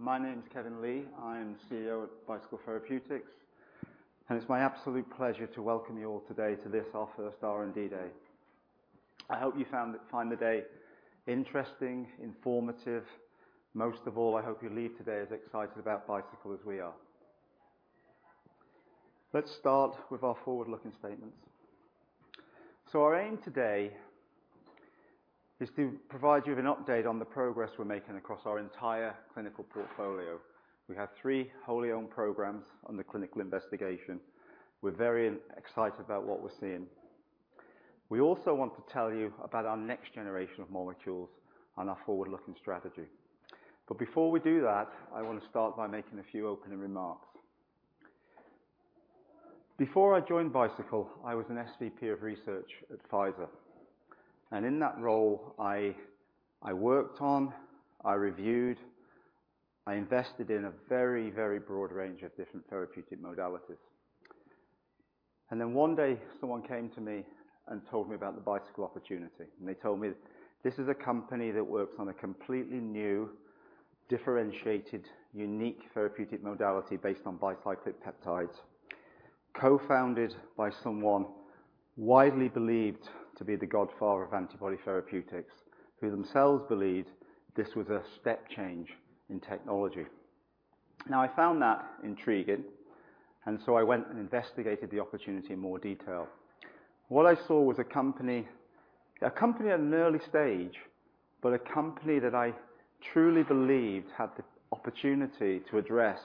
Everyone. My name is Kevin Lee. I am the CEO at Bicycle Therapeutics, and it's my absolute pleasure to welcome you all today to this, our first R&D Day. I hope you find the day interesting, informative. Most of all, I hope you leave today as excited about Bicycle as we are. Let's start with our forward-looking statements. So our aim today is to provide you with an update on the progress we're making across our entire clinical portfolio. We have three wholly owned programs on the clinical investigation. We're very excited about what we're seeing. We also want to tell you about our next generation of molecules and our forward-looking strategy. But before we do that, I want to start by making a few opening remarks. Before I joined Bicycle, I was an SVP of research at Pfizer, and in that role, I, I worked on, I reviewed, I invested in a very, very broad range of different therapeutic modalities. And then one day, someone came to me and told me about the Bicycle opportunity, and they told me, "This is a company that works on a completely new, differentiated, unique therapeutic modality based on bicyclic peptides, co-founded by someone widely believed to be the godfather of antibody therapeutics, who themselves believed this was a step change in technology." Now, I found that intriguing, and so I went and investigated the opportunity in more detail. What I saw was a company... A company at an early stage, but a company that I truly believed had the opportunity to address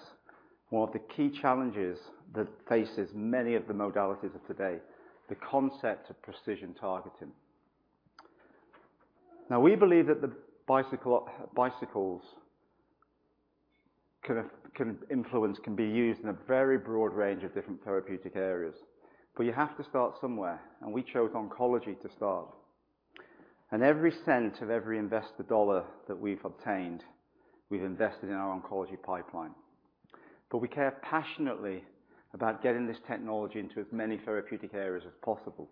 one of the key challenges that faces many of the modalities of today, the concept of precision targeting. Now, we believe that the Bicycle, Bicycles can, can influence, can be used in a very broad range of different therapeutic areas, but you have to start somewhere, and we chose oncology to start. Every cent of every investor dollar that we've obtained, we've invested in our oncology pipeline. But we care passionately about getting this technology into as many therapeutic areas as possible.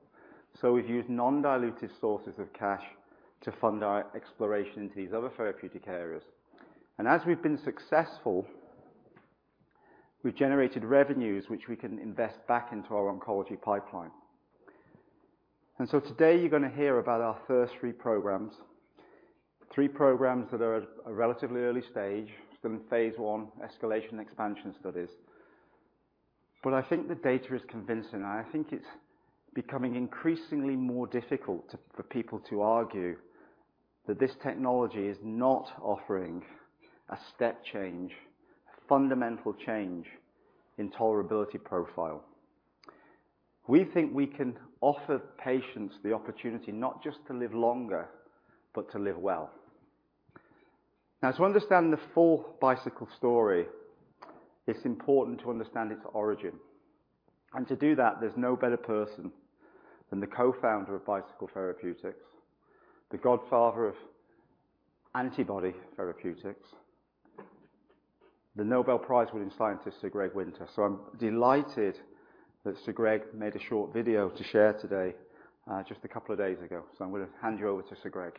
So we've used non-dilutive sources of cash to fund our exploration into these other therapeutic areas. As we've been successful, we've generated revenues which we can invest back into our oncology pipeline. So today, you're gonna hear about our first three programs. Three programs that are at a relatively early stage, still in Phase I escalation expansion studies. But I think the data is convincing, and I think it's becoming increasingly more difficult to, for people to argue that this technology is not offering a step change, a fundamental change in tolerability profile. We think we can offer patients the opportunity not just to live longer, but to live well. Now, to understand the full Bicycle story, it's important to understand its origin. And to do that, there's no better person than the co-founder of Bicycle Therapeutics, the godfather of antibody therapeutics, the Nobel Prize-winning scientist, Sir Greg Winter. So I'm delighted that Sir Greg made a short video to share today, just a couple of days ago. So I'm going to hand you over to Sir Greg.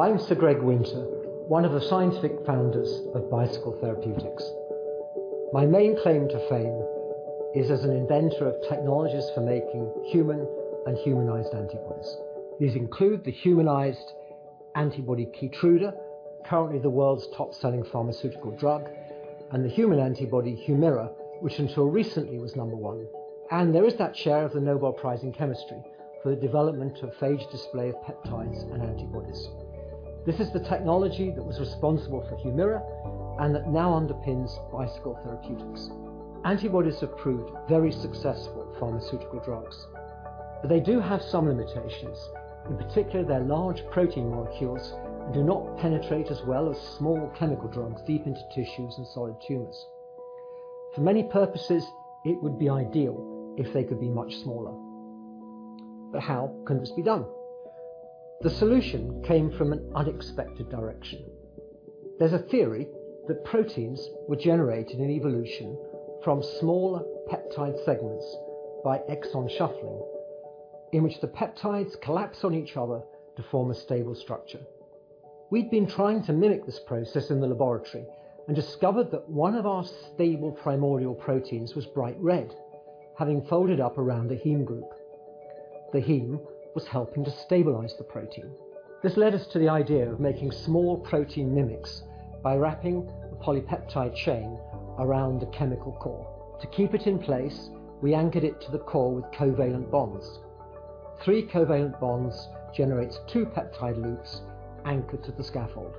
I'm Sir Greg Winter, one of the scientific founders of Bicycle Therapeutics. My main claim to fame is as an inventor of technologies for making human and humanized antibodies. These include the humanized antibody, Keytruda, currently the world's top-selling pharmaceutical drug, and the human antibody, Humira, which until recently was number one. There is that share of the Nobel Prize in Chemistry for the development of phage display of peptides and antibodies. This is the technology that was responsible for Humira and that now underpins Bicycle Therapeutics. Antibodies have proved very successful pharmaceutical drugs, but they do have some limitations. In particular, their large protein molecules do not penetrate as well as small chemical drugs deep into tissues and solid tumors. For many purposes, it would be ideal if they could be much smaller. But how can this be done? The solution came from an unexpected direction. There's a theory that proteins were generated in evolution from smaller peptide segments by exon shuffling, in which the peptides collapse on each other to form a stable structure. We'd been trying to mimic this process in the laboratory and discovered that one of our stable primordial proteins was bright red, having folded up around a heme group. The heme was helping to stabilize the protein. This led us to the idea of making small protein mimics by wrapping a polypeptide chain around the chemical core. To keep it in place, we anchored it to the core with covalent bonds. Three covalent bonds generates two peptide loops anchored to the scaffold,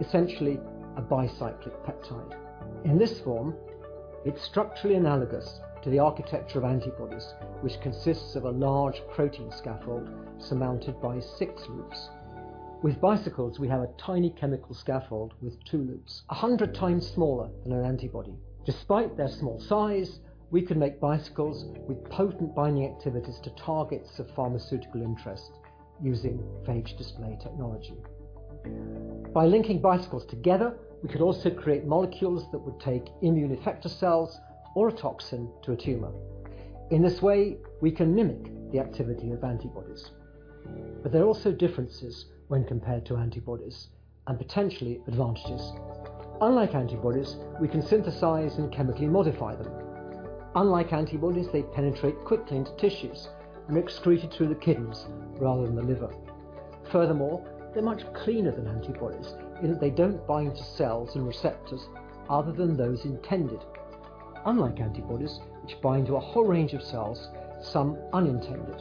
essentially a bicyclic peptide. In this form, it's structurally analogous to the architecture of antibodies, which consists of a large protein scaffold surmounted by six loops. With Bicycles, we have a tiny chemical scaffold with two loops, 100 times smaller than an antibody. Despite their small size, we can make Bicycles with potent binding activities to targets of pharmaceutical interest using phage display technology... By linking Bicycles together, we could also create molecules that would take immune effector cells or a toxin to a tumor. In this way, we can mimic the activity of antibodies. But there are also differences when compared to antibodies, and potentially advantages. Unlike antibodies, we can synthesize and chemically modify them. Unlike antibodies, they penetrate quickly into tissues and are excreted through the kidneys rather than the liver. Furthermore, they're much cleaner than antibodies in that they don't bind to cells and receptors other than those intended, unlike antibodies, which bind to a whole range of cells, some unintended.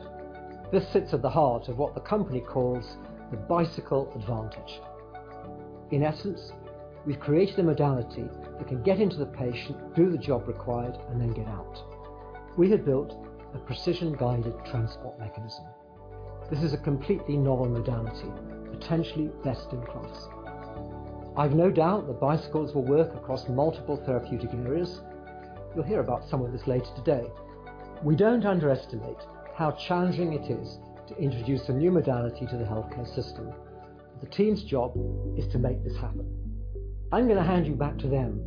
This sits at the heart of what the company calls the Bicycle Advantage. In essence, we've created a modality that can get into the patient, do the job required, and then get out. We have built a precision-guided transport mechanism. This is a completely novel modality, potentially best in class. I've no doubt that Bicycles will work across multiple therapeutic areas. You'll hear about some of this later today. We don't underestimate how challenging it is to introduce a new modality to the healthcare system. The team's job is to make this happen. I'm going to hand you back to them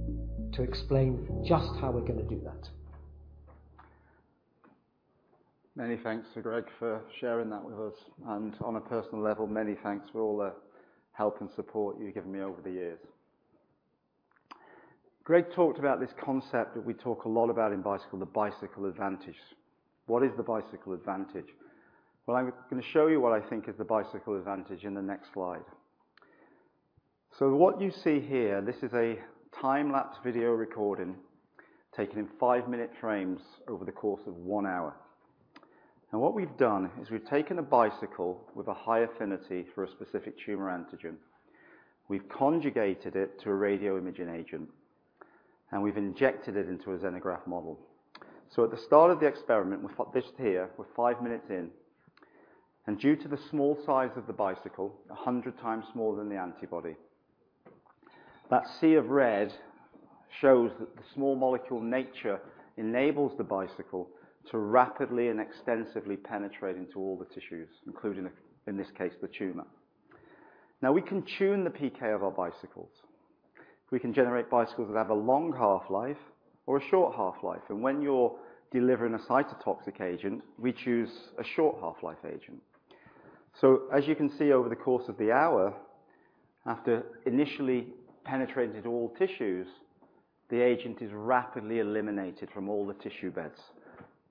to explain just how we're going to do that. Many thanks to Greg for sharing that with us, and on a personal level, many thanks for all the help and support you've given me over the years. Greg talked about this concept that we talk a lot about in Bicycle, the Bicycle Advantage. What is the Bicycle Advantage? Well, I'm going to show you what I think is the Bicycle Advantage in the next slide. So what you see here, this is a time-lapse video recording taken in five-minute frames over the course of one hour. Now, what we've done is we've taken a Bicycle with a high affinity for a specific tumor antigen. We've conjugated it to a radio imaging agent, and we've injected it into a xenograft model. So at the start of the experiment, we've got this here, we're five minutes in, and due to the small size of the Bicycle, 100 times smaller than the antibody, that sea of red shows that the small molecule nature enables the Bicycle to rapidly and extensively penetrate into all the tissues, including, in this case, the tumor. Now, we can tune the PK of our Bicycles. We can generate Bicycles that have a long half-life or a short half-life, and when you're delivering a cytotoxic agent, we choose a short half-life agent. So as you can see over the course of the hour, after initially penetrating all tissues, the agent is rapidly eliminated from all the tissue beds,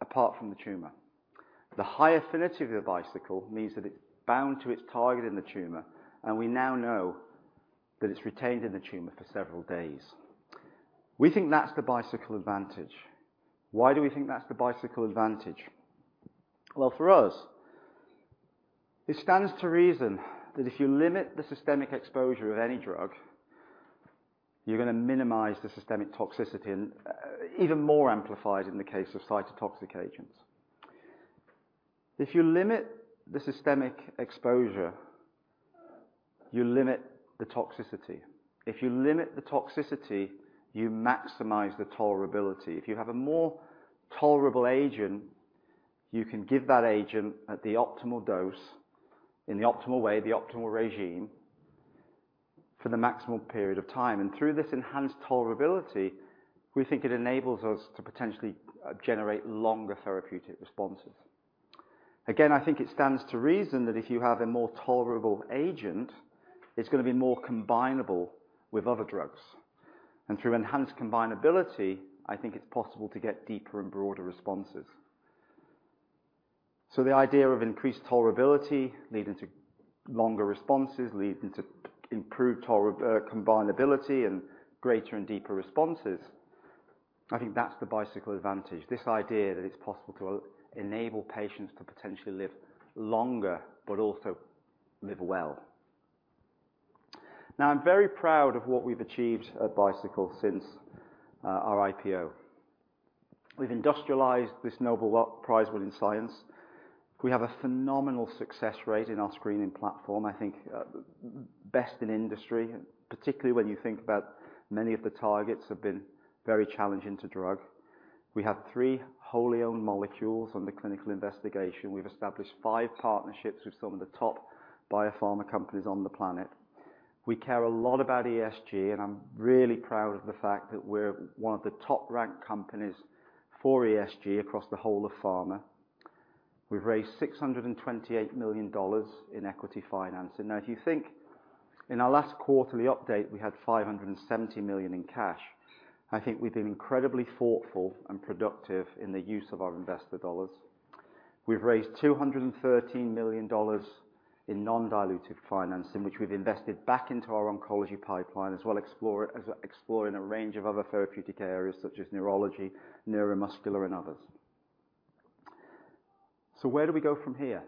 apart from the tumor. The high affinity of the Bicycle means that it's bound to its target in the tumor, and we now know that it's retained in the tumor for several days. We think that's the Bicycle Advantage. Why do we think that's the Bicycle Advantage? Well, for us, it stands to reason that if you limit the systemic exposure of any drug, you're gonna minimize the systemic toxicity, and even more amplified in the case of cytotoxic agents. If you limit the systemic exposure, you limit the toxicity. If you limit the toxicity, you maximize the tolerability. If you have a more tolerable agent, you can give that agent at the optimal dose, in the optimal way, the optimal regime, for the maximum period of time, and through this enhanced tolerability, we think it enables us to potentially generate longer therapeutic responses. Again, I think it stands to reason that if you have a more tolerable agent, it's going to be more combinable with other drugs. And through enhanced combinability, I think it's possible to get deeper and broader responses. So the idea of increased tolerability leading to longer responses, leading to improved combinability and greater and deeper responses, I think that's the Bicycle Advantage. This idea that it's possible to enable patients to potentially live longer but also live well. Now, I'm very proud of what we've achieved at Bicycle since our IPO. We've industrialized this Nobel Prize-winning science. We have a phenomenal success rate in our screening platform. I think best in industry, particularly when you think about many of the targets have been very challenging to drug. We have three wholly owned molecules under clinical investigation. We've established five partnerships with some of the top biopharma companies on the planet. We care a lot about ESG, and I'm really proud of the fact that we're one of the top-ranked companies for ESG across the whole of pharma. We've raised $628 million in equity financing. Now, if you think in our last quarterly update, we had $570 million in cash, I think we've been incredibly thoughtful and productive in the use of our investor dollars. We've raised $213 million in non-dilutive financing, which we've invested back into our oncology pipeline, as well as exploring a range of other therapeutic areas such as neurology, neuromuscular, and others. So where do we go from here?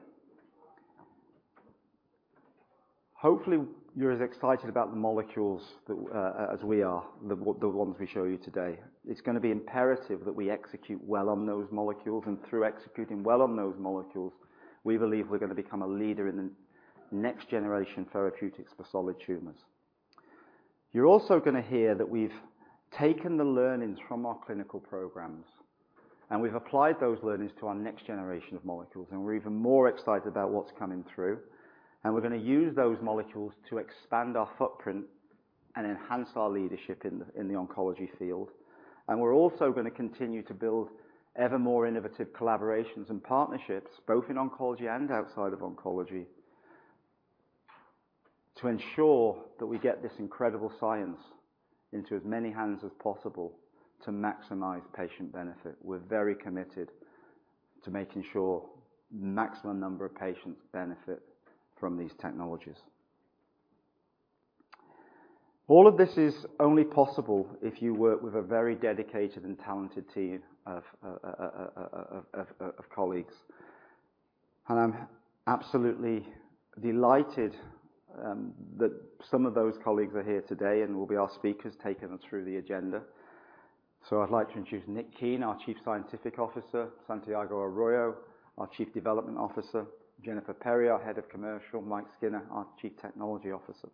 Hopefully, you're as excited about the molecules as we are, the ones we showed you today. It's gonna be imperative that we execute well on those molecules, and through executing well on those molecules, we believe we're gonna become a leader in the next-generation therapeutics for solid tumors. You're also going to hear that we've taken the learnings from our clinical programs, and we've applied those learnings to our next generation of molecules, and we're even more excited about what's coming through. And we're going to use those molecules to expand our footprint and enhance our leadership in the oncology field. And we're also going to continue to build ever more innovative collaborations and partnerships, both in oncology and outside of oncology, to ensure that we get this incredible science into as many hands as possible to maximize patient benefit. We're very committed to making sure maximum number of patients benefit from these technologies. All of this is only possible if you work with a very dedicated and talented team of colleagues. I'm absolutely delighted that some of those colleagues are here today and will be our speakers, taking us through the agenda. I'd like to introduce Nick Keen, our Chief Scientific Officer, Santiago Arroyo, our Chief Development Officer, Jennifer Perry, our Head of Commercial, Mike Skinner, our Chief Technology Officer.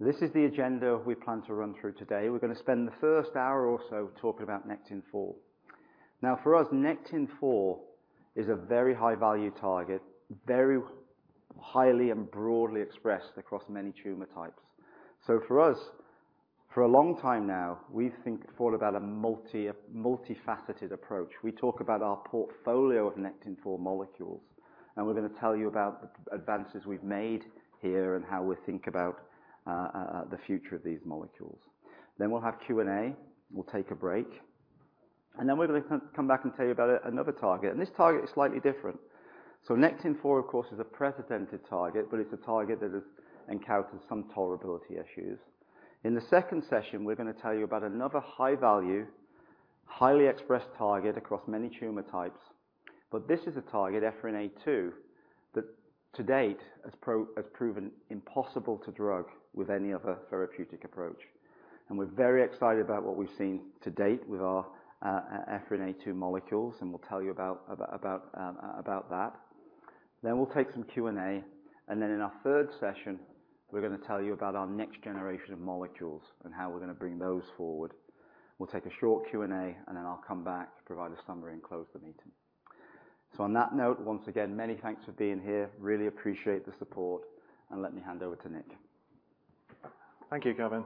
This is the agenda we plan to run through today. We're going to spend the first hour or so talking about Nectin-4. Now, for us, Nectin-4 is a very high-value target, very highly and broadly expressed across many tumor types. For us, for a long time now, we thought about a multifaceted approach. We talk about our portfolio of Nectin-4 molecules, and we're going to tell you about the advances we've made here and how we think about the future of these molecules. Then we'll have Q&A. We'll take a break, and then we're going to come back and tell you about another target, and this target is slightly different. So Nectin-4, of course, is a precedented target, but it's a target that has encountered some tolerability issues. In the second session, we're going to tell you about another high-value, highly expressed target across many tumor types. But this is a target, Ephrin A2, that to date, has proven impossible to drug with any other therapeutic approach. And we're very excited about what we've seen to date with our Ephrin A2 molecules, and we'll tell you about that. Then we'll take some Q&A, and then in our third session, we're going to tell you about our next generation of molecules and how we're going to bring those forward. We'll take a short Q&A, and then I'll come back to provide a summary and close the meeting. So on that note, once again, many thanks for being here. Really appreciate the support, and let me hand over to Nick. Thank you, Kevin.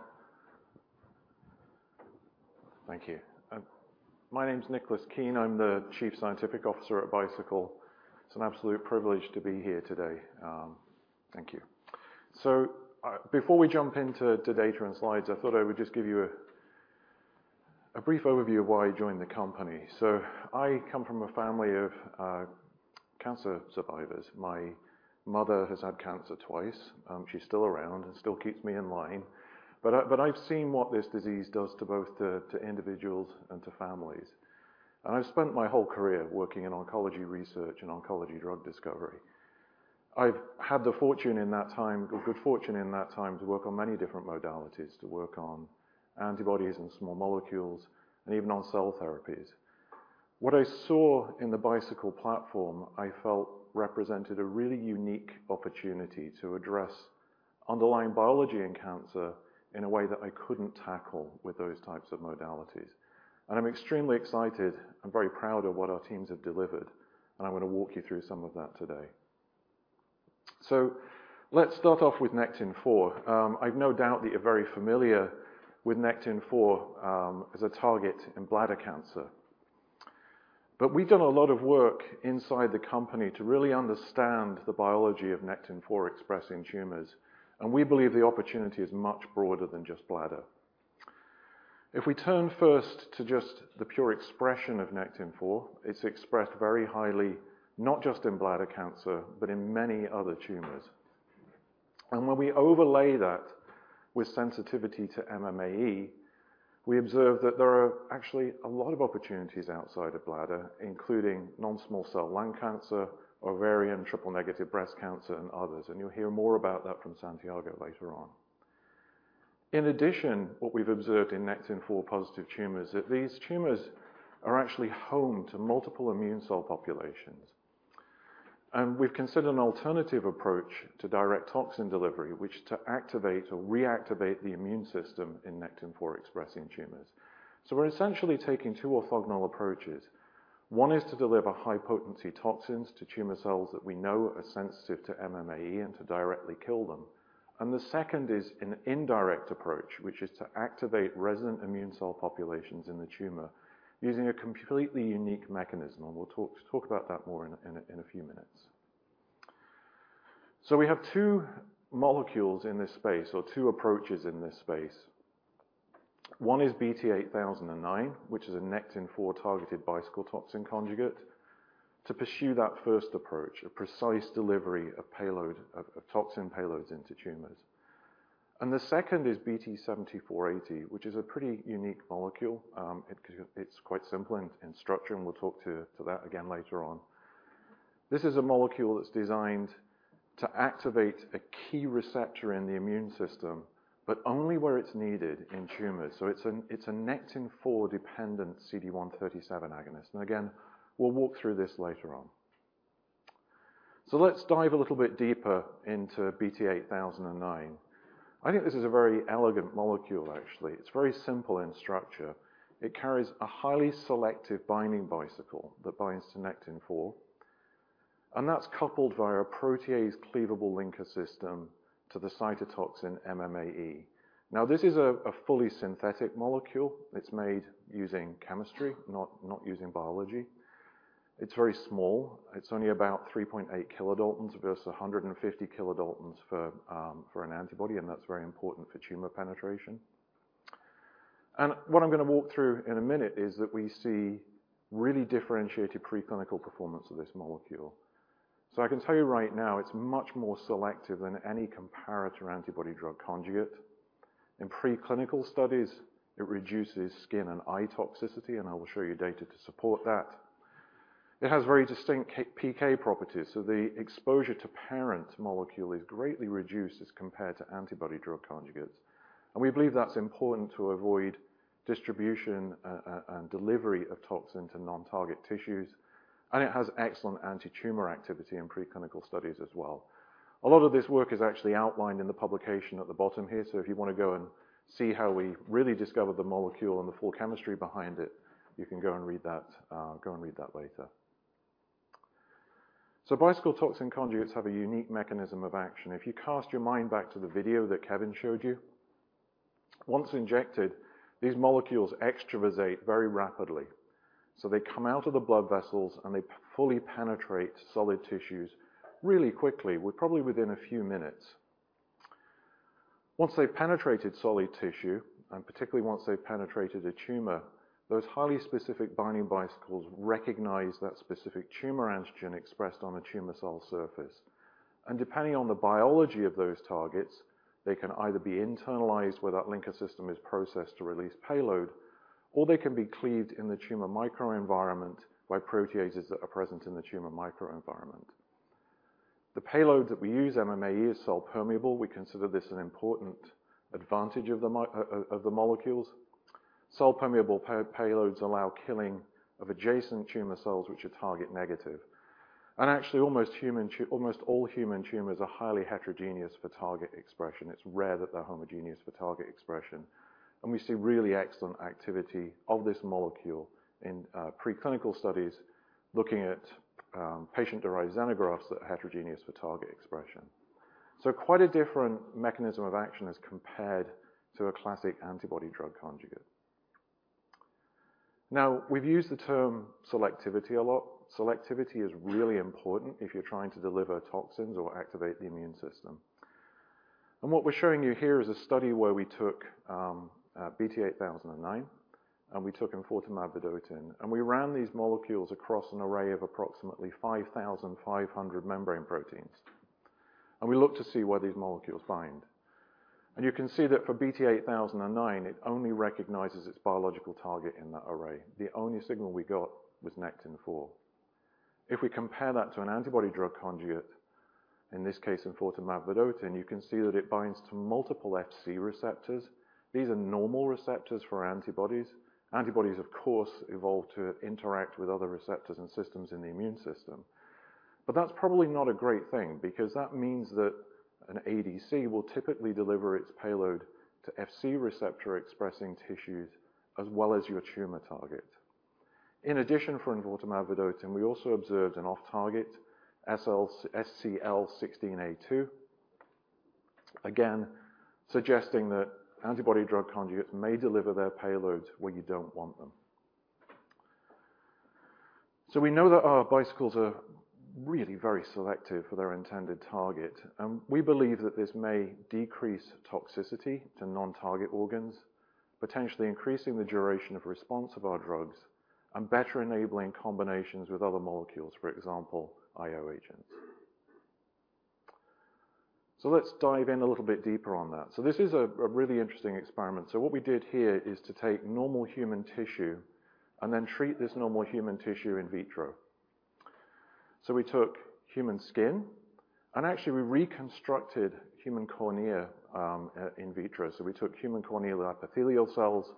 Thank you. My name's Nicholas Keen. I'm the Chief Scientific Officer at Bicycle. It's an absolute privilege to be here today. Thank you. So, before we jump into the data and slides, I thought I would just give you a brief overview of why I joined the company. So I come from a family of cancer survivors. My mother has had cancer twice. She's still around and still keeps me in line. But I've seen what this disease does to both the to individuals and to families, and I've spent my whole career working in oncology research and oncology drug discovery. I've had the fortune in that time, the good fortune in that time to work on many different modalities, to work on antibodies and small molecules, and even on cell therapies. What I saw in the Bicycle platform, I felt represented a really unique opportunity to address underlying biology in cancer in a way that I couldn't tackle with those types of modalities. And I'm extremely excited and very proud of what our teams have delivered, and I'm going to walk you through some of that today. So let's start off with Nectin-4. I've no doubt that you're very familiar with Nectin-4, as a target in bladder cancer. But we've done a lot of work inside the company to really understand the biology of Nectin-4-expressing tumors, and we believe the opportunity is much broader than just bladder. If we turn first to just the pure expression of Nectin-4, it's expressed very highly, not just in bladder cancer, but in many other tumors. When we overlay that with sensitivity to MMAE, we observe that there are actually a lot of opportunities outside of bladder, including non-small cell lung cancer, ovarian, triple-negative breast cancer, and others, and you'll hear more about that from Santiago later on. In addition, what we've observed in Nectin-4 positive tumors, that these tumors are actually home to multiple immune cell populations. We've considered an alternative approach to direct toxin delivery, which to activate or reactivate the immune system in Nectin-4-expressing tumors. So we're essentially taking two orthogonal approaches. One is to deliver high-potency toxins to tumor cells that we know are sensitive to MMAE and to directly kill them, and the second is an indirect approach, which is to activate resident immune cell populations in the tumor using a completely unique mechanism, and we'll talk about that more in a few minutes. We have two molecules in this space or two approaches in this space. One is BT8009, which is a Nectin-4 targeted Bicycle toxin conjugate to pursue that first approach, a precise delivery of payload of toxin payloads into tumors. The second is BT7480, which is a pretty unique molecule. It's quite simple in structure, and we'll talk to that again later on. This is a molecule that's designed to activate a key receptor in the immune system, but only where it's needed in tumors. It's a Nectin-4-dependent CD137 agonist. Again, we'll walk through this later on.... Let's dive a little bit deeper into BT8009. I think this is a very elegant molecule, actually. It's very simple in structure. It carries a highly selective binding Bicycle that binds to Nectin-4, and that's coupled via a protease cleavable linker system to the cytotoxin MMAE. Now, this is a fully synthetic molecule. It's made using chemistry, not using biology. It's very small. It's only about 3.8 kilodaltons versus 150 kilodaltons for an antibody, and that's very important for tumor penetration. And what I'm gonna walk through in a minute is that we see really differentiated preclinical performance of this molecule. So I can tell you right now, it's much more selective than any comparator antibody drug conjugate. In preclinical studies, it reduces skin and eye toxicity, and I will show you data to support that. It has very distinct PK properties, so the exposure to parent molecule is greatly reduced as compared to antibody drug conjugates. We believe that's important to avoid distribution and delivery of toxin to non-target tissues, and it has excellent anti-tumor activity in preclinical studies as well. A lot of this work is actually outlined in the publication at the bottom here, so if you want to go and see how we really discovered the molecule and the full chemistry behind it, you can go and read that later. Bicycle toxin conjugates have a unique mechanism of action. If you cast your mind back to the video that Kevin showed you, once injected, these molecules extravasate very rapidly. They come out of the blood vessels, and they fully penetrate solid tissues really quickly, well, probably within a few minutes. Once they've penetrated solid tissue, and particularly once they've penetrated a tumor, those highly specific binding Bicycles recognize that specific tumor antigen expressed on the tumor cell surface. And depending on the biology of those targets, they can either be internalized, where that linker system is processed to release payload, or they can be cleaved in the tumor microenvironment by proteases that are present in the tumor microenvironment. The payload that we use, MMAE, is cell permeable. We consider this an important advantage of the molecules. Cell-permeable payloads allow killing of adjacent tumor cells, which are target negative. And actually, almost all human tumors are highly heterogeneous for target expression. It's rare that they're homogeneous for target expression, and we see really excellent activity of this molecule in preclinical studies looking at patient-derived xenografts that are heterogeneous for target expression. So quite a different mechanism of action as compared to a classic antibody drug conjugate. Now, we've used the term selectivity a lot. Selectivity is really important if you're trying to deliver toxins or activate the immune system. And what we're showing you here is a study where we took BT8009, and we took enfortumab vedotin, and we ran these molecules across an array of approximately 5,500 membrane proteins, and we looked to see what these molecules bind. And you can see that for BT8009, it only recognizes its biological target in that array. The only signal we got was Nectin-4. If we compare that to an antibody drug conjugate, in this case, enfortumab vedotin, you can see that it binds to multiple Fc receptors. These are normal receptors for antibodies. Antibodies, of course, evolve to interact with other receptors and systems in the immune system. But that's probably not a great thing because that means that an ADC will typically deliver its payload to Fc receptor-expressing tissues, as well as your tumor target. In addition, for enfortumab vedotin, we also observed an off-target SLC16A2, again, suggesting that antibody drug conjugates may deliver their payloads where you don't want them. So we know that our Bicycles are really very selective for their intended target, and we believe that this may decrease toxicity to non-target organs, potentially increasing the duration of response of our drugs and better enabling combinations with other molecules, for example, IO agents. So let's dive in a little bit deeper on that. So this is a, a really interesting experiment. So what we did here is to take normal human tissue and then treat this normal human tissue in vitro. So we took human skin, and actually, we reconstructed human cornea in vitro. So we took human corneal epithelial cells,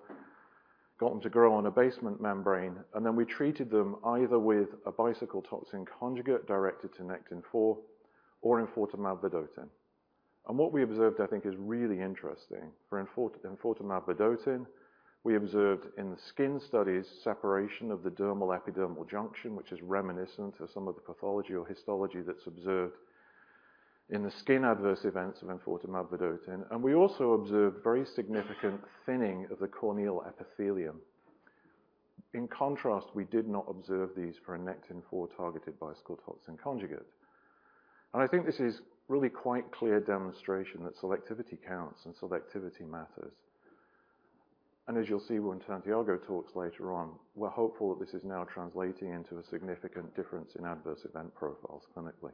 got them to grow on a basement membrane, and then we treated them either with a Bicycle Toxin Conjugate directed to Nectin-4 or enfortumab vedotin. And what we observed, I think, is really interesting. For enfortumab vedotin, we observed in the skin studies, separation of the dermal epidermal junction, which is reminiscent of some of the pathology or histology that's observed in the skin adverse events of enfortumab vedotin, and we also observed very significant thinning of the corneal epithelium. In contrast, we did not observe these for a Nectin-4-targeted Bicycle toxin conjugate. And I think this is really quite clear demonstration that selectivity counts and selectivity matters. And as you'll see when Santiago talks later on, we're hopeful that this is now translating into a significant difference in adverse event profiles clinically.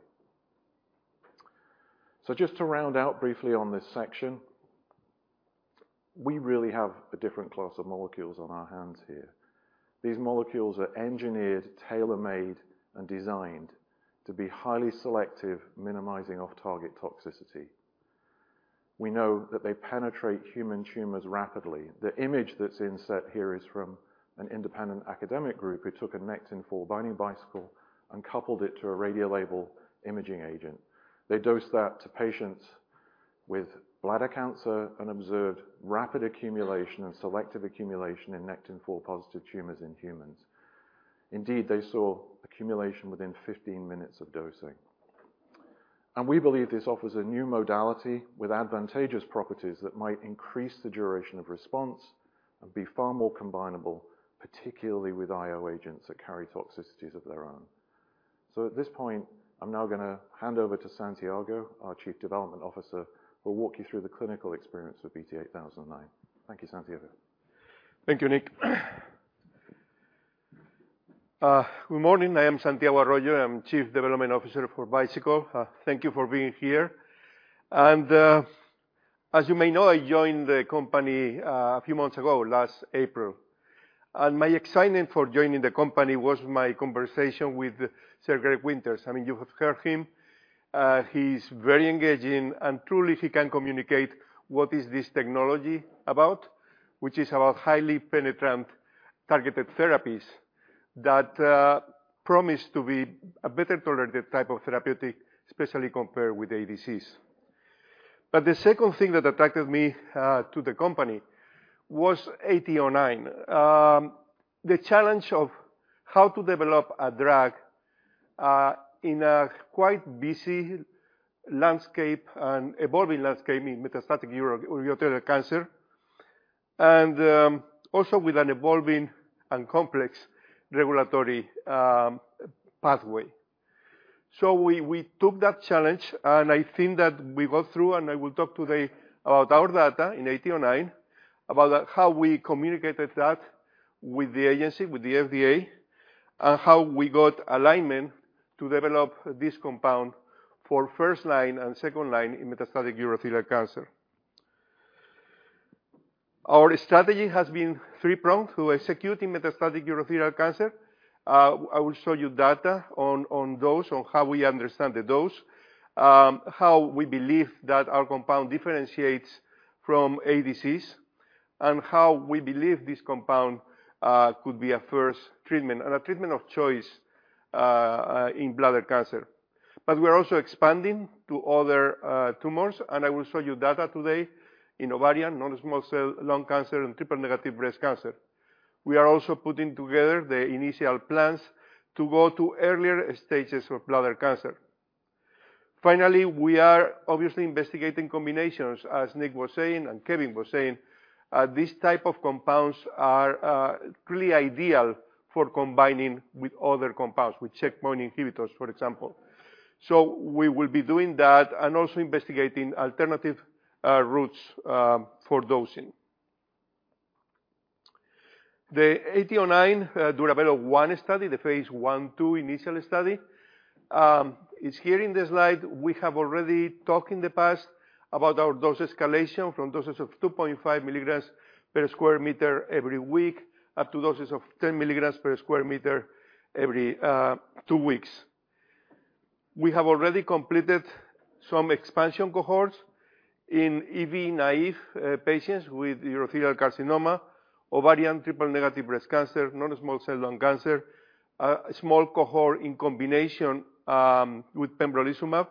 So just to round out briefly on this section, we really have a different class of molecules on our hands here. These molecules are engineered, tailor-made, and designed to be highly selective, minimizing off-target toxicity. We know that they penetrate human tumors rapidly. The image that's inset here is from an independent academic group, who took a Nectin-4-binding Bicycle and coupled it to a radiolabel imaging agent. They dosed that to patients with bladder cancer and observed rapid accumulation and selective accumulation in Nectin-4-positive tumors in humans. Indeed, they saw accumulation within 15 minutes of dosing. We believe this offers a new modality with advantageous properties that might increase the duration of response and be far more combinable, particularly with IO agents that carry toxicities of their own. At this point, I'm now going to hand over to Santiago, our Chief Development Officer, who will walk you through the clinical experience with BT8009. Thank you, Santiago. Thank you, Nick. Good morning. I am Santiago Arroyo. I'm Chief Development Officer for Bicycle. Thank you for being here. As you may know, I joined the company a few months ago, last April. My excitement for joining the company was my conversation with Sir Greg Winter. I mean, you have heard him. He's very engaging and truly he can communicate what is this technology about, which is about highly penetrant targeted therapies that promise to be a better tolerated type of therapeutic, especially compared with ADCs. But the second thing that attracted me to the company was AT09. The challenge of how to develop a drug in a quite busy landscape and evolving landscape in metastatic urothelial cancer, and also with an evolving and complex regulatory pathway. So we, we took that challenge, and I think that we got through, and I will talk today about our data in AT09, about how we communicated that with the agency, with the FDA. And how we got alignment to develop this compound for first line and second line in metastatic urothelial cancer. Our strategy has been three-pronged to execute in metastatic urothelial cancer. I will show you data on, on dose, on how we understand the dose, how we believe that our compound differentiates from ADCs, and how we believe this compound could be a first treatment and a treatment of choice, in bladder cancer. But we are also expanding to other, tumors, and I will show you data today in ovarian, non-small cell lung cancer, and triple-negative breast cancer. We are also putting together the initial plans to go to earlier stages of bladder cancer. Finally, we are obviously investigating combinations, as Nick was saying and Kevin was saying. These type of compounds are really ideal for combining with other compounds, with checkpoint inhibitors, for example. So we will be doing that and also investigating alternative routes for dosing. The BT8009 DURAVELO 1 study, the Phase 1/2 initial study, is here in this slide. We have already talked in the past about our dose escalation from doses of 2.5 milligrams per square meter every week, up to doses of 10 milligrams per square meter every two weeks. We have already completed some expansion cohorts in EV naive patients with urothelial carcinoma, ovarian, triple-negative breast cancer, non-small cell lung cancer, a small cohort in combination with pembrolizumab.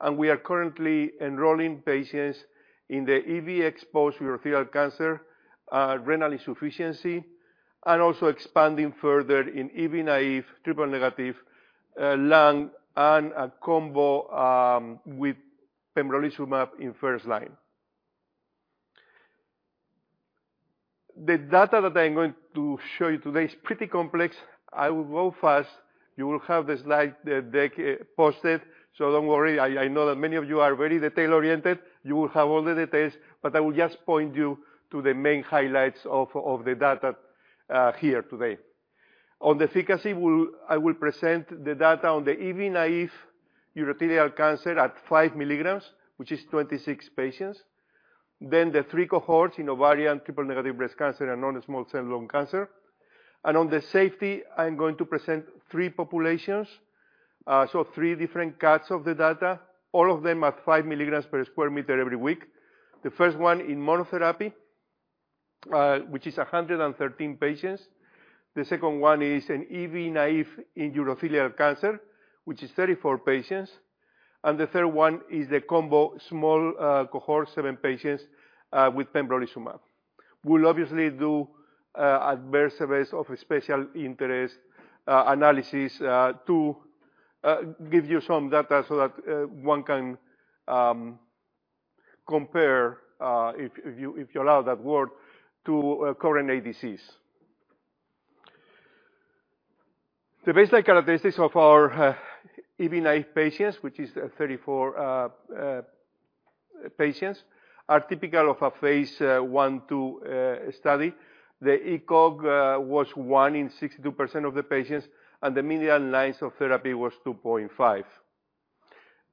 And we are currently enrolling patients in the EV exposed urothelial cancer, renal insufficiency, and also expanding further in EV naive, triple-negative lung and a combo with pembrolizumab in first line. The data that I'm going to show you today is pretty complex. I will go fast. You will have the slide, the deck posted, so don't worry. I know that many of you are very detail-oriented. You will have all the details, but I will just point you to the main highlights of the data here today. On the efficacy, I will present the data on the EV naive urothelial cancer at 5 milligrams, which is 26 patients. Then the three cohorts in ovarian, triple-negative breast cancer, and non-small cell lung cancer. On the safety, I'm going to present three populations, so three different cuts of the data, all of them at 5 milligrams per square meter every week. The first one in monotherapy, which is 113 patients. The second one is an EV-naïve in urothelial cancer, which is 34 patients. And the third one is the combo small cohort, seven patients, with pembrolizumab. We'll obviously do adverse events of special interest analysis to give you some data so that one can compare, if you allow that word, to current ADCs. The baseline characteristics of our EV-naïve patients, which is 34 patients, are typical of a Phase 1/2 study. The ECOG was 1 in 62% of the patients, and the median lines of therapy was 2.5.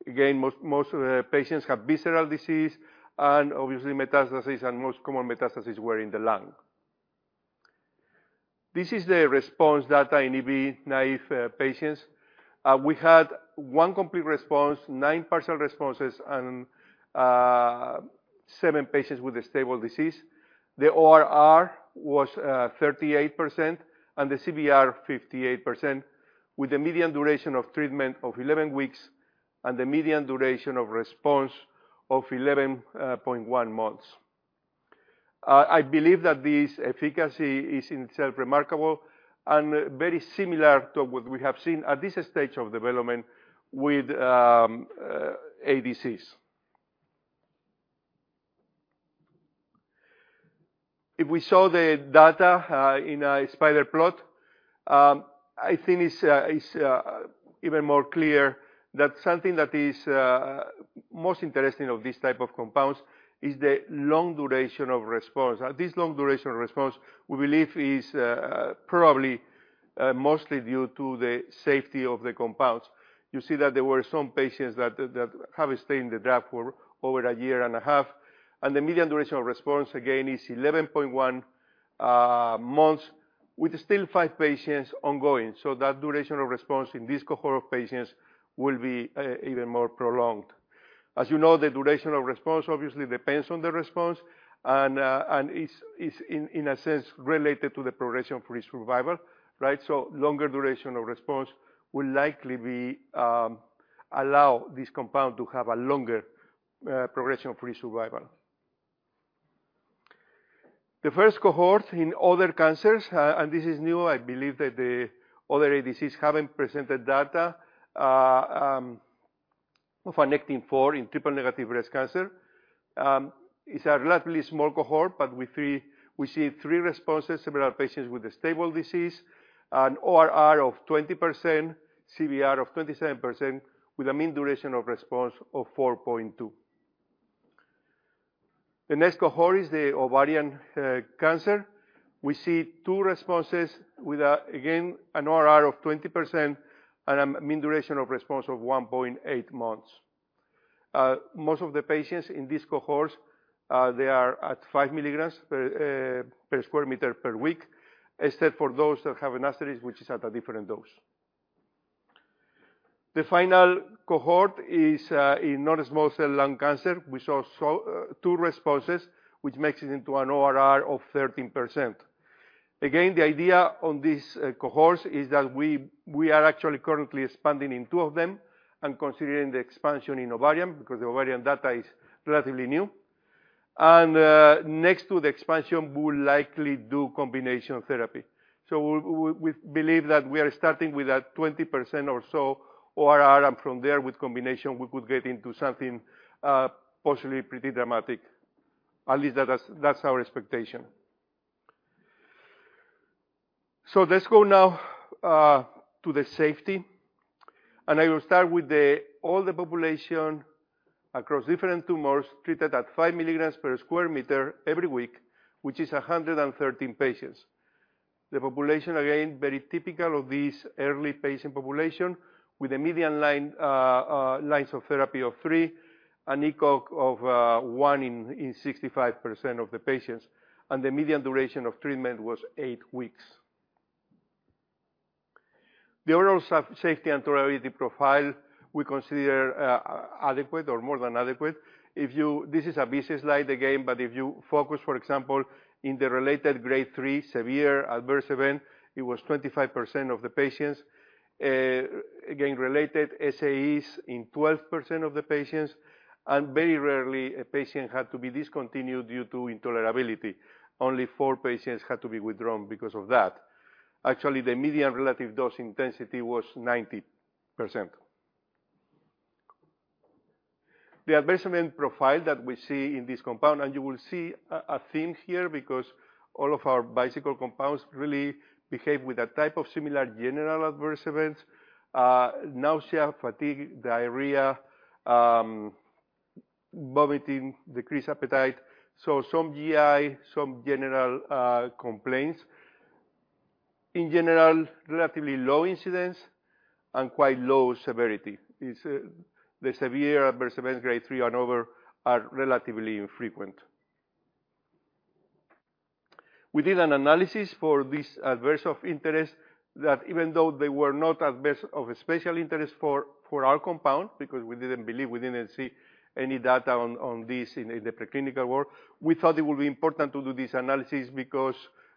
Again, most of the patients have visceral disease and obviously metastasis, and most common metastasis were in the lung. This is the response data in EV-naive patients. We had one complete response, nine partial responses, and seven patients with a stable disease. The ORR was 38% and the CVR 58%, with a median duration of treatment of 11 weeks and the median duration of response of 11.1 months. I believe that this efficacy is in itself remarkable and very similar to what we have seen at this stage of development with ADCs. If we saw the data in a spider plot, I think it's even more clear that something that is most interesting of this type of compounds is the long duration of response. This long duration of response, we believe, is probably mostly due to the safety of the compounds. You see that there were some patients that have stayed in the draft for over a year and a half, and the median duration of response, again, is 11.1 months, with still 5 patients ongoing. So that duration of response in this cohort of patients will be even more prolonged. As you know, the duration of response obviously depends on the response and is in a sense related to the progression-free survival, right? So longer duration of response will likely be allow this compound to have a longer progression-free survival. The first cohort in other cancers, and this is new, I believe that the other ADCs haven't presented data of Nectin-4 in triple-negative breast cancer. It's a relatively small cohort, but we see 3 responses, several patients with a stable disease, an ORR of 20%, CVR of 27%, with a mean duration of response of 4.2. The next cohort is the ovarian cancer. We see 2 responses with, again, an ORR of 20% and a mean duration of response of 1.8 months. Most of the patients in this cohort, they are at 5 milligrams per per square meter per week, except for those that have an asterisk, which is at a different dose. The final cohort is in non-small cell lung cancer. We saw so two responses, which makes it into an ORR of 13%. Again, the idea on this cohorts is that we we are actually currently expanding in two of them and considering the expansion in ovarian, because the ovarian data is relatively new. Next to the expansion, we will likely do combination therapy. So we we we believe that we are starting with a 20% or so ORR, and from there, with combination, we could get into something possibly pretty dramatic. At least that is - that's our expectation. Let's go now to the safety, and I will start with all the population across different tumors treated at 5 mg/m² every week, which is 113 patients. The population, again, very typical of this early patient population, with a median lines of therapy of 3, an ECOG of 1 in 65% of the patients, and the median duration of treatment was 8 weeks. The overall safety and tolerability profile, we consider adequate or more than adequate. If you this is a busy slide again, but if you focus, for example, in the related grade 3 severe adverse event, it was 25% of the patients. Again, related SAEs in 12% of the patients, and very rarely a patient had to be discontinued due to intolerability. Only 4 patients had to be withdrawn because of that. Actually, the median relative dose intensity was 90%. The adverse event profile that we see in this compound, and you will see a theme here because all of our Bicycle compounds really behave with a type of similar general adverse events, nausea, fatigue, diarrhea, vomiting, decreased appetite, so some GI, some general, complaints. In general, relatively low incidence and quite low severity. It's the severe adverse events, grade 3 and over, are relatively infrequent. We did an analysis for this adverse event of interest that even though they were not adverse events of special interest for our compound, because we didn't believe, we didn't see any data on this in the preclinical world, we thought it would be important to do this analysis because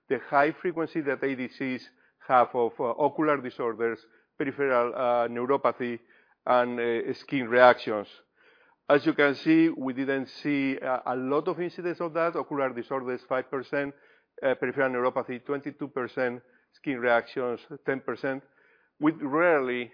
the high frequency that ADCs have of ocular disorders, peripheral neuropathy, and skin reactions. As you can see, we didn't see a lot of incidence of that. Ocular disorders, 5%, peripheral neuropathy, 22%, skin reactions, 10%. We'd rarely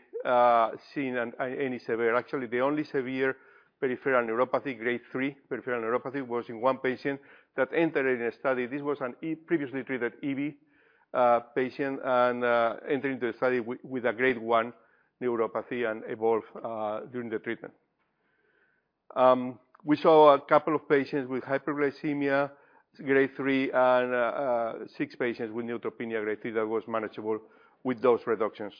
seen any severe. Actually, the only severe peripheral neuropathy, grade 3 peripheral neuropathy, was in 1 patient that entered in a study. This was a previously treated EV patient and entered into the study with a grade 1 neuropathy and evolved during the treatment. We saw a couple of patients with hyperglycemia, Grade 3, and 6 patients with neutropenia, Grade 3, that was manageable with dose reductions,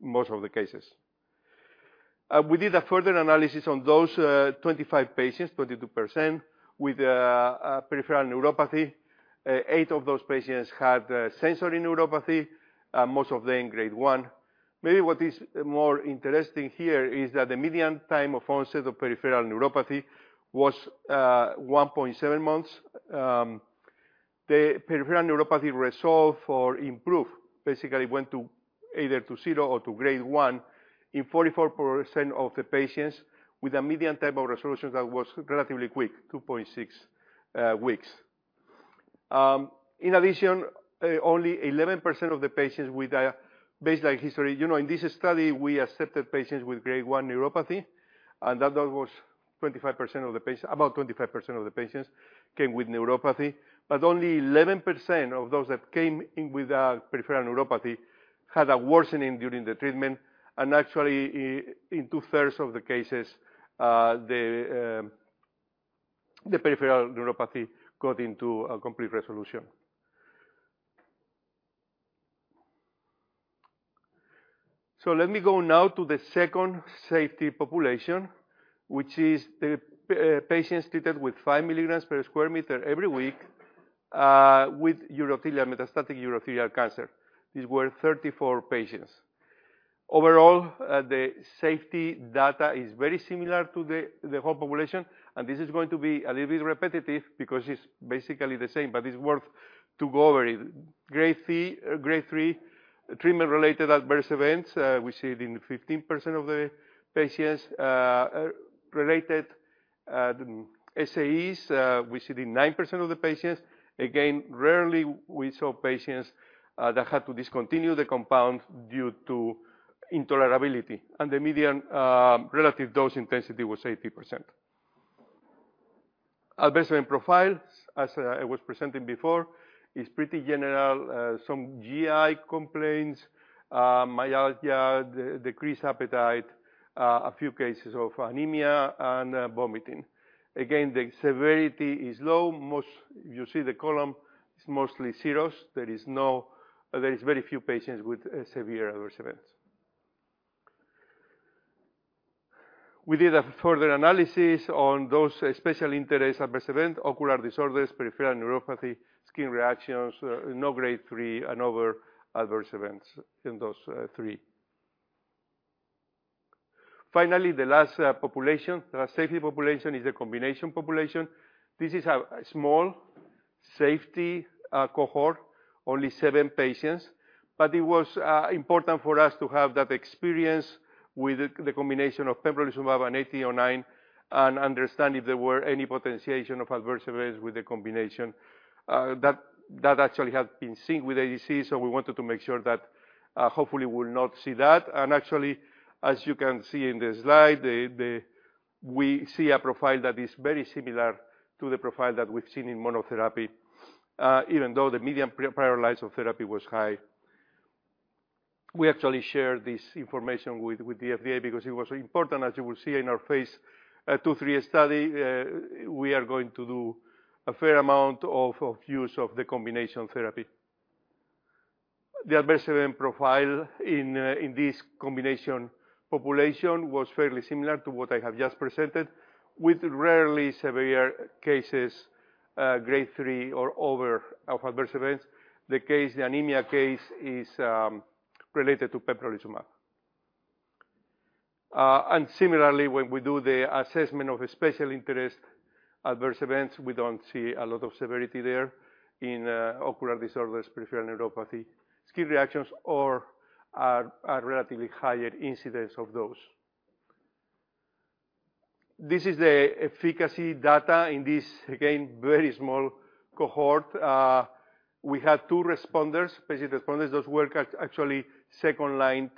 most of the cases. We did a further analysis on those 25 patients, 22%, with peripheral neuropathy. 8 of those patients had sensory neuropathy, most of them Grade 1. Maybe what is more interesting here is that the median time of onset of peripheral neuropathy was 1.7 months. The peripheral neuropathy resolve or improve, basically went to either to 0 or to Grade 1 in 44% of the patients, with a median time of resolution that was relatively quick, 2.6 weeks. In addition, only 11% of the patients with a baseline history. You know, in this study, we accepted patients with Grade 1 neuropathy, and that was 25% of the patients. About 25% of the patients came with neuropathy, but only 11% of those that came in with peripheral neuropathy had a worsening during the treatment. And actually, in two-thirds of the cases, the peripheral neuropathy got into a complete resolution. So let me go now to the second safety population, which is the patients treated with 5 milligrams per square meter every week with urothelial metastatic urothelial cancer. These were 34 patients. Overall, the safety data is very similar to the whole population, and this is going to be a little bit repetitive because it's basically the same, but it's worth to go over it. Grade 3, Grade 3 treatment-related adverse events, we see it in 15% of the patients, related SAEs, we see in 9% of the patients. Again, rarely we saw patients that had to discontinue the compound due to intolerability, and the median relative dose intensity was 80%. Adverse event profile, as I was presenting before, is pretty general. Some GI complaints, myalgia, decreased appetite, a few cases of anemia and vomiting. Again, the severity is low. Most-- You see the column, it's mostly zeros. There is no-- There is very few patients with severe adverse events. We did a further analysis on those special interest adverse event, ocular disorders, peripheral neuropathy, skin reactions, no Grade 3 and other adverse events in those three. Finally, the last population, the safety population, is a combination population. This is a small safety cohort, only 7 patients, but it was important for us to have that experience with the combination of pembrolizumab and AT09 and understand if there were any potentiation of adverse events with the combination. That actually had been seen with ADC, so we wanted to make sure that hopefully we'll not see that. And actually, as you can see in the slide, we see a profile that is very similar to the profile that we've seen in monotherapy, even though the medium pre-prior lines of therapy was high. We actually shared this information with the FDA because it was important, as you will see in our Phase 2-3 study. We are going to do a fair amount of use of the combination therapy. The adverse event profile in this combination population was fairly similar to what I have just presented, with rarely severe cases, Grade 3 or over, of adverse events. The case, the anemia case is related to pembrolizumab. And similarly, when we do the assessment of a special interest adverse events, we don't see a lot of severity there in ocular disorders, peripheral neuropathy. Skin reactions are relatively higher incidence of those. This is the efficacy data in this, again, very small cohort. We had 2 responders, patient responders. Those were actually second-line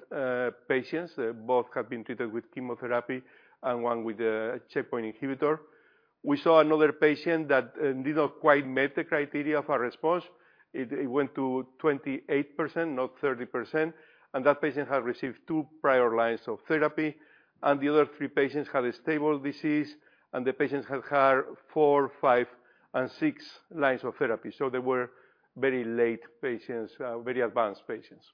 patients. Both have been treated with chemotherapy and one with a checkpoint inhibitor. We saw another patient that did not quite meet the criteria for a response. It went to 28%, not 30%, and that patient had received two prior lines of therapy. The other three patients had a stable disease, and the patients had had four, five and six lines of therapy. They were very late patients, very advanced patients.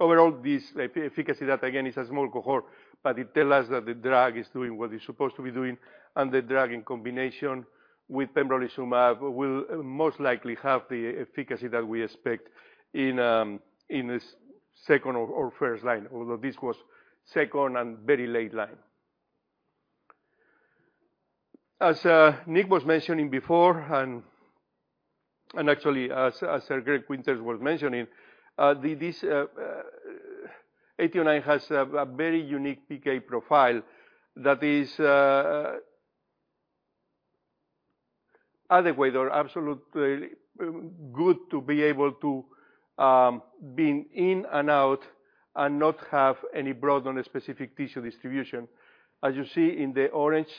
Overall, this efficacy data, again, is a small cohort, but it tells us that the drug is doing what it's supposed to be doing, and the drug, in combination with pembrolizumab, will most likely have the efficacy that we expect in this second or first line, although this was second and very late line. As Nick was mentioning before, and actually as Greg Winter was mentioning, this AT09 has a very unique PK profile that is adequate or absolutely good to be able to be in and out and not have any broad on a specific tissue distribution. As you see in the orange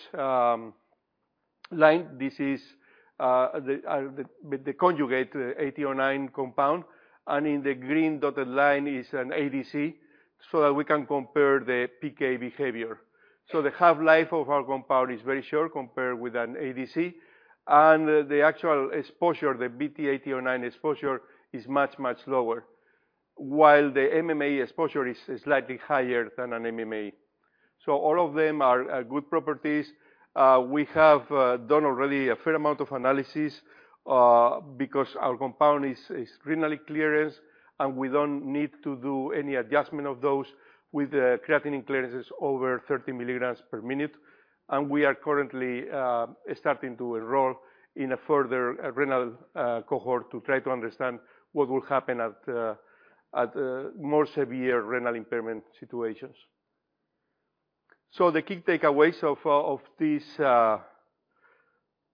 line, this is the conjugate, AT09 compound, and in the green dotted line is an ADC, so that we can compare the PK behavior.... So the half-life of our compound is very short compared with an ADC, and the actual exposure, the BTAT09 exposure, is much lower, while the MMA exposure is slightly higher than an MMA. So all of them are good properties. We have done already a fair amount of analysis, because our compound is renally cleared, and we don't need to do any adjustment of those with the creatinine clearance is over 30 milligrams per minute. And we are currently starting to enroll in a further renal cohort to try to understand what will happen at more severe renal impairment situations. So the key takeaways of this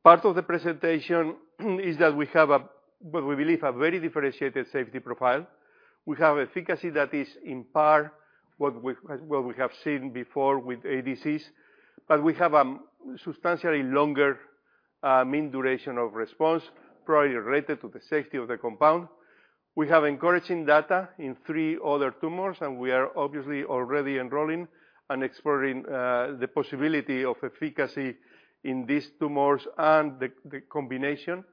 part of the presentation is that we have a, what we believe, a very differentiated safety profile. We have efficacy that is on par what we have seen before with ADCs, but we have substantially longer mean duration of response, probably related to the safety of the compound. We have encouraging data in three other tumors, and we are obviously already enrolling and exploring the possibility of efficacy in these tumors and the combination.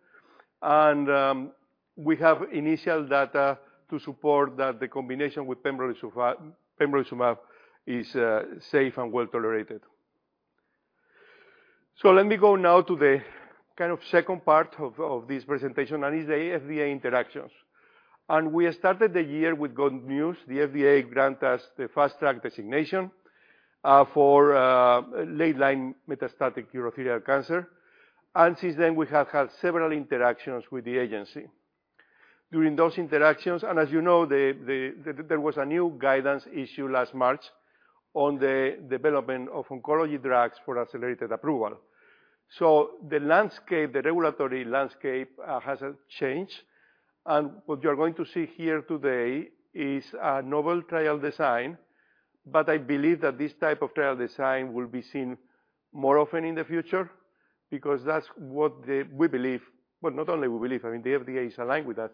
We have initial data to support that the combination with pembrolizumab is safe and well tolerated. So let me go now to the kind of second part of this presentation, and is the FDA interactions. We started the year with good news. The FDA granted us the Fast Track designation for late-line metastatic urothelial cancer, and since then, we have had several interactions with the agency. During those interactions, and as you know, there was a new guidance issued last March on the development of oncology drugs for accelerated approval. The landscape, the regulatory landscape, has changed, and what you're going to see here today is a novel trial design. But I believe that this type of trial design will be seen more often in the future because that's what we believe, but not only we believe, I mean, the FDA is aligned with that,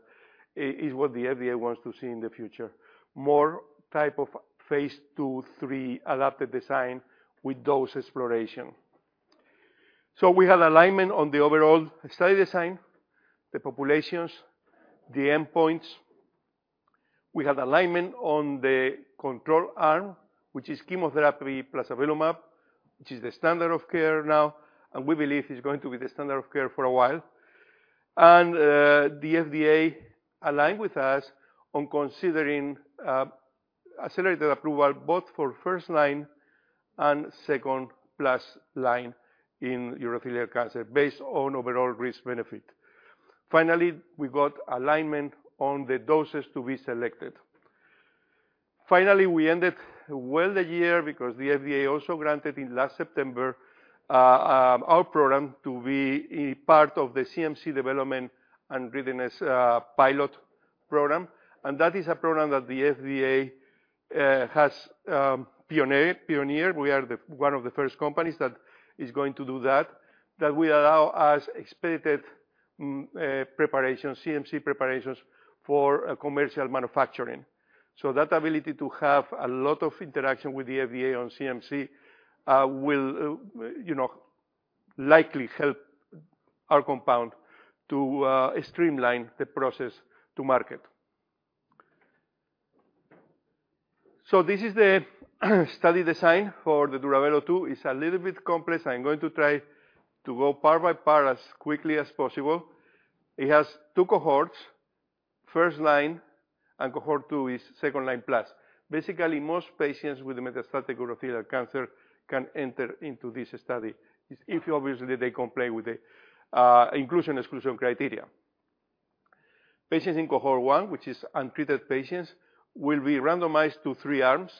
is what the FDA wants to see in the future. More type of Phase II, III adaptive design with dose exploration. So we have alignment on the overall study design, the populations, the endpoints. We have alignment on the control arm, which is chemotherapy plus Avelumab, which is the standard of care now, and we believe is going to be the standard of care for a while. The FDA aligned with us on considering accelerated approval both for first line and second plus line in urothelial cancer based on overall risk benefit. Finally, we got alignment on the doses to be selected. Finally, we ended well the year because the FDA also granted in last September our program to be a part of the CMC Development and Readiness Pilot Program, and that is a program that the FDA has pioneered. We are one of the first companies that is going to do that, that will allow us expedited preparation, CMC preparations for commercial manufacturing. So that ability to have a lot of interaction with the FDA on CMC will, you know, likely help our compound to streamline the process to market. So this is the study design for the DURAVELO 2. It's a little bit complex. I'm going to try to go part by part as quickly as possible. It has 2 cohorts, first line and cohort 2 is second line plus. Basically, most patients with metastatic urothelial cancer can enter into this study, if obviously they comply with the inclusion, exclusion criteria. Patients in cohort 1, which is untreated patients, will be randomized to 3 arms.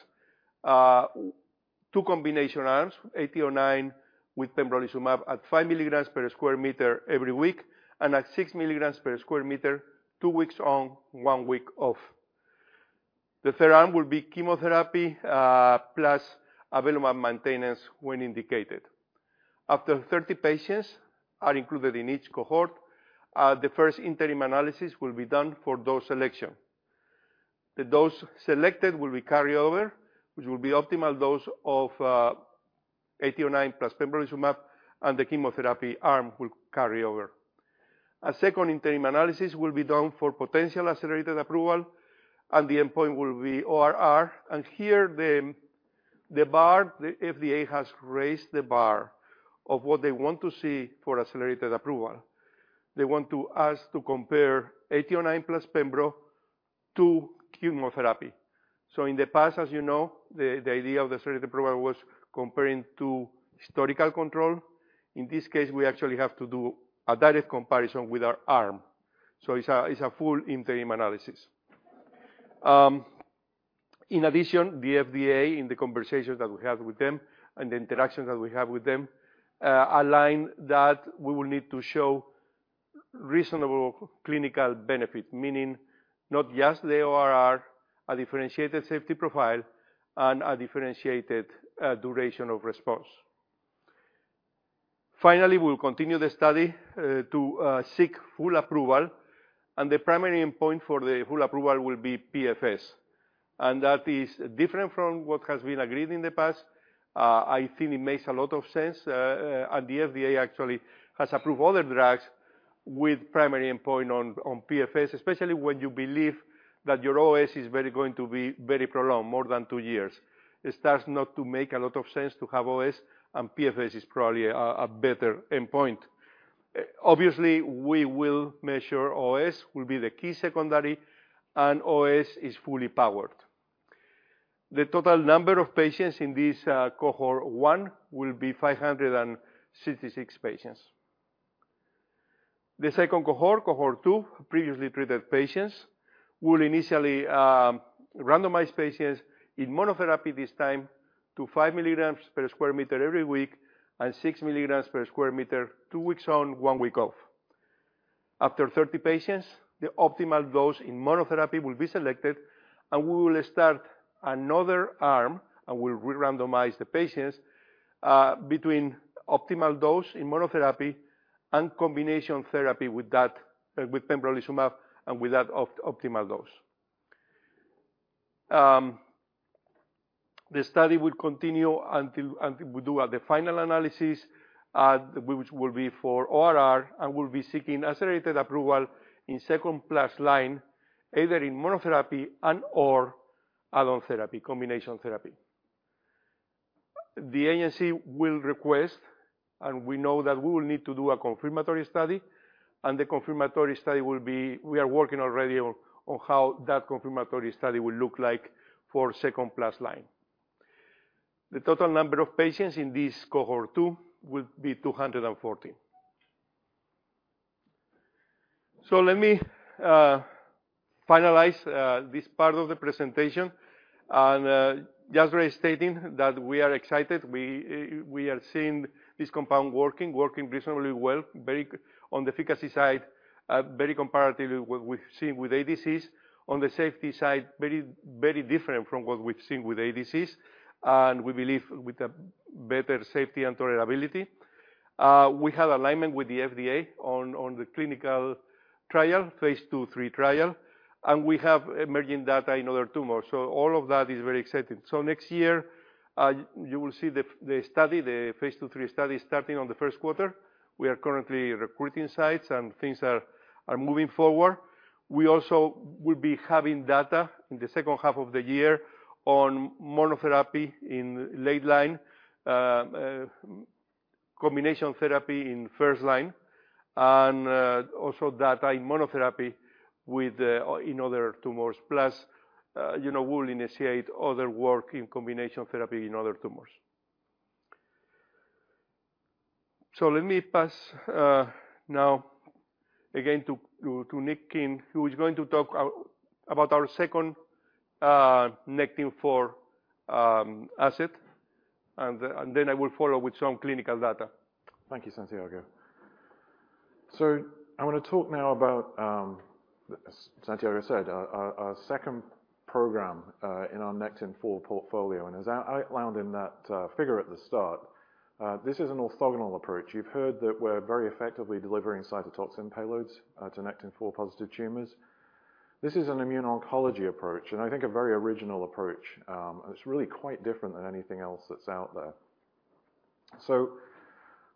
2 combination arms, AT09 with pembrolizumab at 5 milligrams per square meter every week, and at 6 milligrams per square meter, 2 weeks on, 1 week off. The third arm will be chemotherapy plus avelumab maintenance when indicated. After 30 patients are included in each cohort, the first interim analysis will be done for dose selection. The dose selected will be carryover, which will be optimal dose of AT09 plus pembrolizumab, and the chemotherapy arm will carry over. A second interim analysis will be done for potential accelerated approval, and the endpoint will be ORR. And here, the bar, the FDA has raised the bar of what they want to see for accelerated approval. They want to ask to compare AT09 plus pembro to chemotherapy. So in the past, as you know, the idea of the accelerated approval was comparing to historical control. In this case, we actually have to do a direct comparison with our arm. So it's a full interim analysis. In addition, the FDA, in the conversations that we have with them and the interactions that we have with them, align that we will need to show reasonable clinical benefit. Meaning, not just the ORR, a differentiated safety profile and a differentiated duration of response. Finally, we'll continue the study to seek full approval, and the primary endpoint for the full approval will be PFS. That is different from what has been agreed in the past. I think it makes a lot of sense, and the FDA actually has approved other drugs with primary endpoint on PFS, especially when you believe that your OS is going to be very prolonged, more than two years. It starts not to make a lot of sense to have OS, and PFS is probably a better endpoint. Obviously, we will measure OS, will be the key secondary, and OS is fully powered. The total number of patients in this cohort one will be 566 patients. The second cohort, cohort two, previously treated patients, will initially randomize patients in monotherapy, this time to 5 milligrams per square meter every week and 6 milligrams per square meter, 2 weeks on, 1 week off. After 30 patients, the optimal dose in monotherapy will be selected, and we will start another arm, and we'll re-randomize the patients between optimal dose in monotherapy and combination therapy with that with pembrolizumab and with that optimal dose. The study will continue until we do the final analysis, which will be for ORR, and we'll be seeking accelerated approval in second-plus line, either in monotherapy and/or add-on therapy, combination therapy. The agency will request, and we know that we will need to do a confirmatory study, and the confirmatory study will be—we are working already on, on how that confirmatory study will look like for second-plus line. The total number of patients in this cohort two will be 240. So let me finalize this part of the presentation and just restating that we are excited. We, we are seeing this compound working, working reasonably well, very on the efficacy side, very comparatively what we've seen with ADCs. On the safety side, very, very different from what we've seen with ADCs, and we believe with a better safety and tolerability. We have alignment with the FDA on, on the clinical trial, Phase II/III trial, and we have emerging data in other tumors. So all of that is very exciting. So next year, you will see the study, the Phase II/III study, starting on the Q1. We are currently recruiting sites, and things are moving forward. We also will be having data in the second half of the year on monotherapy in late line, combination therapy in first line, and also data in monotherapy in other tumors. Plus, you know, we'll initiate other work in combination therapy in other tumors. So let me pass now again to Nick King, who is going to talk about our second Nectin-4 asset, and then I will follow with some clinical data. Thank you, Santiago. So I want to talk now about, as Santiago said, our second program in our Nectin-4 portfolio. And as I outlined in that figure at the start, this is an orthogonal approach. You've heard that we're very effectively delivering cytotoxic payloads to Nectin-4 positive tumors. This is an immune oncology approach, and I think a very original approach. And it's really quite different than anything else that's out there. So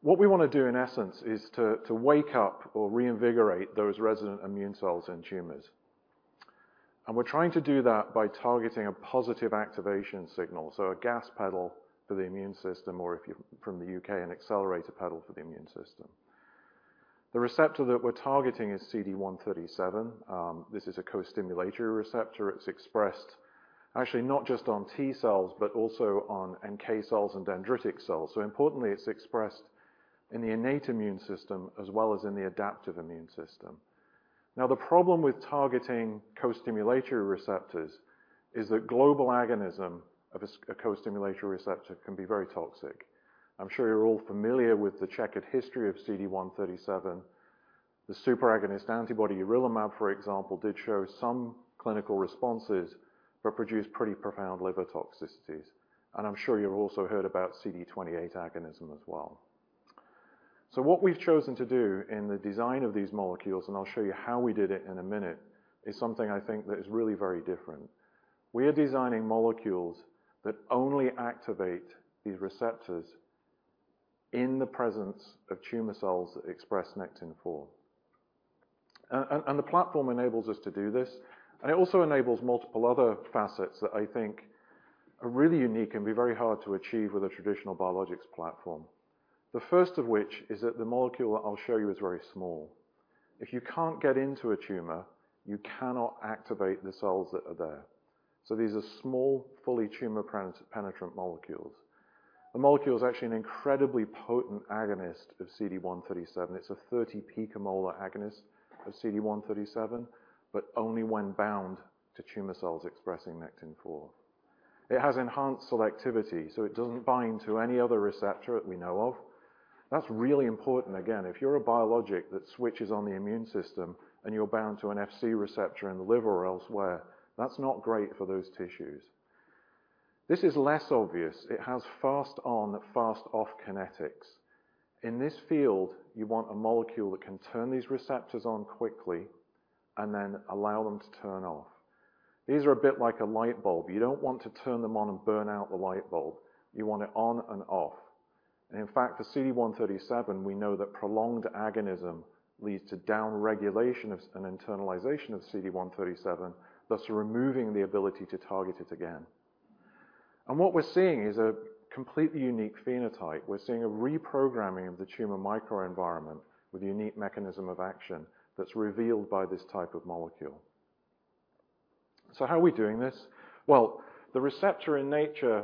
what we want to do, in essence, is to wake up or reinvigorate those resident immune cells in tumors. And we're trying to do that by targeting a positive activation signal, so a gas pedal for the immune system, or if you're from the UK, an accelerator pedal for the immune system. The receptor that we're targeting is CD137. This is a co-stimulatory receptor. It's expressed actually not just on T cells, but also on NK cells and dendritic cells. So importantly, it's expressed in the innate immune system as well as in the adaptive immune system. Now, the problem with targeting co-stimulatory receptors is that global agonism of a co-stimulatory receptor can be very toxic. I'm sure you're all familiar with the checkered history of CD137. The superagonist antibody, urelumab, for example, did show some clinical responses but produced pretty profound liver toxicities. And I'm sure you've also heard about CD28 agonism as well. So what we've chosen to do in the design of these molecules, and I'll show you how we did it in a minute, is something I think that is really very different. We are designing molecules that only activate these receptors in the presence of tumor cells that express Nectin-4. And the platform enables us to do this, and it also enables multiple other facets that I think are really unique and be very hard to achieve with a traditional biologics platform. The first of which is that the molecule I'll show you is very small. If you can't get into a tumor, you cannot activate the cells that are there. So these are small, fully tumor penetrant molecules. The molecule is actually an incredibly potent agonist of CD137. It's a 30 picomolar agonist of CD137, but only when bound to tumor cells expressing Nectin-4. It has enhanced selectivity, so it doesn't bind to any other receptor that we know of. That's really important. Again, if you're a biologic that switches on the immune system, and you're bound to an Fc receptor in the liver or elsewhere, that's not great for those tissues. This is less obvious. It has fast on and fast off kinetics. In this field, you want a molecule that can turn these receptors on quickly and then allow them to turn off. These are a bit like a light bulb. You don't want to turn them on and burn out the light bulb. You want it on and off, and in fact, for CD137, we know that prolonged agonism leads to downregulation of, and internalization of CD137, thus removing the ability to target it again. And what we're seeing is a completely unique phenotype. We're seeing a reprogramming of the tumor microenvironment with a unique mechanism of action that's revealed by this type of molecule. So how are we doing this? Well, the receptor in nature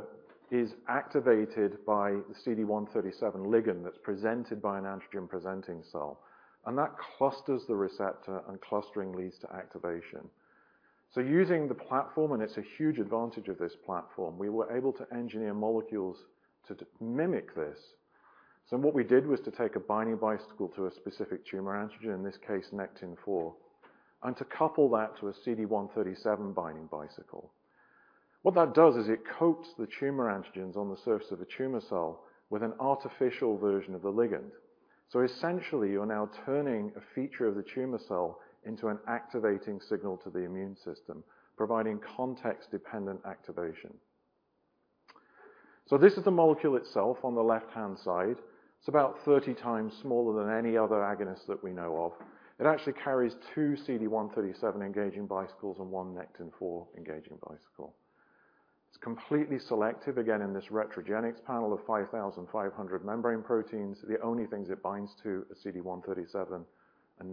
is activated by the CD137 ligand that's presented by an antigen-presenting cell, and that clusters the receptor, and clustering leads to activation. So using the platform, and it's a huge advantage of this platform, we were able to engineer molecules to mimic this. So what we did was to take a binding Bicycle to a specific tumor antigen, in this case, Nectin-4, and to couple that to a CD137-binding Bicycle. What that does is it coats the tumor antigens on the surface of a tumor cell with an artificial version of the ligand. So essentially, you're now turning a feature of the tumor cell into an activating signal to the immune system, providing context-dependent activation. So this is the molecule itself on the left-hand side. It's about 30 times smaller than any other agonist that we know of. It actually carries two CD137-engaging Bicycles and one Nectin-4-engaging Bicycle. It's completely selective, again, in this Retrogenix panel of 5,500 membrane proteins. The only things it binds to are CD137 and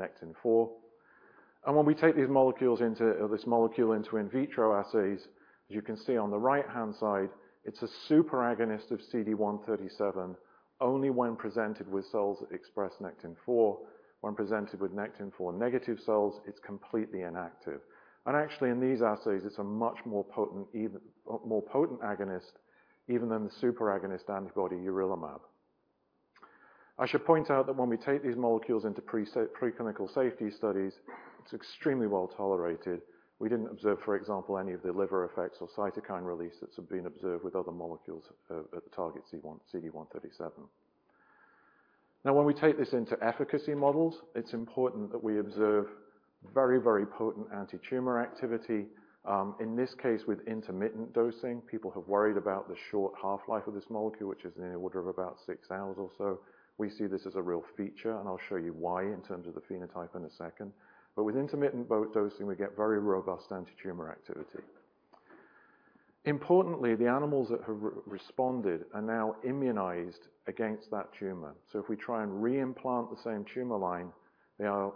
Nectin-4. When we take this molecule into in vitro assays, as you can see on the right-hand side, it's a super agonist of CD137 only when presented with cells that express Nectin-4. When presented with Nectin-4-negative cells, it's completely inactive. And actually, in these assays, it's a much more potent agonist, even than the super agonist antibody urelumab. I should point out that when we take these molecules into preclinical safety studies, it's extremely well-tolerated. We didn't observe, for example, any of the liver effects or cytokine release that have been observed with other molecules at the target CD137. Now, when we take this into efficacy models, it's important that we observe very, very potent antitumor activity. In this case, with intermittent dosing, people have worried about the short half-life of this molecule, which is in the order of about six hours or so. We see this as a real feature, and I'll show you why in terms of the phenotype in a second. But with intermittent bolus dosing, we get very robust antitumor activity. Importantly, the animals that have responded are now immunized against that tumor. So if we try and re-implant the same tumor line, they are...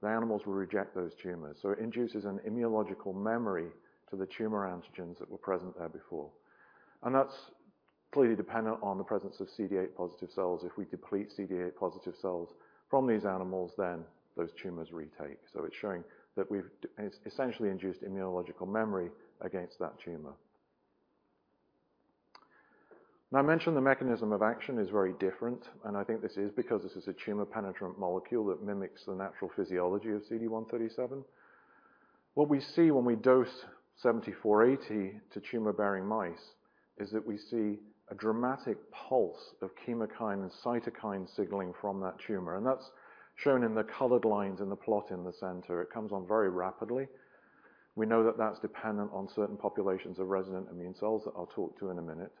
the animals will reject those tumors. So it induces an immunological memory to the tumor antigens that were present there before, and that's clearly dependent on the presence of CD8-positive cells. If we deplete CD8-positive cells from these animals, then those tumors retake. So it's showing that we've essentially induced immunological memory against that tumor. Now, I mentioned the mechanism of action is very different, and I think this is because this is a tumor-penetrant molecule that mimics the natural physiology of CD137. What we see when we dose BT7480 to tumor-bearing mice is that we see a dramatic pulse of chemokine and cytokine signaling from that tumor, and that's shown in the colored lines in the plot in the center. It comes on very rapidly. We know that that's dependent on certain populations of resident immune cells that I'll talk to in a minute.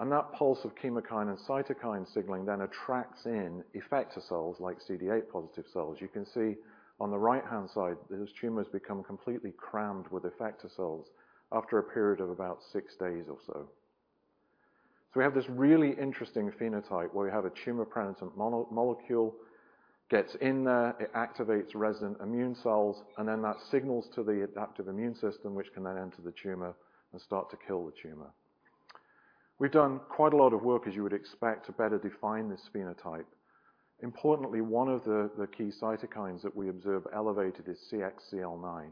And that pulse of chemokine and cytokine signaling then attracts in effector cells like CD8-positive cells. You can see on the right-hand side, those tumors become completely crammed with effector cells after a period of about 6 days or so. So we have this really interesting phenotype where we have a tumor-penetrant molecule, gets in there, it activates resident immune cells, and then that signals to the adaptive immune system, which can then enter the tumor and start to kill the tumor. We've done quite a lot of work, as you would expect, to better define this phenotype. Importantly, one of the key cytokines that we observe elevated is CXCL9.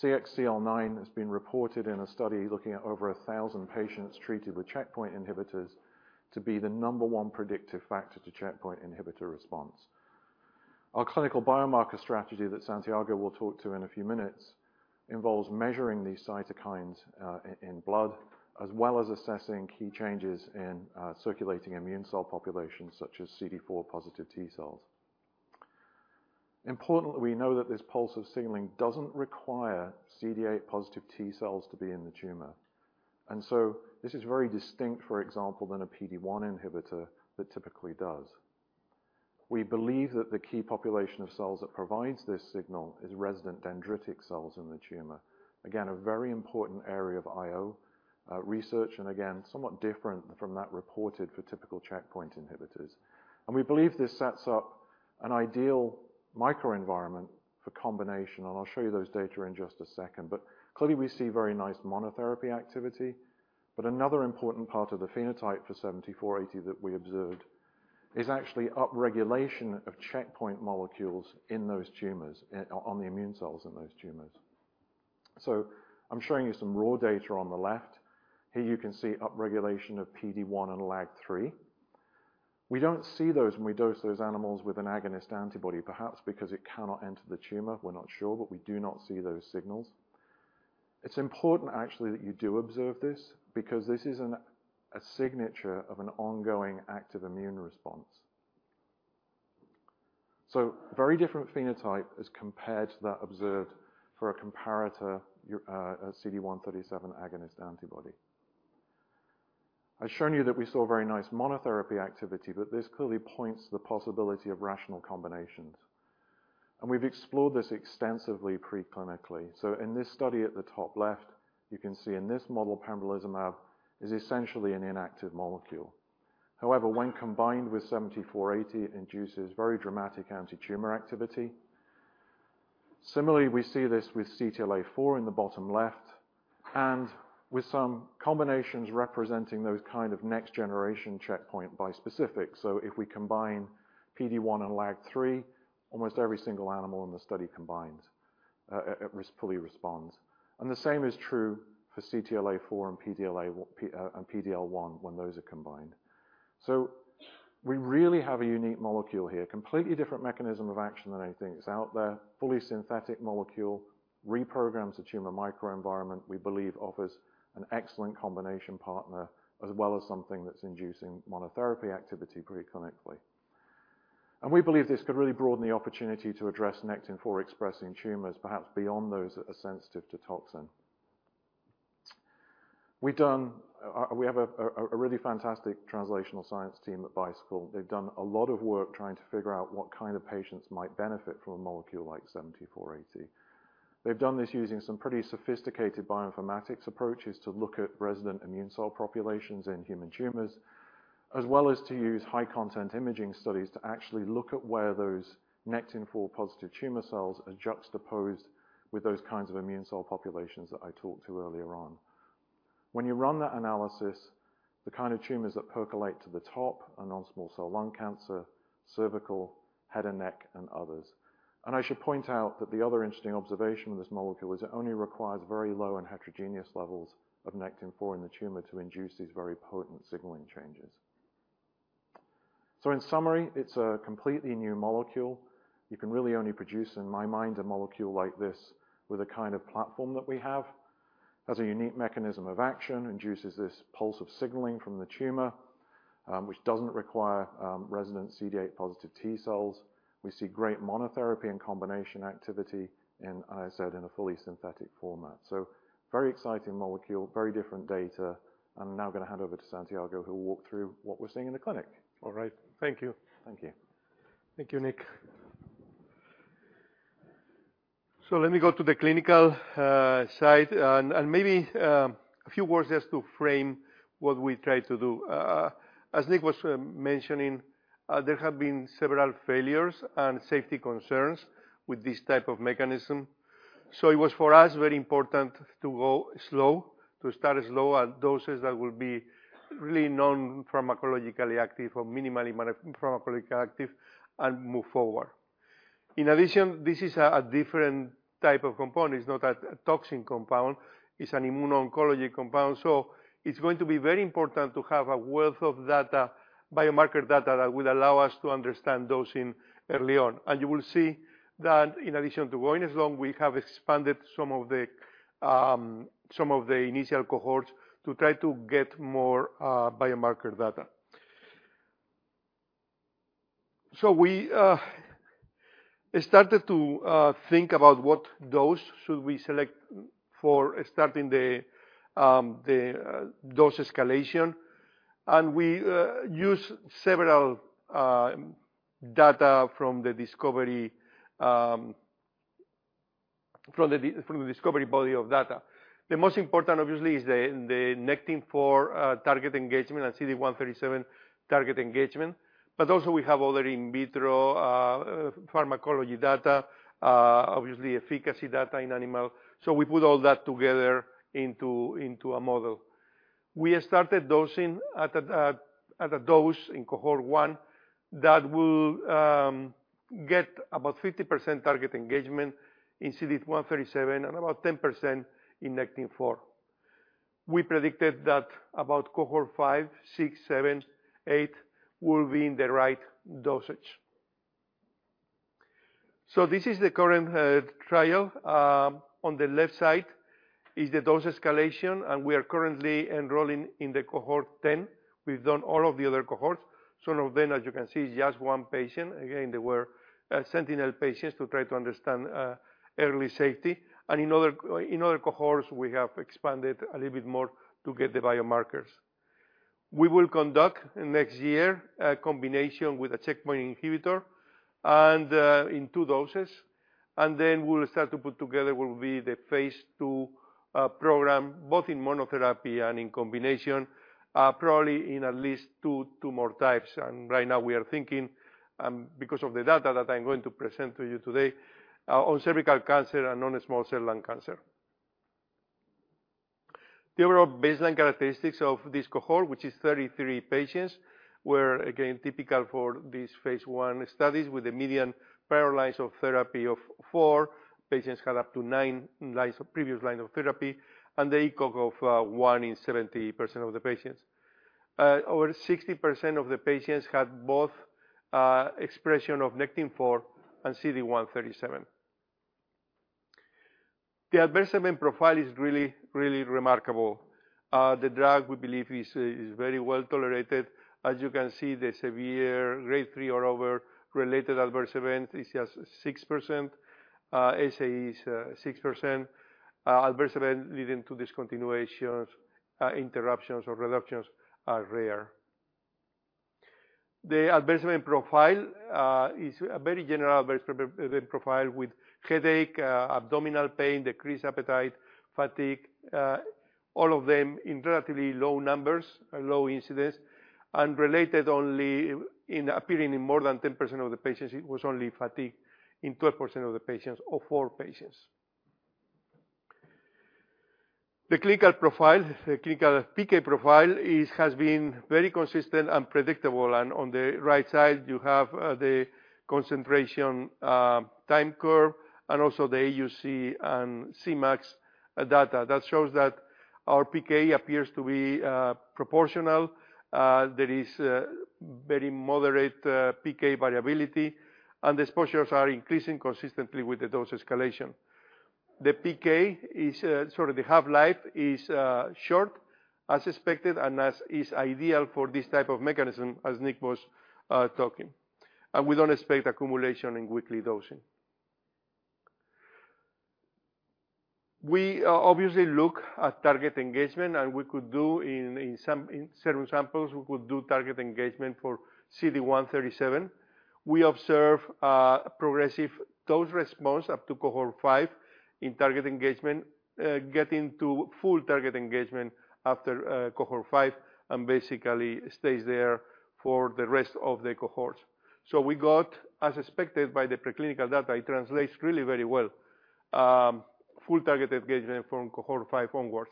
CXCL9 has been reported in a study looking at over a thousand patients treated with checkpoint inhibitors to be the number one predictive factor to checkpoint inhibitor response. Our clinical biomarker strategy that Santiago will talk to in a few minutes involves measuring these cytokines in blood, as well as assessing key changes in circulating immune cell populations, such as CD4-positive T cells. Importantly, we know that this pulse of signaling doesn't require CD8-positive T cells to be in the tumor, and so this is very distinct, for example, than a PD-1 inhibitor that typically does. We believe that the key population of cells that provides this signal is resident dendritic cells in the tumor. Again, a very important area of IO research, and again, somewhat different from that reported for typical checkpoint inhibitors. We believe this sets up an ideal microenvironment for combination, and I'll show you those data in just a second. But clearly, we see very nice monotherapy activity. But another important part of the phenotype for BT7480 that we observed is actually upregulation of checkpoint molecules in those tumors, on the immune cells in those tumors. So I'm showing you some raw data on the left. Here you can see upregulation of PD-1 and LAG-3. We don't see those when we dose those animals with an agonist antibody, perhaps because it cannot enter the tumor. We're not sure, but we do not see those signals. It's important, actually, that you do observe this, because this is a signature of an ongoing active immune response. So very different phenotype as compared to that observed for a comparator, a CD137 agonist antibody. I've shown you that we saw very nice monotherapy activity, but this clearly points to the possibility of rational combinations, and we've explored this extensively pre-clinically. So in this study at the top left, you can see in this model, pembrolizumab is essentially an inactive molecule. However, when combined with BT7480, it induces very dramatic anti-tumor activity. Similarly, we see this with CTLA-4 in the bottom left and with some combinations representing those kind of next-generation checkpoint bispecific. So if we combine PD-1 and LAG-3, almost every single animal in the study combines, it fully responds. And the same is true for CTLA-4 and PD-L1 when those are combined. So we really have a unique molecule here, completely different mechanism of action than anything that's out there, fully synthetic molecule, reprograms the tumor microenvironment, we believe offers an excellent combination partner, as well as something that's inducing monotherapy activity pre-clinically. And we believe this could really broaden the opportunity to address Nectin-4 expressing tumors, perhaps beyond those that are sensitive to toxin. We have a really fantastic translational science team at Bicycle. They've done a lot of work trying to figure out what kind of patients might benefit from a molecule like BT7480. They've done this using some pretty sophisticated bioinformatics approaches to look at resident immune cell populations in human tumors, as well as to use high-content imaging studies to actually look at where those Nectin-4 positive tumor cells are juxtaposed with those kinds of immune cell populations that I talked to earlier on. When you run that analysis, the kind of tumors that percolate to the top are non-small cell lung cancer, cervical, head and neck, and others. And I should point out that the other interesting observation with this molecule is it only requires very low and heterogeneous levels of Nectin-4 in the tumor to induce these very potent signaling changes. So in summary, it's a completely new molecule. You can really only produce, in my mind, a molecule like this with the kind of platform that we have. Has a unique mechanism of action, induces this pulse of signaling from the tumor, which doesn't require resident CD8 positive T cells. We see great monotherapy and combination activity in, as I said, in a fully synthetic format. So very exciting molecule, very different data, and I'm now going to hand over to Santiago, who will walk through what we're seeing in the clinic. All right. Thank you. Thank you. Thank you, Nick. So let me go to the clinical side and maybe a few words just to frame what we try to do. As Nick was mentioning, there have been several failures and safety concerns with this type of mechanism. So it was, for us, very important to go slow, to start slow at doses that will be really non-pharmacologically active or minimally pharmacologically active and move forward. In addition, this is a different type of compound. It's not a toxin compound. It's an immuno-oncology compound. So it's going to be very important to have a wealth of data, biomarker data, that will allow us to understand dosing early on. You will see that in addition to going as long, we have expanded some of the initial cohorts to try to get more biomarker data. So we started to think about what dose should we select for starting the dose escalation, and we used several data from the discovery body of data. The most important, obviously, is the Nectin-4 target engagement and CD137 target engagement. But also we have other in vitro pharmacology data, obviously efficacy data in animal. So we put all that together into a model. We started dosing at a dose in cohort 1 that will get about 50% target engagement in CD137 and about 10% in Nectin-4. We predicted that about cohort 5, 6, 7, 8 will be in the right dosage. So this is the current trial. On the left side is the dose escalation, and we are currently enrolling in the cohort 10. We've done all of the other cohorts. Some of them, as you can see, just one patient. Again, they were sentinel patients to try to understand early safety. And in other cohorts, we have expanded a little bit more to get the biomarkers. We will conduct next year a combination with a checkpoint inhibitor and in two doses, and then we will start to put together what will be the Phase 2 program, both in monotherapy and in combination, probably in at least two more types. And right now we are thinking, because of the data that I'm going to present to you today, on cervical cancer and non-small cell lung cancer. The overall baseline characteristics of this cohort, which is 33 patients, were again typical for these Phase 1 studies with a median prior lines of therapy of 4. Patients had up to 9 lines of previous lines of therapy and a ECOG of 1 in 70% of the patients. Over 60% of the patients had both expression of Nectin-4 and CD137.... The adverse event profile is really, really remarkable. The drug, we believe, is very well tolerated. As you can see, the severe Grade 3 or over related adverse event is just 6%, SAE is 6%. Adverse event leading to discontinuations, interruptions or reductions are rare. The adverse event profile is a very general adverse event profile with headache, abdominal pain, decreased appetite, fatigue, all of them in relatively low numbers or low incidence, and related only in appearing in more than 10% of the patients. It was only fatigue in 12% of the patients or four patients. The clinical profile, the clinical PK profile has been very consistent and predictable, and on the right side, you have the concentration time curve and also the AUC and Cmax data. That shows that our PK appears to be proportional, there is very moderate PK variability, and the exposures are increasing consistently with the dose escalation. The PK is, sorry, the half-life is short, as expected, and as is ideal for this type of mechanism, as Nick was talking. We don't expect accumulation in weekly dosing. We obviously look at target engagement, and we could do in several samples target engagement for CD137. We observe progressive dose response up to cohort 5 in target engagement, getting to full target engagement after cohort 5 and basically stays there for the rest of the cohorts. As expected by the preclinical data, it translates really very well. Full target engagement from cohort 5 onwards.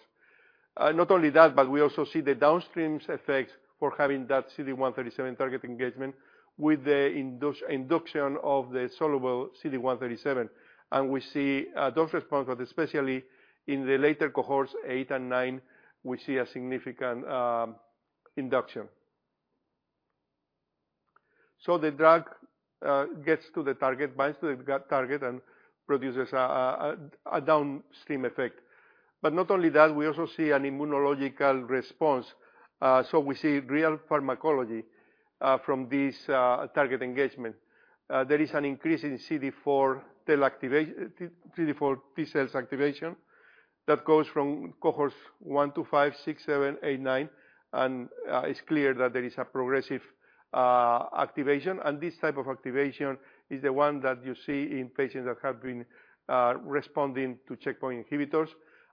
Not only that, but we also see the downstream effects for having that CD137 target engagement with the induction of the soluble CD137. We see a dose response, but especially in the later cohorts 8 and 9, we see a significant induction. So the drug gets to the target, binds to the target, and produces a downstream effect. But not only that, we also see an immunological response, so we see real pharmacology from this target engagement. There is an increase in CD4 T activation, CD4 T cells activation that goes from cohorts 1 to 5, 6, 7, 8, 9, and it's clear that there is a progressive activation. And this type of activation is the one that you see in patients that have been responding to checkpoint inhibitors.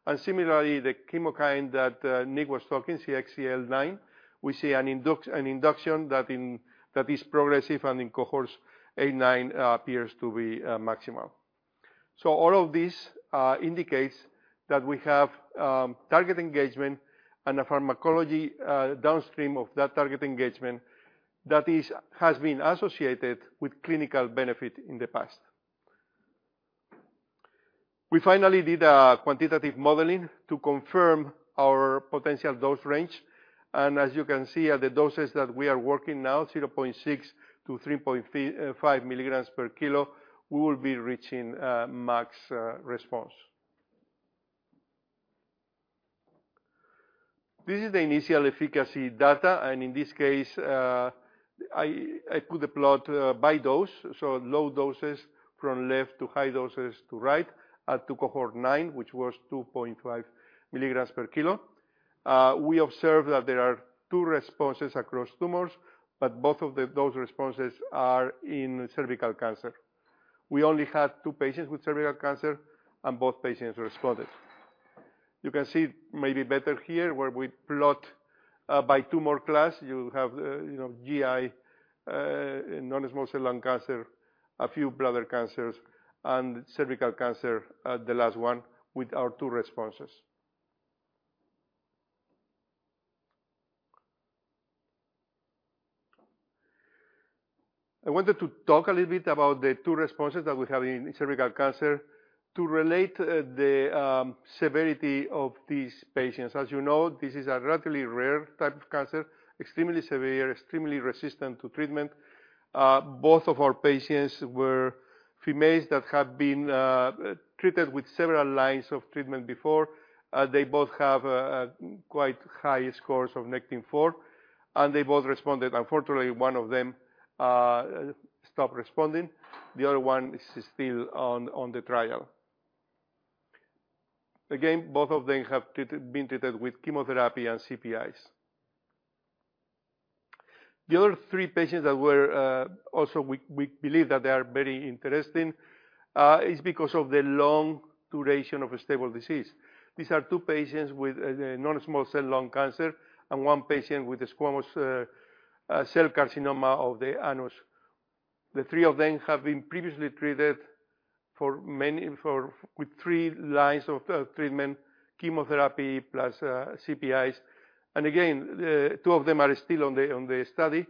And similarly, the chemokine that Nick was talking, CXCL9, we see an induction that is progressive and in cohorts 8, 9, appears to be maximal. So all of these indicates that we have target engagement and a pharmacology downstream of that target engagement that has been associated with clinical benefit in the past. We finally did a quantitative modeling to confirm our potential dose range, and as you can see, at the doses that we are working now, 0.6-3.5 milligrams per kilo, we will be reaching max response. This is the initial efficacy data, and in this case, I put the plot by dose, so low doses from left to high doses to right, up to cohort 9, which was 2.5 milligrams per kilo. We observed that there are 2 responses across tumors, but both of those responses are in cervical cancer. We only had 2 patients with cervical cancer, and both patients responded. You can see maybe better here, where we plot by tumor class. You have, you know, GI, non-small cell lung cancer, a few bladder cancers, and cervical cancer, the last one with our two responses. I wanted to talk a little bit about the two responses that we have in cervical cancer to relate the severity of these patients. As you know, this is a relatively rare type of cancer, extremely severe, extremely resistant to treatment. Both of our patients were females that have been treated with several lines of treatment before. They both have quite high scores of Nectin-4, and they both responded. Unfortunately, one of them stopped responding. The other one is still on the trial. Again, both of them have been treated with chemotherapy and CPIs. The other three patients that were also we believe that they are very interesting is because of the long duration of a stable disease. These are two patients with a non-small cell lung cancer and one patient with a squamous cell carcinoma of the anus. The three of them have been previously treated with three lines of treatment, chemotherapy plus CPIs. Again, two of them are still on the study,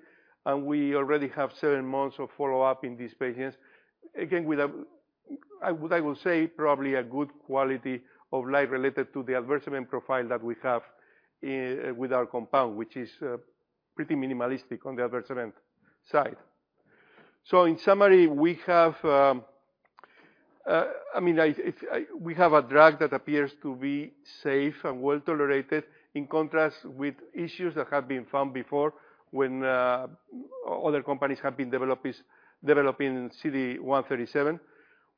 and we already have seven months of follow-up in these patients. Again, with a, I would, I will say probably a good quality of life related to the adverse event profile that we have with our compound, which is pretty minimalistic on the adverse event side. So in summary, we have a drug that appears to be safe and well-tolerated, in contrast with issues that have been found before when other companies have been developing CD137.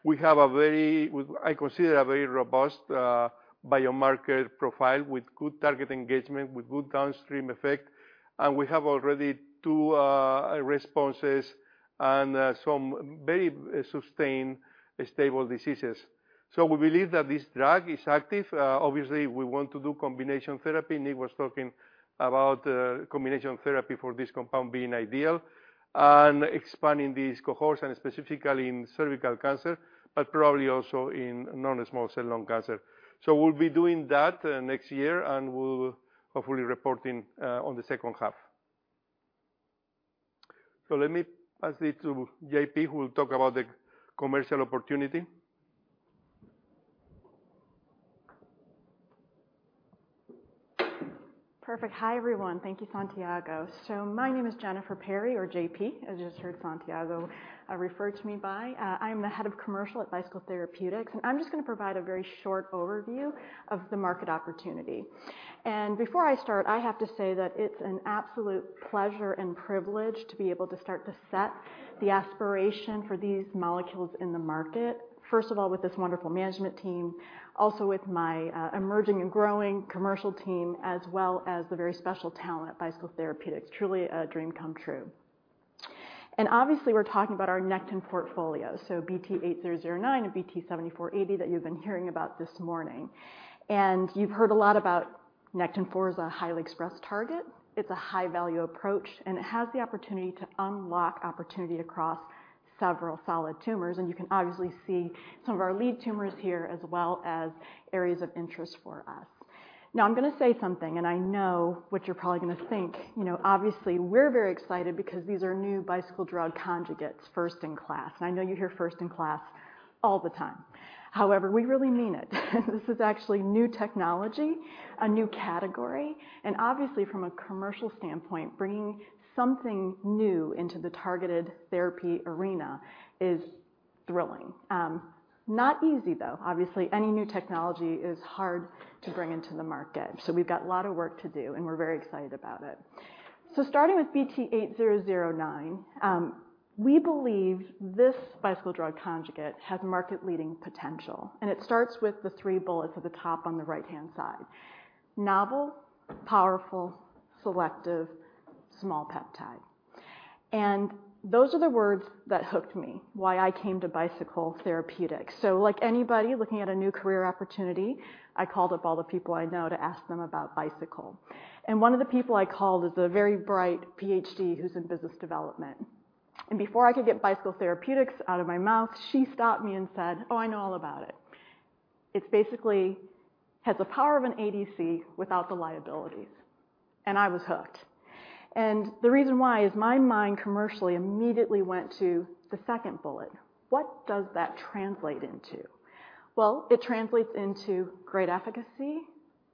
We have a very, I consider, a very robust biomarker profile with good target engagement, with good downstream effect, and we have already two responses and some very sustained stable diseases. So we believe that this drug is active. Obviously, we want to do combination therapy. Nick was talking about combination therapy for this compound being ideal and expanding these cohorts, and specifically in cervical cancer, but probably also in non-small cell lung cancer. So we'll be doing that next year, and we'll hopefully reporting on the second half. So let me pass it to JP, who will talk about the commercial opportunity. Perfect. Hi, everyone. Thank you, Santiago. So my name is Jennifer Perry, or J.P., as you just heard Santiago refer to me by. I'm the Head of Commercial at Bicycle Therapeutics, and I'm just gonna provide a very short overview of the market opportunity. And before I start, I have to say that it's an absolute pleasure and privilege to be able to start to set the aspiration for these molecules in the market. First of all, with this wonderful management team, also with my emerging and growing commercial team, as well as the very special talent at Bicycle Therapeutics. Truly a dream come true. And obviously, we're talking about our Nectin portfolio, so BT8009 and BT7480 that you've been hearing about this morning. And you've heard a lot about Nectin-4 as a highly expressed target. It's a high-value approach, and it has the opportunity to unlock opportunity across several solid tumors, and you can obviously see some of our lead tumors here, as well as areas of interest for us. Now, I'm gonna say something, and I know what you're probably gonna think. You know, obviously, we're very excited because these are new Bicycle drug conjugates, first in class, and I know you hear first in class all the time. However, we really mean it. This is actually new technology, a new category, and obviously from a commercial standpoint, bringing something new into the targeted therapy arena is thrilling. Not easy, though. Obviously, any new technology is hard to bring into the market, so we've got a lot of work to do, and we're very excited about it. Starting with BT8009, we believe this Bicycle drug conjugate has market-leading potential, and it starts with the three bullets at the top on the right-hand side. Novel, powerful, selective, small peptide. And those are the words that hooked me, why I came to Bicycle Therapeutics. So like anybody looking at a new career opportunity, I called up all the people I know to ask them about Bicycle. And one of the people I called is a very bright PhD who's in business development. And before I could get Bicycle Therapeutics out of my mouth, she stopped me and said, "Oh, I know all about it. It basically has the power of an ADC without the liabilities." And I was hooked. And the reason why is my mind commercially immediately went to the second bullet. What does that translate into? Well, it translates into great efficacy,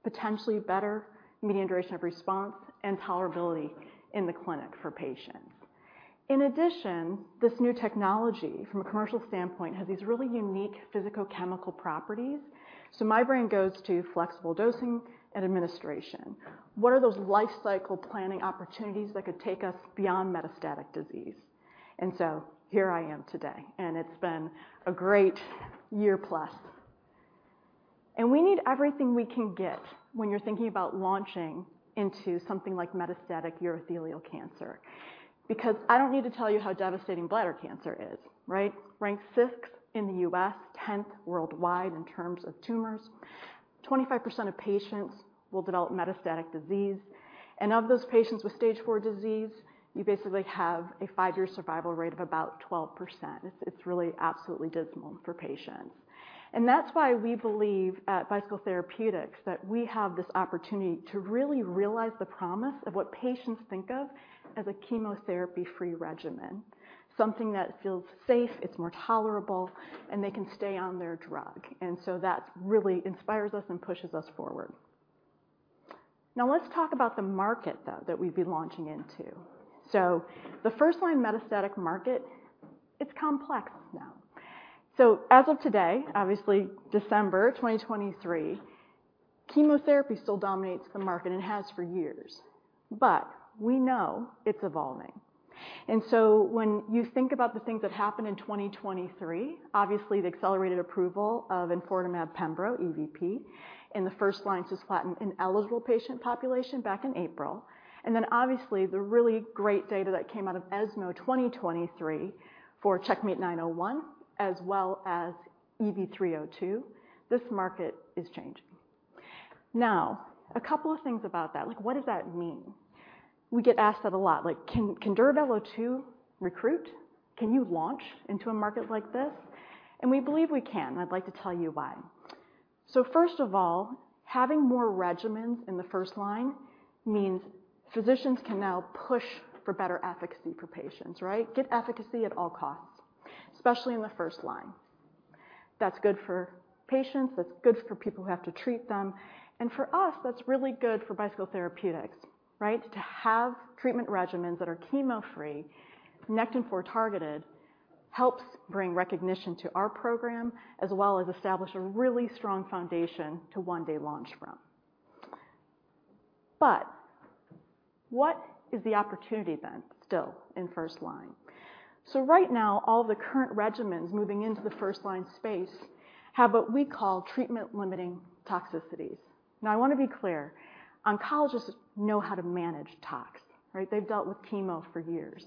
potentially better median duration of response and tolerability in the clinic for patients. In addition, this new technology, from a commercial standpoint, has these really unique physicochemical properties. So my brain goes to flexible dosing and administration. What are those life cycle planning opportunities that could take us beyond metastatic disease? And so here I am today, and it's been a great year plus. And we need everything we can get when you're thinking about launching into something like metastatic urothelial cancer, because I don't need to tell you how devastating bladder cancer is, right? Ranked sixth in the U.S., tenth worldwide in terms of tumors. 25% of patients will develop metastatic disease, and of those patients with stage four disease, you basically have a five-year survival rate of about 12%. It's really absolutely dismal for patients. That's why we believe at Bicycle Therapeutics that we have this opportunity to really realize the promise of what patients think of as a chemotherapy-free regimen. Something that feels safe, it's more tolerable, and they can stay on their drug. So that really inspires us and pushes us forward. Now, let's talk about the market, though, that we'd be launching into. The first-line metastatic market, it's complex now. As of today, obviously, December 2023, chemotherapy still dominates the market and has for years, but we know it's evolving. And so when you think about the things that happened in 2023, obviously, the accelerated approval of enfortumab pembro, EVP, in the first-line cisplatin-ineligible patient population back in April, and then obviously, the really great data that came out of ESMO 2023 for CheckMate 901, as well as EV-302, this market is changing. Now, a couple of things about that. Like, what does that mean? We get asked that a lot. Like, can Duravelo-2 recruit? Can you launch into a market like this? And we believe we can, and I'd like to tell you why. So first of all, having more regimens in the first line means physicians can now push for better efficacy for patients, right? Get efficacy at all costs, especially in the first line... That's good for patients, that's good for people who have to treat them, and for us, that's really good for Bicycle Therapeutics, right? To have treatment regimens that are chemo-free, Nectin-4 targeted, helps bring recognition to our program, as well as establish a really strong foundation to one day launch from. But what is the opportunity then, still, in first line? So right now, all the current regimens moving into the first line space have what we call treatment-limiting toxicities. Now, I want to be clear. Oncologists know how to manage tox, right? They've dealt with chemo for years.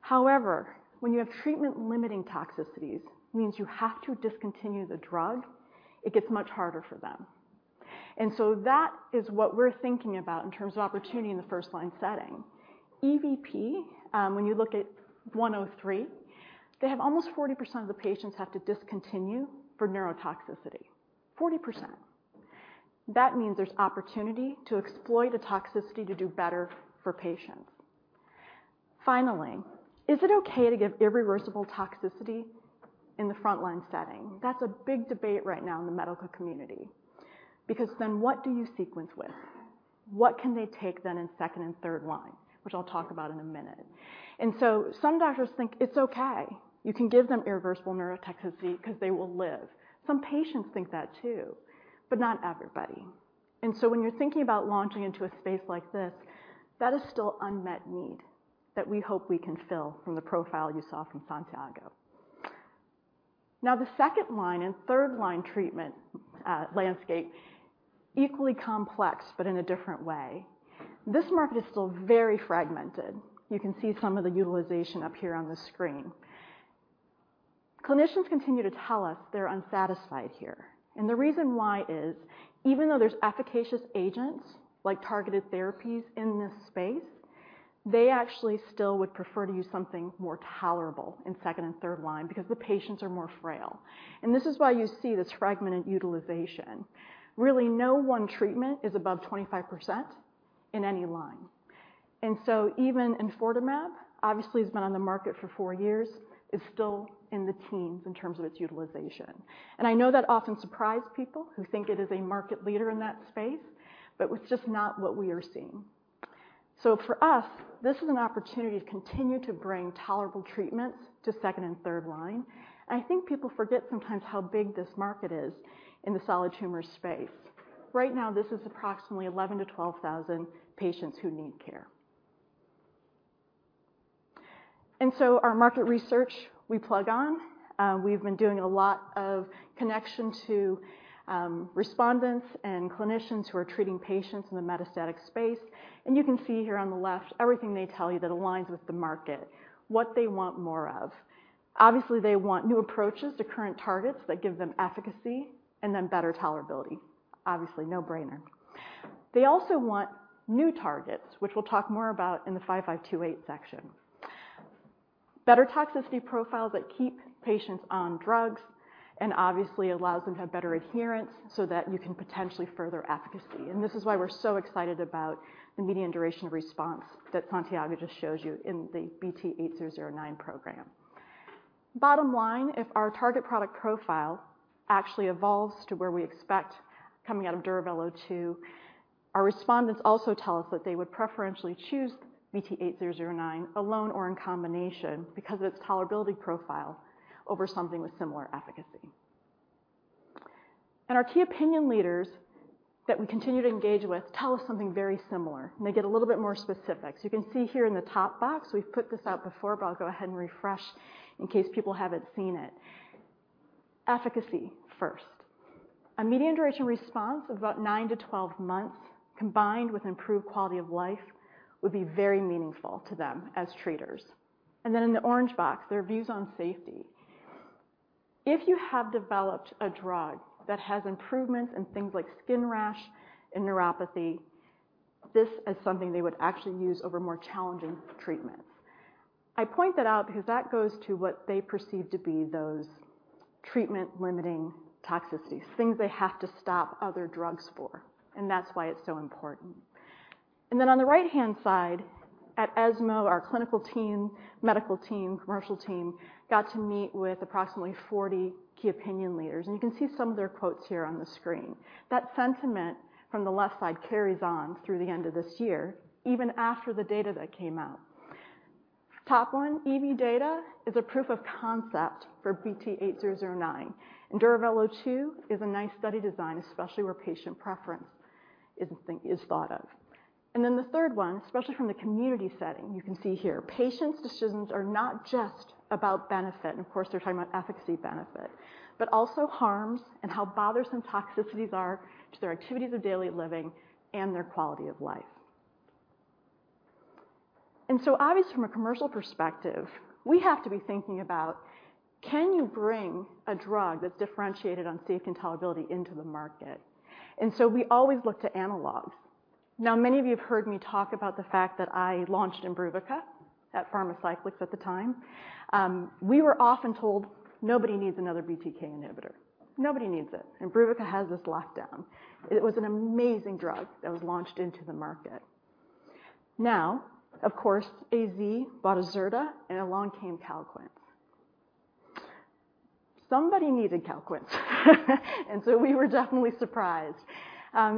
However, when you have treatment-limiting toxicities, means you have to discontinue the drug, it gets much harder for them. And so that is what we're thinking about in terms of opportunity in the first-line setting. EVP, when you look at 103, they have almost 40% of the patients have to discontinue for neurotoxicity. 40%. That means there's opportunity to exploit a toxicity to do better for patients. Finally, is it okay to give irreversible toxicity in the frontline setting? That's a big debate right now in the medical community, because then what do you sequence with? What can they take then in second and third line, which I'll talk about in a minute. And so some doctors think it's okay. You can give them irreversible neurotoxicity 'cause they will live. Some patients think that, too, but not everybody. And so when you're thinking about launching into a space like this, that is still unmet need that we hope we can fill from the profile you saw from Santiago. Now, the second-line and third-line treatment landscape, equally complex, but in a different way. This market is still very fragmented. You can see some of the utilization up here on the screen. Clinicians continue to tell us they're unsatisfied here, and the reason why is, even though there's efficacious agents, like targeted therapies in this space, they actually still would prefer to use something more tolerable in second and third line because the patients are more frail. And this is why you see this fragmented utilization. Really, no one treatment is above 25% in any line. And so even enfortumab, obviously has been on the market for four years, is still in the teens in terms of its utilization. And I know that often surprise people who think it is a market leader in that space, but it's just not what we are seeing. So for us, this is an opportunity to continue to bring tolerable treatments to second and third line. And I think people forget sometimes how big this market is in the solid tumor space. Right now, this is approximately 11,000-12,000 patients who need care. And so our market research, we plug on. We've been doing a lot of connection to respondents and clinicians who are treating patients in the metastatic space, and you can see here on the left, everything they tell you that aligns with the market, what they want more of. Obviously, they want new approaches to current targets that give them efficacy and then better tolerability. Obviously, no-brainer. They also want new targets, which we'll talk more about in the 5528 section. Better toxicity profiles that keep patients on drugs and obviously allows them to have better adherence so that you can potentially further efficacy. This is why we're so excited about the median duration of response that Santiago just showed you in the BT8009 program. Bottom line, if our target product profile actually evolves to where we expect coming out of DURAVELO 2, our respondents also tell us that they would preferentially choose BT8009 alone or in combination because of its tolerability profile over something with similar efficacy. Our key opinion leaders that we continue to engage with tell us something very similar, and they get a little bit more specific. You can see here in the top box, we've put this out before, but I'll go ahead and refresh in case people haven't seen it. Efficacy first. A median duration response of about 9-12 months, combined with improved quality of life, would be very meaningful to them as treaters. And then in the orange box, their views on safety. If you have developed a drug that has improvements in things like skin rash and neuropathy, this is something they would actually use over more challenging treatments. I point that out because that goes to what they perceive to be those treatment-limiting toxicities, things they have to stop other drugs for, and that's why it's so important. And then on the right-hand side, at ESMO, our clinical team, medical team, commercial team, got to meet with approximately 40 key opinion leaders, and you can see some of their quotes here on the screen. That sentiment from the left side carries on through the end of this year, even after the data that came out. Top one, EV data is a proof of concept for BT8009, and DuraVelo 2 is a nice study design, especially where patient preference is thought of. And then the third one, especially from the community setting, you can see here, patients' decisions are not just about benefit, and of course, they're talking about efficacy benefit, but also harms and how bothersome toxicities are to their activities of daily living and their quality of life. And so obviously, from a commercial perspective, we have to be thinking about, can you bring a drug that's differentiated on safety and tolerability into the market? And so we always look to analogs. Now, many of you have heard me talk about the fact that I launched IMBRUVICA at Pharmacyclics at the time. We were often told, "Nobody needs another BTK inhibitor. Nobody needs it. “IMBRUVICA has this locked down.” It was an amazing drug that was launched into the market. Now, of course, AZ bought Acerta, and along came Calquence. Somebody needed Calquence, and so we were definitely surprised.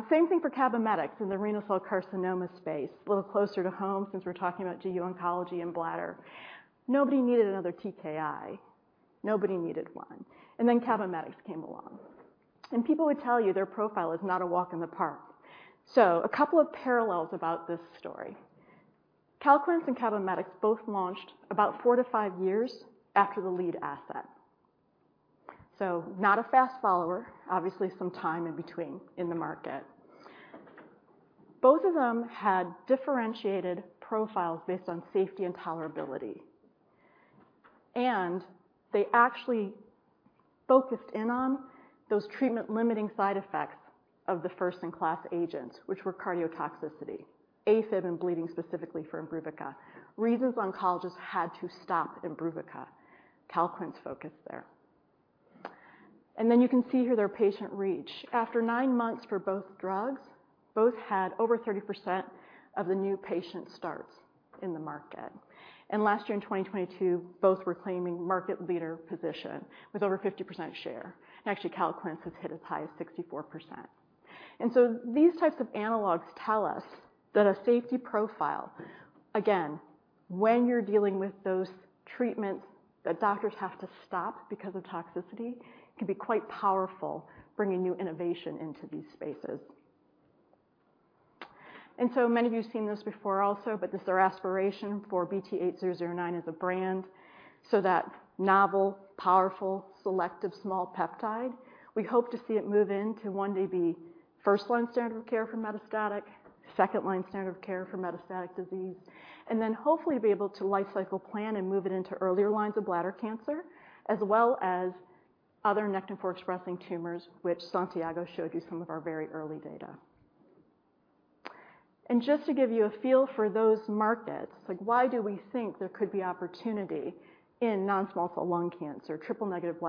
Same thing for Cabometyx in the renal cell carcinoma space. A little closer to home since we're talking about GU oncology and bladder. Nobody needed another TKI. Nobody needed one, and then Cabometyx came along, and people would tell you their profile is not a walk in the park. So a couple of parallels about this story. Calquence and Cabometyx both launched about four to five years after the lead asset. So not a fast follower, obviously some time in between in the market. Both of them had differentiated profiles based on safety and tolerability, and they actually focused in on those treatment-limiting side effects of the first-in-class agents, which were cardiotoxicity, AFib, and bleeding, specifically for IMBRUVICA, reasons oncologists had to stop IMBRUVICA. Calquence focused there. And then you can see here their patient reach. After 9 months for both drugs, both had over 30% of the new patient starts in the market. And last year, in 2022, both were claiming market leader position with over 50% share. And actually, Calquence has hit as high as 64%. And so these types of analogs tell us that a safety profile, again, when you're dealing with those treatments that doctors have to stop because of toxicity, can be quite powerful, bringing new innovation into these spaces. So many of you have seen this before also, but this is our aspiration for BT8009 as a brand. So that novel, powerful, selective small peptide, we hope to see it move into one day be first-line standard of care for metastatic, second-line standard of care for metastatic disease, and then hopefully be able to life cycle plan and move it into earlier lines of bladder cancer, as well as other Nectin-4 expressing tumors, which Santiago showed you some of our very early data. And just to give you a feel for those markets, like why do we think there could be opportunity in non-small cell lung cancer, triple negative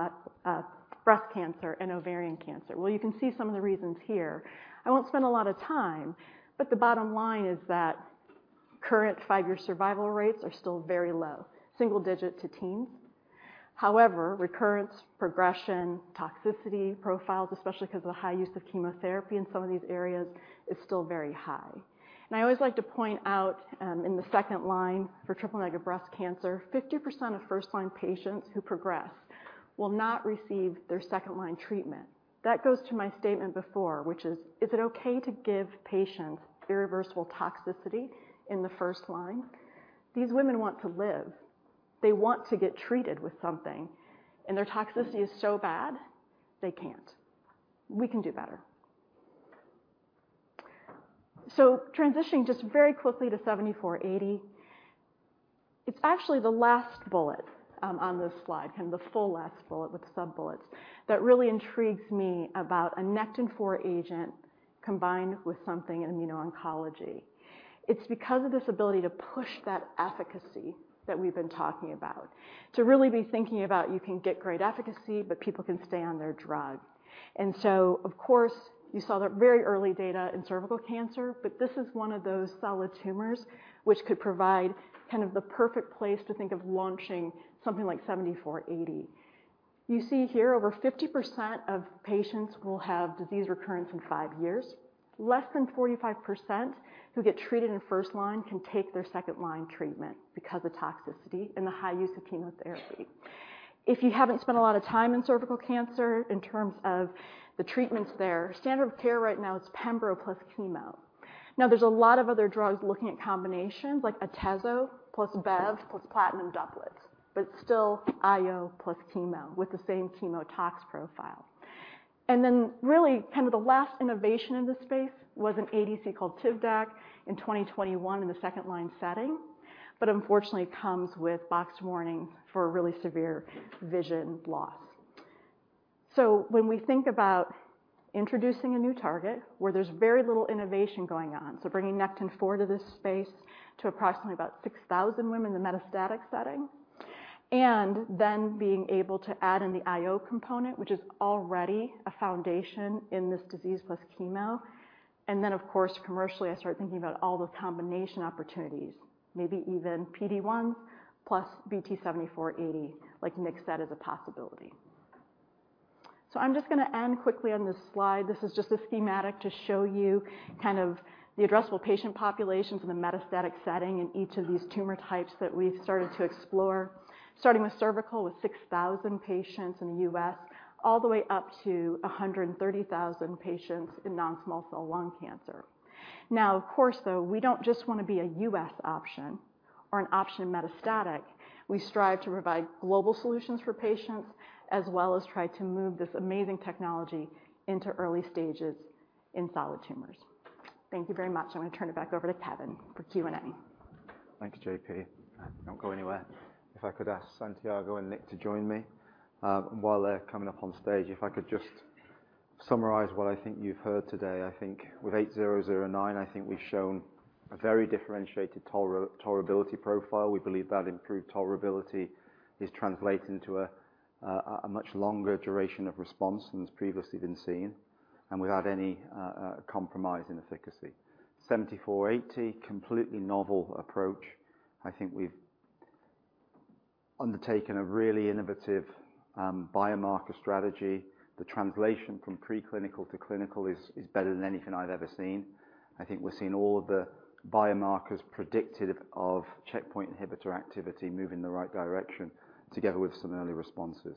breast cancer and ovarian cancer? Well, you can see some of the reasons here. I won't spend a lot of time, but the bottom line is that current five-year survival rates are still very low, single-digit to teens. However, recurrence, progression, toxicity profiles, especially because of the high use of chemotherapy in some of these areas, is still very high. And I always like to point out, in the second line for triple-negative breast cancer, 50% of first-line patients who progress will not receive their second-line treatment. That goes to my statement before, which is: Is it okay to give patients irreversible toxicity in the first line? These women want to live, they want to get treated with something, and their toxicity is so bad they can't. We can do better. So transitioning just very quickly to BT7480. It's actually the last bullet, on this slide, kind of the full last bullet with sub-bullets, that really intrigues me about a Nectin-4 agent combined with something in immuno-oncology. It's because of this ability to push that efficacy that we've been talking about, to really be thinking about you can get great efficacy, but people can stay on their drug. And so, of course, you saw that very early data in cervical cancer, but this is one of those solid tumors which could provide kind of the perfect place to think of launching something like 7480. You see here, over 50% of patients will have disease recurrence in 5 years. Less than 45% who get treated in first line can take their second-line treatment because of toxicity and the high use of chemotherapy. If you haven't spent a lot of time in cervical cancer in terms of the treatments there, standard of care right now is pembro plus chemo. Now, there's a lot of other drugs looking at combinations like Atezo plus Bev plus platinum doublets, but still IO plus chemo with the same chemotox profile. And then really kind of the last innovation in this space was an ADC called Tivdak in 2021 in the second line setting, but unfortunately, it comes with box warnings for a really severe vision loss. So when we think about introducing a new target where there's very little innovation going on, so bringing Nectin-4 to this space to approximately about 6,000 women in the metastatic setting, and then being able to add in the IO component, which is already a foundation in this disease, plus chemo. Of course, commercially, I start thinking about all the combination opportunities, maybe even PD-1 ones, plus BT7480, like mix that as a possibility. I'm just going to end quickly on this slide. This is just a schematic to show you kind of the addressable patient populations in the metastatic setting in each of these tumor types that we've started to explore. Starting with cervical, with 6,000 patients in the U.S., all the way up to 130,000 patients in non-small cell lung cancer. Now, of course, though, we don't just want to be a U.S. option or an option in metastatic. We strive to provide global solutions for patients, as well as try to move this amazing technology into early stages in solid tumors. Thank you very much. I'm going to turn it back over to Kevin for Q&A. Thank you, JP. Don't go anywhere. If I could ask Santiago and Nick to join me. While they're coming up on stage, if I could just summarize what I think you've heard today. I think with 8009, I think we've shown a very differentiated tolerability profile. We believe that improved tolerability is translating to a much longer duration of response than has previously been seen and without any compromise in efficacy. 7480, completely novel approach. I think we've undertaken a really innovative biomarker strategy. The translation from preclinical to clinical is better than anything I've ever seen. I think we're seeing all of the biomarkers predicted of checkpoint inhibitor activity move in the right direction, together with some early responses.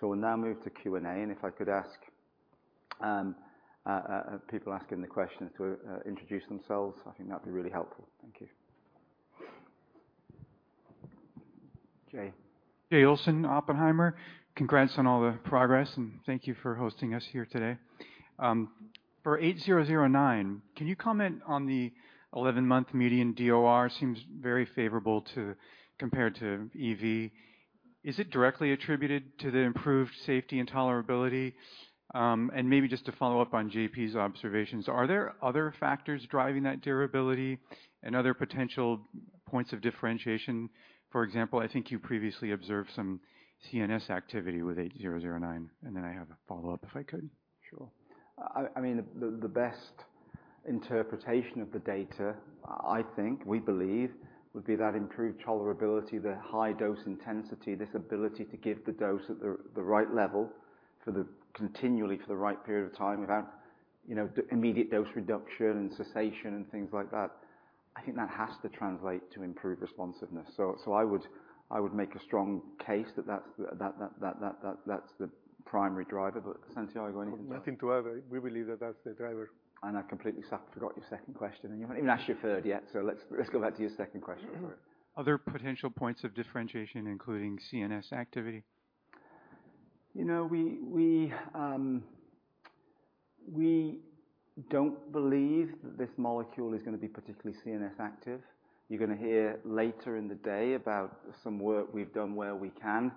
So we'll now move to Q&A, and if I could ask people asking the questions to introduce themselves, I think that'd be really helpful. Thank you. Jay? Jay Olson, Oppenheimer. Congrats on all the progress, and thank you for hosting us here today. For 8009, can you comment on the 11-month median DOR? Seems very favorable compared to EV. Is it directly attributed to the improved safety and tolerability? And maybe just to follow up on JP's observations, are there other factors driving that durability and other potential points of differentiation? For example, I think you previously observed some CNS activity with 8009, and then I have a follow-up, if I could. Sure. I mean, the best interpretation of the data, I think, we believe, would be that improved tolerability, the high dose intensity, this ability to give the dose at the right level continually for the right period of time, without, you know, immediate dose reduction and cessation and things like that. I think that has to translate to improved responsiveness. So I would make a strong case that that's the primary driver. But Santiago, anything to add? Nothing to add. We believe that that's the driver. And I completely forgot your second question, and you haven't even asked your third yet, so let's, let's go back to your second question. Other potential points of differentiation, including CNS activity. You know, we don't believe that this molecule is gonna be particularly CNS active. You're gonna hear later in the day about some work we've done where we can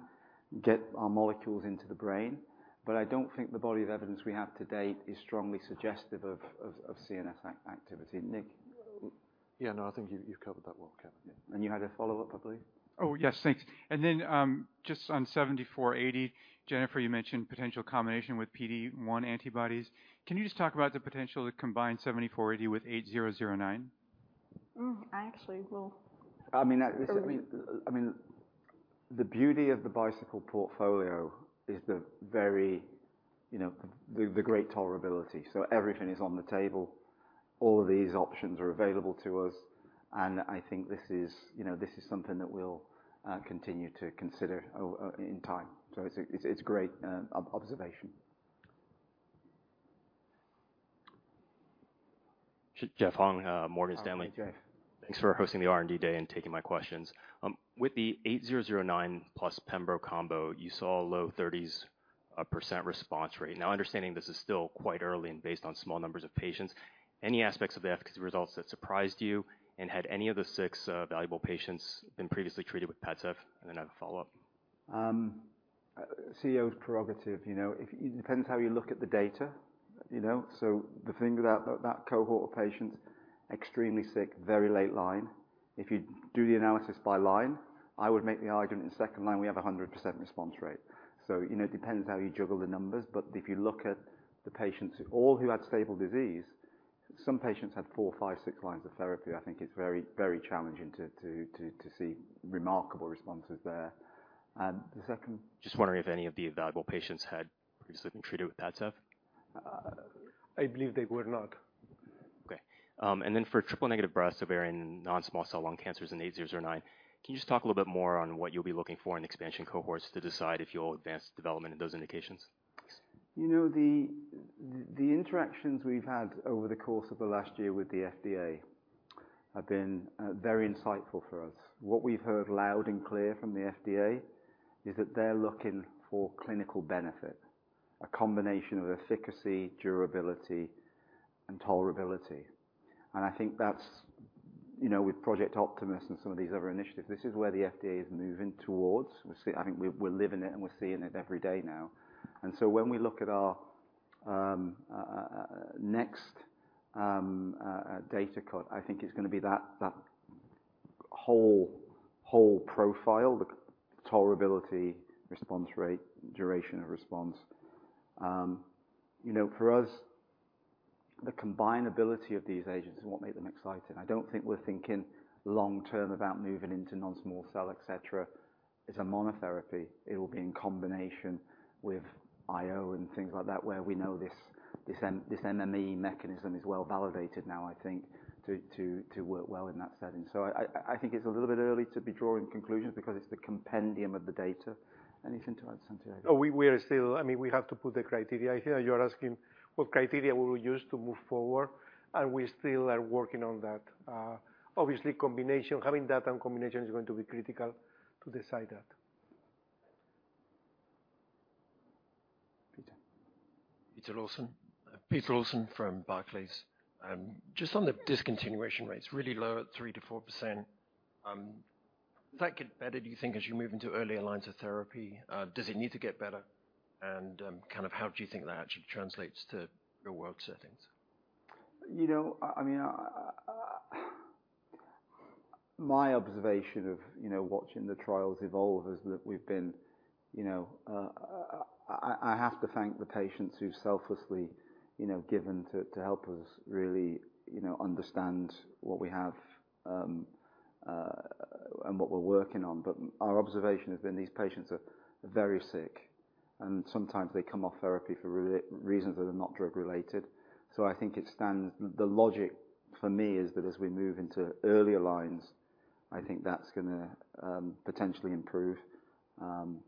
get our molecules into the brain. But I don't think the body of evidence we have to date is strongly suggestive of CNS activity. Nick? Yeah, no, I think you, you've covered that well, Kevin. Yeah. And you had a follow-up, I believe. Oh, yes. Thanks. And then, just on 7480, Jennifer, you mentioned potential combination with PD-1 antibodies. Can you just talk about the potential to combine 7480 with 8009? I actually will- I mean, the beauty of the Bicycle portfolio is the very, you know, the great tolerability. So everything is on the table. All of these options are available to us, and I think this is, you know, this is something that we'll continue to consider in time. So it's great observation. Jeff Hung, Morgan Stanley. Hey, Jeff. Thanks for hosting the R&D Day and taking my questions. With the BT8009 plus pembro combo, you saw a low 30s% response rate. Now, understanding this is still quite early and based on small numbers of patients, any aspects of the efficacy results that surprised you, and had any of the six evaluable patients been previously treated with PADCEV? And then I have a follow-up. CEO's prerogative, you know, if it depends how you look at the data, you know? So the thing about that cohort of patients, extremely sick, very late line. If you do the analysis by line, I would make the argument in second line, we have a 100% response rate. So, you know, it depends how you juggle the numbers, but if you look at the patients all who had stable disease, some patients had 4, 5, 6 lines of therapy. I think it's very, very challenging to, to, to, to see remarkable responses there. And the second- Just wondering if any of the evaluable patients had previously been treated with PADCEV? I believe they were not. Okay. And then for triple negative breast, ovarian, non-small cell lung cancers in 8009, can you just talk a little bit more on what you'll be looking for in expansion cohorts to decide if you'll advance development in those indications? You know, the interactions we've had over the course of the last year with the FDA have been very insightful for us. What we've heard loud and clear from the FDA is that they're looking for clinical benefit, a combination of efficacy, durability, and tolerability. And I think that's, you know, with Project Optimus and some of these other initiatives, this is where the FDA is moving towards. We're living it, and we're seeing it every day now. And so when we look at our next data cut, I think it's gonna be that whole profile, the tolerability, response rate, duration of response. You know, for us, the combinability of these agents is what make them exciting. I don't think we're thinking long-term about moving into non-small cell, et cetera. It's a monotherapy. It will be in combination with IO and things like that, where we know this MMAE mechanism is well validated now, I think, to work well in that setting. So I think it's a little bit early to be drawing conclusions because it's the compendium of the data. Anything to add, Santiago? We are still... I mean, we have to put the criteria here. You're asking what criteria we will use to move forward, and we still are working on that. Obviously, combination, having that and combination is going to be critical to decide that. Peter? Peter Lawson. Peter Lawson from Barclays. Just on the discontinuation rates, really low at 3%-4%, does that get better, do you think, as you move into earlier lines of therapy? Does it need to get better? Kind of, how do you think that actually translates to real-world settings? You know, I mean, my observation of, you know, watching the trials evolve is that we've been... You know, I have to thank the patients who selflessly, you know, given to help us really, you know, understand what we have, and what we're working on. But our observation has been these patients are very sick, and sometimes they come off therapy for reasons that are not drug-related. So I think it stands—the logic for me is that as we move into earlier lines, I think that's gonna potentially improve.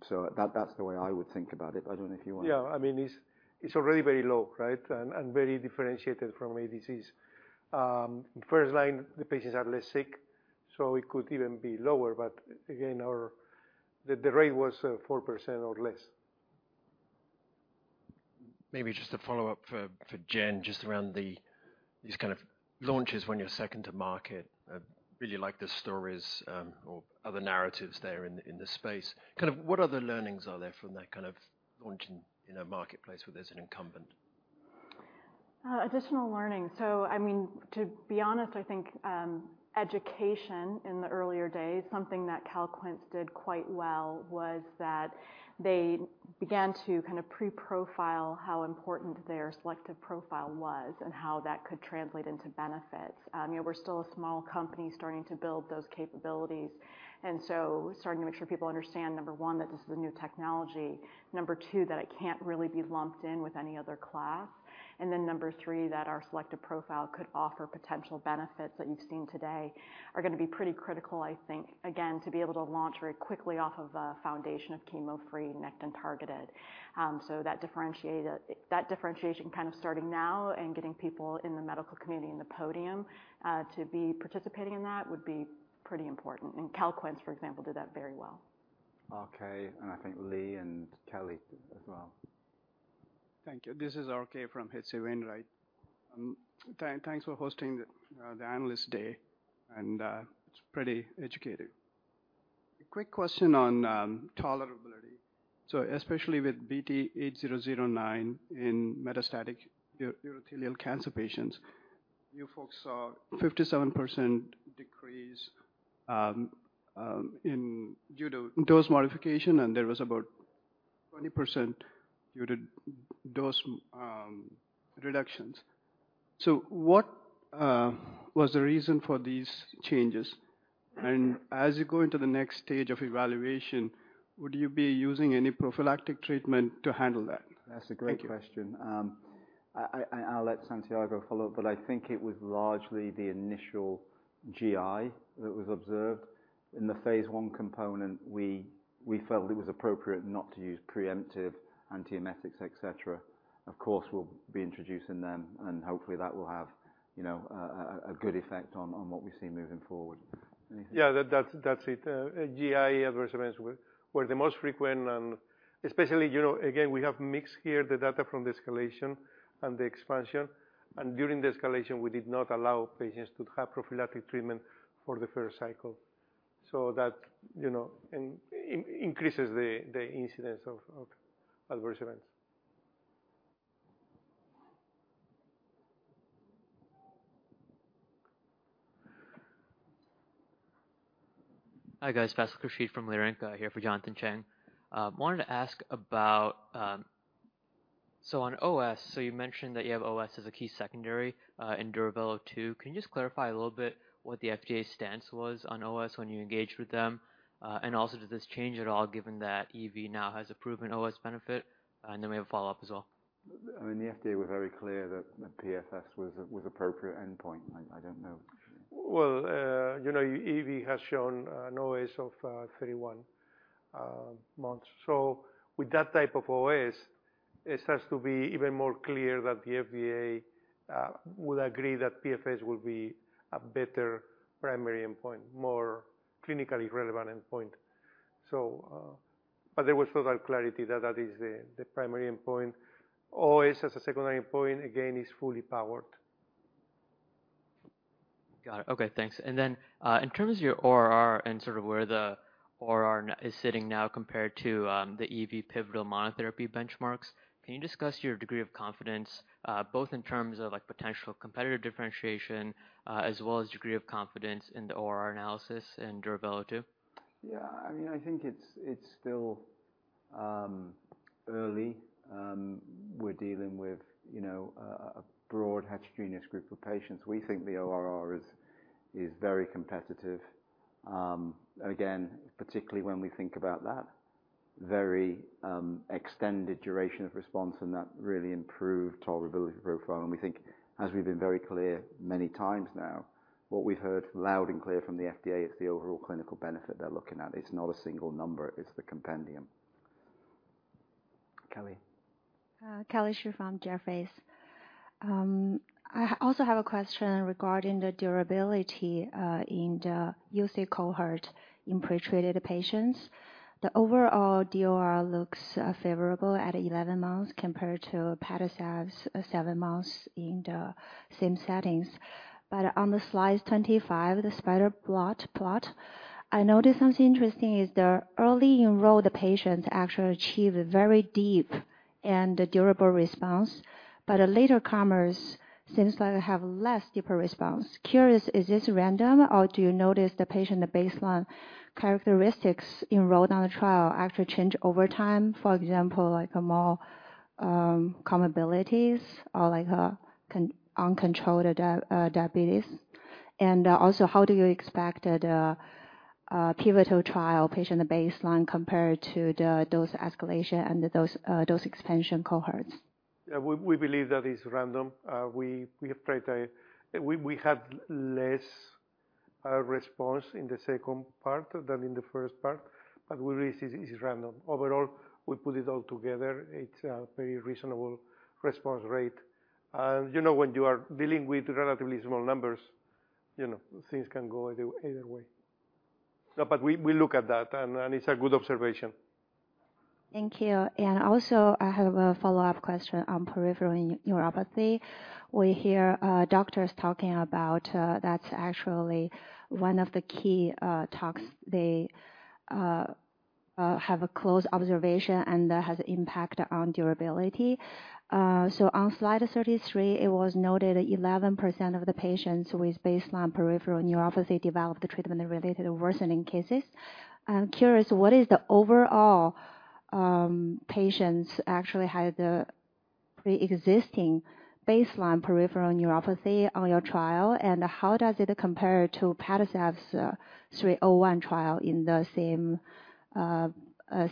So that, that's the way I would think about it. I don't know if you want— Yeah. I mean, it's, it's already very low, right? And, and very differentiated from ADCs. First line, the patients are less sick, so it could even be lower. But again, our-- the, the rate was 4% or less. Maybe just a follow-up for Jen, just around these kind of launches when you're second to market. I really like the stories or other narratives there in the space. Kind of, what other learnings are there from that kind of launching in a marketplace where there's an incumbent? Additional learning. So I mean, to be honest, I think, education in the earlier days, something that Calquence did quite well, was that they began to kind of pre-profile how important their selective profile was and how that could translate into benefits. You know, we're still a small company starting to build those capabilities, and so starting to make sure people understand, number one, that this is a new technology. Number two, that it can't really be lumped in with any other class. And then number three, that our selective profile could offer potential benefits that you've seen today, are gonna be pretty critical, I think, again, to be able to launch very quickly off of a foundation of chemo-free, Nectin-targeted. So that differentiate... That differentiation kind of starting now and getting people in the medical community in the podium, to be participating in that would be pretty important. And Calquence, for example, did that very well. R.K., and I think Lee and Kelly as well. Thank you. This is R.K. from H.C. Wainwright. Thanks for hosting the analyst day, and it's pretty educative. A quick question on tolerability. So especially with BT8009 in metastatic urothelial cancer patients, you folks saw 57% decrease due to dose modification, and there was about 20% due to dose reductions. So what was the reason for these changes? And as you go into the next stage of evaluation, would you be using any prophylactic treatment to handle that? That's a great question. Thank you. I'll let Santiago follow up, but I think it was largely the initial GI that was observed. In the Phase one component, we felt it was appropriate not to use preemptive antiemetics, et cetera. Of course, we'll be introducing them, and hopefully, that will have, you know, a good effect on what we see moving forward. Anything? Yeah, that's it. GI adverse events were the most frequent and especially, you know, again, we have mixed here the data from the escalation and the expansion, and during the escalation, we did not allow patients to have prophylactic treatment for the first cycle. So that, you know, increases the incidence of adverse events. Hi, guys. Faisal Khurshid from Leerink, here for Jonathan Chang. Wanted to ask about... So on OS, so you mentioned that you have OS as a key secondary in DURAVELO 2. Can you just clarify a little bit what the FDA stance was on OS when you engaged with them? And also, did this change at all given that EV now has a proven OS benefit? And then we have a follow-up as well. I mean, the FDA were very clear that the PFS was appropriate endpoint. I don't know. Well, you know, EV has shown an OS of 31 months. So with that type of OS, it has to be even more clear that the FDA would agree that PFS will be a better primary endpoint, more clinically relevant endpoint. So, but there was total clarity that that is the primary endpoint. OS as a secondary endpoint, again, is fully powered. Got it. Okay, thanks. And then, in terms of your ORR and sort of where the ORR is sitting now compared to the EV pivotal monotherapy benchmarks, can you discuss your degree of confidence, both in terms of, like, potential competitive differentiation, as well as degree of confidence in the ORR analysis in DURAVELO 2? Yeah, I mean, I think it's still early. We're dealing with, you know, a broad, heterogeneous group of patients. We think the ORR is very competitive. And again, particularly when we think about that very extended duration of response and that really improved tolerability profile. And we think, as we've been very clear many times now, what we've heard loud and clear from the FDA is the overall clinical benefit they're looking at. It's not a single number. It's the compendium. Kelly? Kelly Shi from Jefferies. I also have a question regarding the durability in the UC cohort in pretreated patients. The overall DOR looks favorable at 11 months compared to Padcev's 7 months in the same settings. But on the slide 25, the spider plot, I noticed something interesting, the early enrolled patients actually achieved a very deep and durable response, but the later comers seems like they have less deeper response. Curious, is this random, or do you notice the baseline characteristics enrolled on the trial actually change over time, for example, like more comorbidities or like uncontrolled diabetes? And also how do you expect the pivotal trial patient baseline compared to the dose escalation and the dose expansion cohorts? Yeah, we believe that is random. We had less response in the second part than in the first part, but we believe this is random. Overall, we put it all together, it's a very reasonable response rate. You know, when you are dealing with relatively small numbers, you know, things can go either way. No, but we look at that, and it's a good observation. Thank you. And also, I have a follow-up question on peripheral neuropathy. We hear, doctors talking about, that's actually one of the key talks. They have a close observation, and that has impact on durability. So on slide 33, it was noted that 11% of the patients with baseline peripheral neuropathy developed the treatment-related worsening cases. I'm curious, what is the overall, patients actually had the pre-existing baseline peripheral neuropathy on your trial? And how does it compare to PADCEV's 301 trial in the same,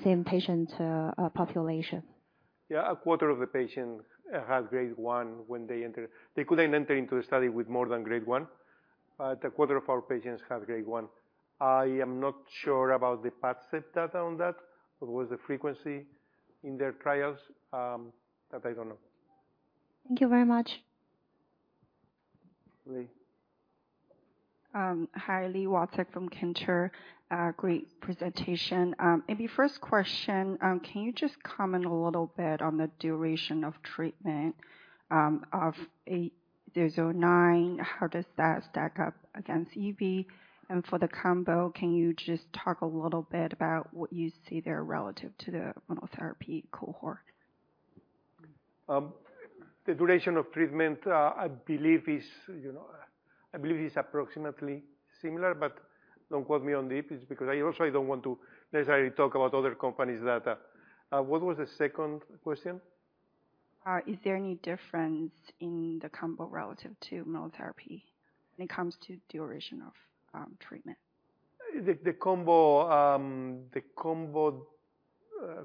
same patient, population? Yeah, a quarter of the patients had grade one when they entered. They couldn't enter into the study with more than grade one, but a quarter of our patients have grade one. I am not sure about the PADCEV data on that, what was the frequency in their trials, that I don't know. Thank you very much. Lee. Hi, Lee Kalowski from Cantor. Great presentation. Maybe first question, can you just comment a little bit on the duration of treatment of 8009? How does that stack up against EV? And for the combo, can you just talk a little bit about what you see there relative to the monotherapy cohort? The duration of treatment, I believe, is, you know, I believe is approximately similar, but don't quote me on it. It's because I also I don't want to necessarily talk about other companies' data. What was the second question? Is there any difference in the combo relative to monotherapy when it comes to duration of treatment? The combo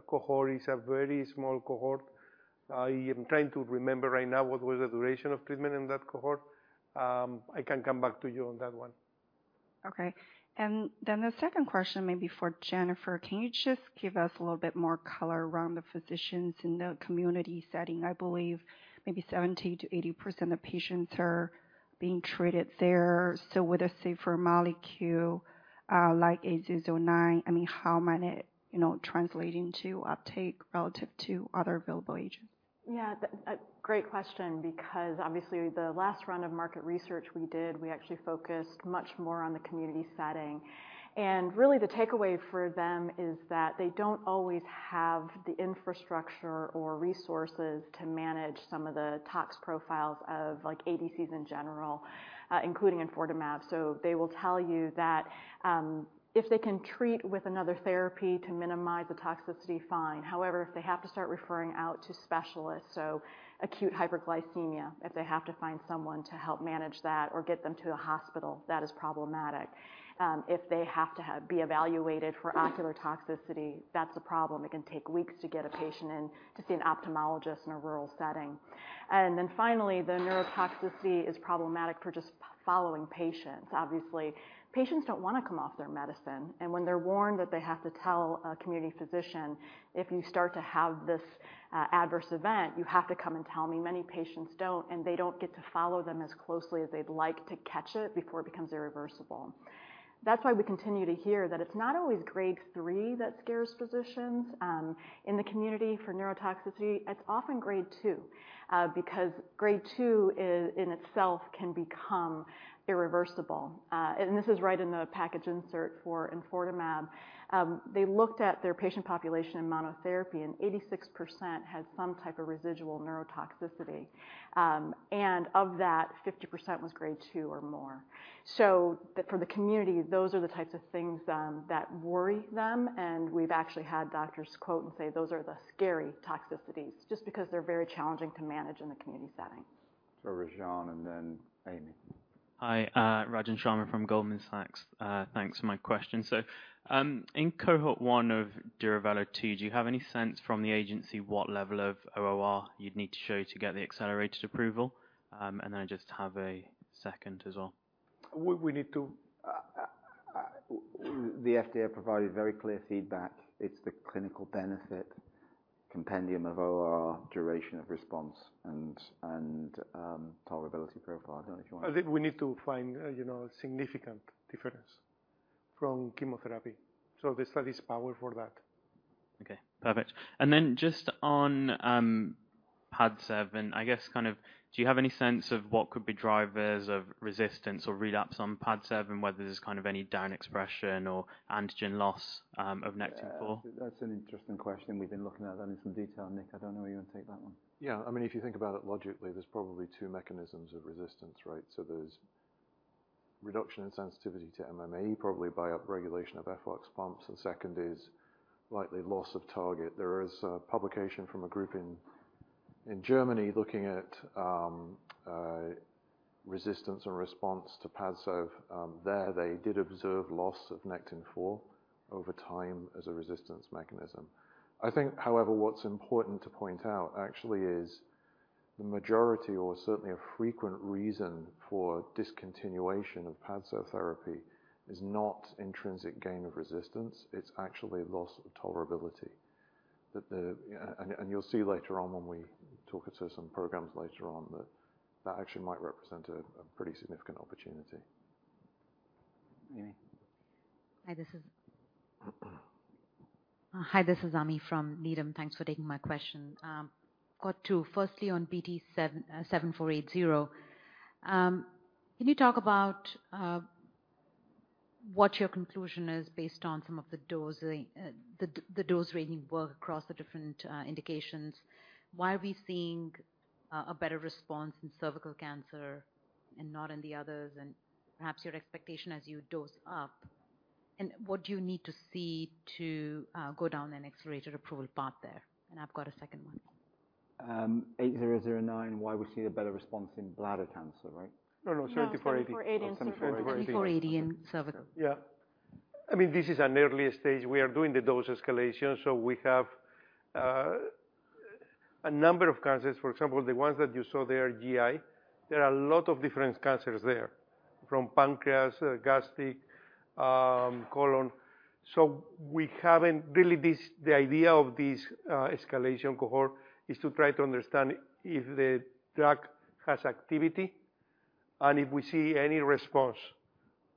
cohort is a very small cohort. I am trying to remember right now what was the duration of treatment in that cohort. I can come back to you on that one. Okay. Then the second question, maybe for Jennifer, can you just give us a little bit more color around the physicians in the community setting? I believe maybe 70%-80% of patients are being treated there. So would a safer molecule, like BT8009, I mean, how might it, you know, translating to uptake relative to other available agents? Yeah, great question, because obviously the last round of market research we did, we actually focused much more on the community setting. And really, the takeaway for them is that they don't always have the infrastructure or resources to manage some of the tox profiles of, like, ADCs in general, including enfortumab. So they will tell you that, if they can treat with another therapy to minimize the toxicity, fine. However, if they have to start referring out to specialists, so acute hyperglycemia, if they have to find someone to help manage that or get them to a hospital, that is problematic. If they have to be evaluated for ocular toxicity, that's a problem. It can take weeks to get a patient in to see an ophthalmologist in a rural setting. And then finally, the neurotoxicity is problematic for just following patients. Obviously, patients don't want to come off their medicine, and when they're warned that they have to tell a community physician, "If you start to have this, adverse event, you have to come and tell me," many patients don't, and they don't get to follow them as closely as they'd like to catch it before it becomes irreversible. That's why we continue to hear that it's not always grade three that scares physicians, in the community for neurotoxicity. It's often grade two, because grade two in itself can become irreversible. And this is right in the package insert for enfortumab vedotin. They looked at their patient population in monotherapy, and 86% had some type of residual neurotoxicity. And of that, 50% was grade two or more. For the community, those are the types of things that worry them, and we've actually had doctors quote and say, "Those are the scary toxicities," just because they're very challenging to manage in the community setting. So Rajan and then Ami. Hi, Rajan Sharma from Goldman Sachs. Thanks for my question. So, in cohort one of DURAVELO 2, do you have any sense from the agency what level of OR you'd need to show to get the accelerated approval? And then I just have a second as well. We need to The FDA provided very clear feedback. It's the clinical benefit, compendium of OR, duration of response, and tolerability profile. I don't know if you want to- I think we need to find, you know, a significant difference from chemotherapy. So the study's power for that. Okay, perfect. And then just on,... PADCEV, I guess kind of, do you have any sense of what could be drivers of resistance or relapse on PADCEV, and whether there's kind of any down expression or antigen loss of nectin-4? That's an interesting question. We've been looking at that in some detail. Nick, I don't know, you want to take that one? Yeah. I mean, if you think about it logically, there's probably two mechanisms of resistance, right? So there's reduction in sensitivity to MMAE, probably by upregulation of efflux pumps, and second is likely loss of target. There is a publication from a group in Germany looking at resistance and response to PADCEV. There they did observe loss of Nectin-4 over time as a resistance mechanism. I think, however, what's important to point out actually is the majority, or certainly a frequent reason for discontinuation of PADCEV therapy, is not intrinsic gain of resistance. It's actually loss of tolerability. That, and you'll see later on when we talk through some programs later on, that that actually might represent a pretty significant opportunity. Ami? Hi, this is Ami from Needham. Thanks for taking my question. Got two. Firstly, on BT7480, can you talk about what your conclusion is based on some of the dosing, the dose ranging work across the different indications? Why are we seeing a better response in cervical cancer and not in the others, and perhaps your expectation as you dose up? And what do you need to see to go down an accelerated approval path there? And I've got a second one. 8009, why we're seeing a better response in bladder cancer, right? No, no, 7480. No, 7480 and cervical. BT7480 and cervical. Yeah. I mean, this is an early stage. We are doing the dose escalation, so we have a number of cancers. For example, the ones that you saw there, GI. There are a lot of different cancers there, from pancreas, gastric, colon. So we haven't... Really, this, the idea of this escalation cohort is to try to understand if the drug has activity and if we see any response,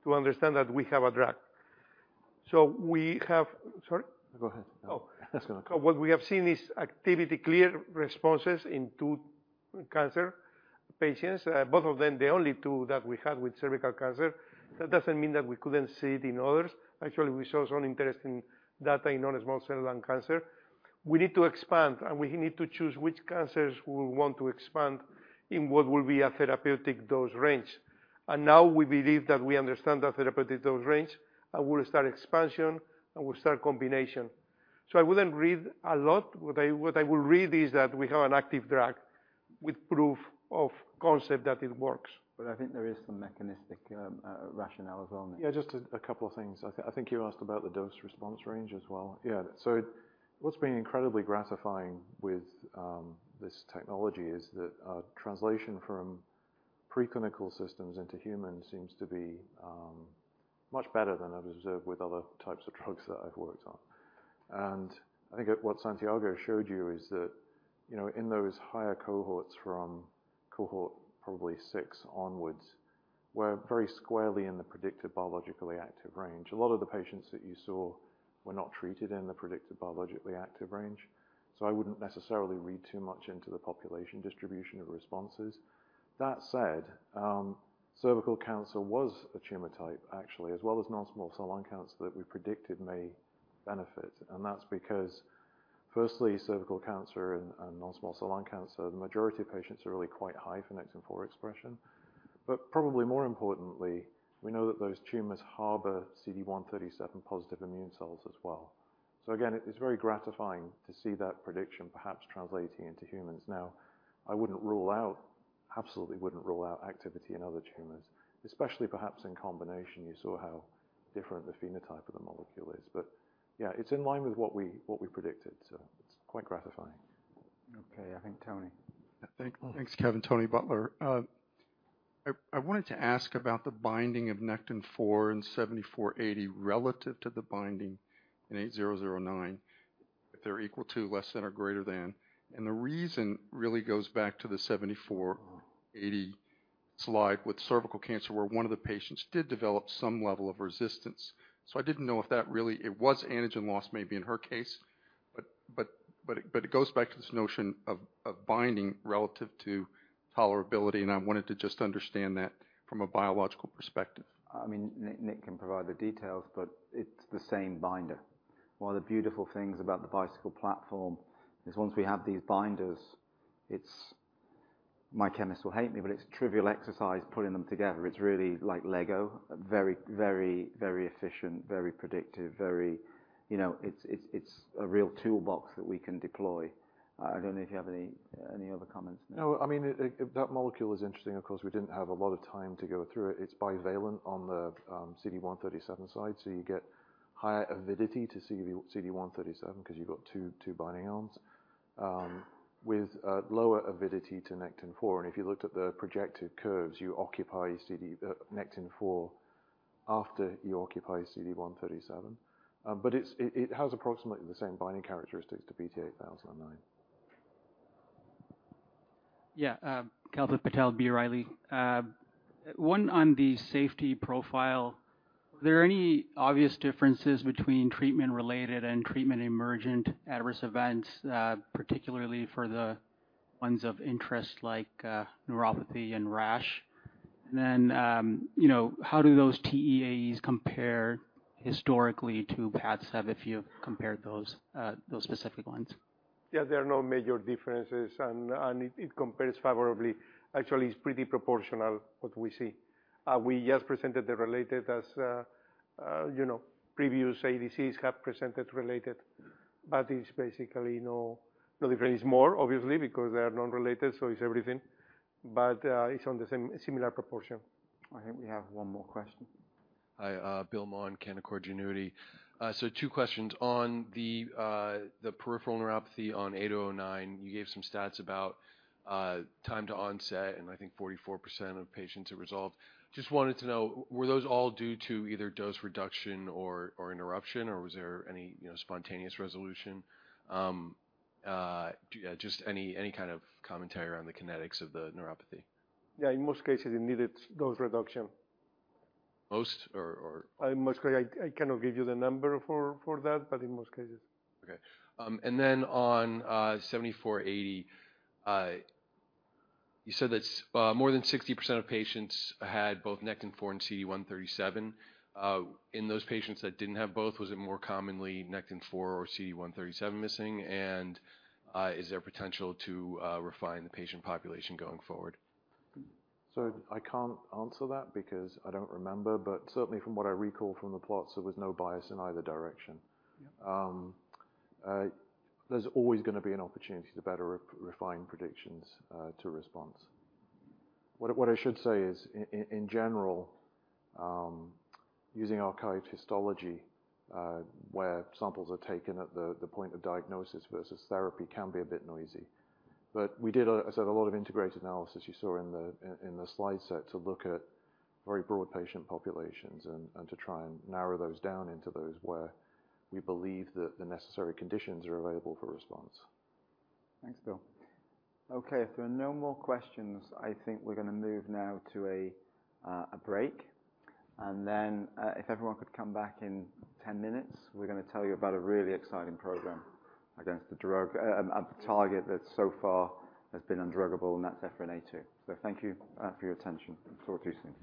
to understand that we have a drug. So we have— Sorry? Go ahead. Oh. I was gonna- What we have seen is activity, clear responses in two cancer patients, both of them, the only two that we had with cervical cancer. That doesn't mean that we couldn't see it in others. Actually, we saw some interesting data in non-small cell lung cancer. We need to expand, and we need to choose which cancers we want to expand in what will be a therapeutic dose range. And now we believe that we understand the therapeutic dose range, and we'll start expansion, and we'll start combination. So I wouldn't read a lot. What I will read is that we have an active drug with proof of concept that it works. But I think there is some mechanistic rationale as well. Yeah, just a couple of things. I think you asked about the dose response range as well. Yeah, so what's been incredibly gratifying with this technology is that translation from preclinical systems into humans seems to be much better than I've observed with other types of drugs that I've worked on. And I think what Santiago showed you is that, you know, in those higher cohorts, from cohort probably six onwards, we're very squarely in the predicted biologically active range. A lot of the patients that you saw were not treated in the predicted biologically active range, so I wouldn't necessarily read too much into the population distribution of responses. That said, cervical cancer was a tumor type, actually, as well as non-small cell lung cancer, that we predicted may benefit. And that's because, firstly, cervical cancer and non-small cell lung cancer, the majority of patients are really quite high for Nectin-4 expression. But probably more importantly, we know that those tumors harbor CD137-positive immune cells as well. So again, it is very gratifying to see that prediction perhaps translating into humans. Now, I wouldn't rule out, absolutely wouldn't rule out activity in other tumors, especially perhaps in combination. You saw how different the phenotype of the molecule is. But yeah, it's in line with what we predicted, so it's quite gratifying. Okay. I think Tony. Thanks, Kevin. Tony Butler, I wanted to ask about the binding of Nectin-4 and BT7480 relative to the binding in BT8009, if they're equal to, less than, or greater than. And the reason really goes back to the BT7480 slide with cervical cancer, where one of the patients did develop some level of resistance. So I didn't know if that was antigen loss maybe in her case, but it goes back to this notion of binding relative to tolerability, and I wanted to just understand that from a biological perspective. I mean, Nick can provide the details, but it's the same binder. One of the beautiful things about the Bicycle platform is once we have these binders, it's... My chemists will hate me, but it's trivial exercise putting them together. It's really like Lego, a very, very, very efficient, very predictive, very... You know, it's, it's, it's a real toolbox that we can deploy. I don't know if you have any other comments, Nick. No. I mean, it— That molecule is interesting. Of course, we didn't have a lot of time to go through it. It's bivalent on the CD137 side, so you get higher avidity to CD137, 'cause you've got two binding arms with lower avidity to Nectin-4. And if you looked at the projected curves, you occupy Nectin-4 after you occupy CD137. But it has approximately the same binding characteristics to BT8009. ... Yeah, Kalpit Patel, B. Riley. One on the safety profile, were there any obvious differences between treatment-related and treatment-emergent adverse events, particularly for the ones of interest like neuropathy and rash? And then, you know, how do those TEAEs compare historically to PADCEV, if you compared those, those specific ones? Yeah, there are no major differences, and it compares favorably. Actually, it's pretty proportional what we see. We just presented the related as, you know, previous ADCs have presented related, but it's basically well, there is more obviously because they are non-related, so it's everything. But it's on the same similar proportion. I think we have one more question. Hi, Bill Maughan, Canaccord Genuity. So 2 questions. On the peripheral neuropathy on BT8009, you gave some stats about time to onset, and I think 44% of patients it resolved. Just wanted to know, were those all due to either dose reduction or interruption, or was there any, you know, spontaneous resolution? Just any kind of commentary around the kinetics of the neuropathy. Yeah, in most cases, it needed dose reduction. Most, or...? In most cases. I cannot give you the number for that, but in most cases. Okay. And then on BT7480, you said that more than 60% of patients had both Nectin-4 and CD137. In those patients that didn't have both, was it more commonly Nectin-4 or CD137 missing, and is there potential to refine the patient population going forward? I can't answer that because I don't remember. Certainly from what I recall from the plots, there was no bias in either direction. Yeah. There's always gonna be an opportunity to better re-refine predictions to response. What I should say is, in general, using archived histology, where samples are taken at the point of diagnosis versus therapy can be a bit noisy. But we did, as I said, a lot of integrated analysis you saw in the slide set to look at very broad patient populations and to try and narrow those down into those where we believe that the necessary conditions are available for response. Thanks, Bill. Okay, if there are no more questions, I think we're gonna move now to a break, and then, if everyone could come back in 10 minutes, we're gonna tell you about a really exciting program against the drug... a target that so far has been undruggable, and that's Ephrin A2. So thank you for your attention. Talk to you soon....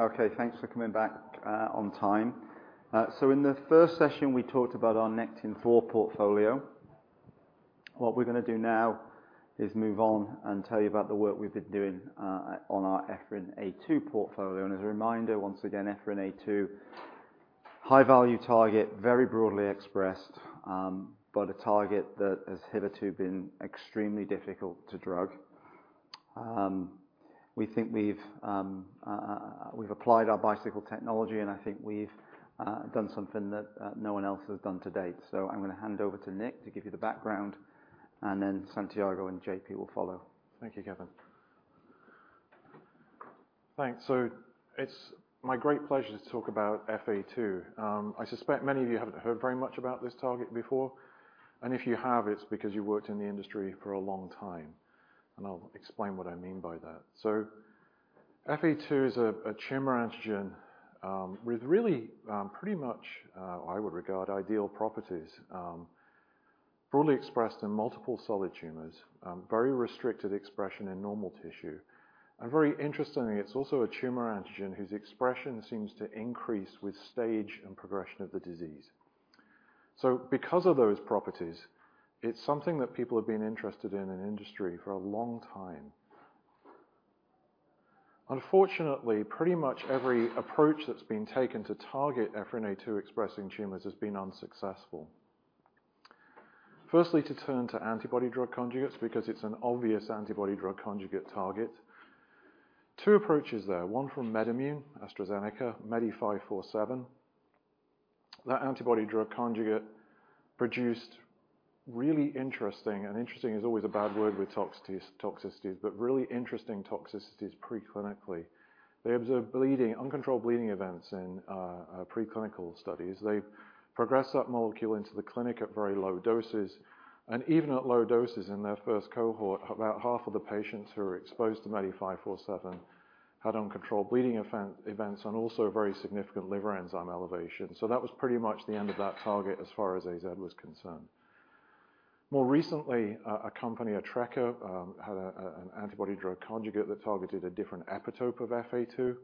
Okay, thanks for coming back on time. So in the first session, we talked about our Nectin-4 portfolio. What we're gonna do now is move on and tell you about the work we've been doing on our Ephrin A2 portfolio. And as a reminder, once again, Ephrin A2, high-value target, very broadly expressed, but a target that has hitherto been extremely difficult to drug. We think we've applied our Bicycle technology, and I think we've done something that no one else has done to date. So I'm gonna hand over to Nick to give you the background, and then Santiago and JP will follow. Thank you, Kevin. Thanks. It's my great pleasure to talk about EphA2. I suspect many of you haven't heard very much about this target before, and if you have, it's because you worked in the industry for a long time, and I'll explain what I mean by that. EphA2 is a tumor antigen with really, pretty much, I would regard, ideal properties. Broadly expressed in multiple solid tumors, very restricted expression in normal tissue, and very interestingly, it's also a tumor antigen whose expression seems to increase with stage and progression of the disease. Because of those properties, it's something that people have been interested in in industry for a long time. Unfortunately, pretty much every approach that's been taken to target EphA2 expressing tumors has been unsuccessful. Firstly, to turn to antibody drug conjugates, because it's an obvious antibody drug conjugate target. Two approaches there, one from MedImmune, AstraZeneca, MEDI547. That antibody drug conjugate produced really interesting, and interesting is always a bad word with toxicities, toxicities, but really interesting toxicities preclinically. They observed bleeding, uncontrolled bleeding events in preclinical studies. They progressed that molecule into the clinic at very low doses, and even at low doses in their first cohort, about half of the patients who were exposed to MEDI547 had uncontrolled bleeding events, and also very significant liver enzyme elevation. So that was pretty much the end of that target as far as AZ was concerned. More recently, a company, Atrecaa, had an antibody drug conjugate that targeted a different epitope of EphA2.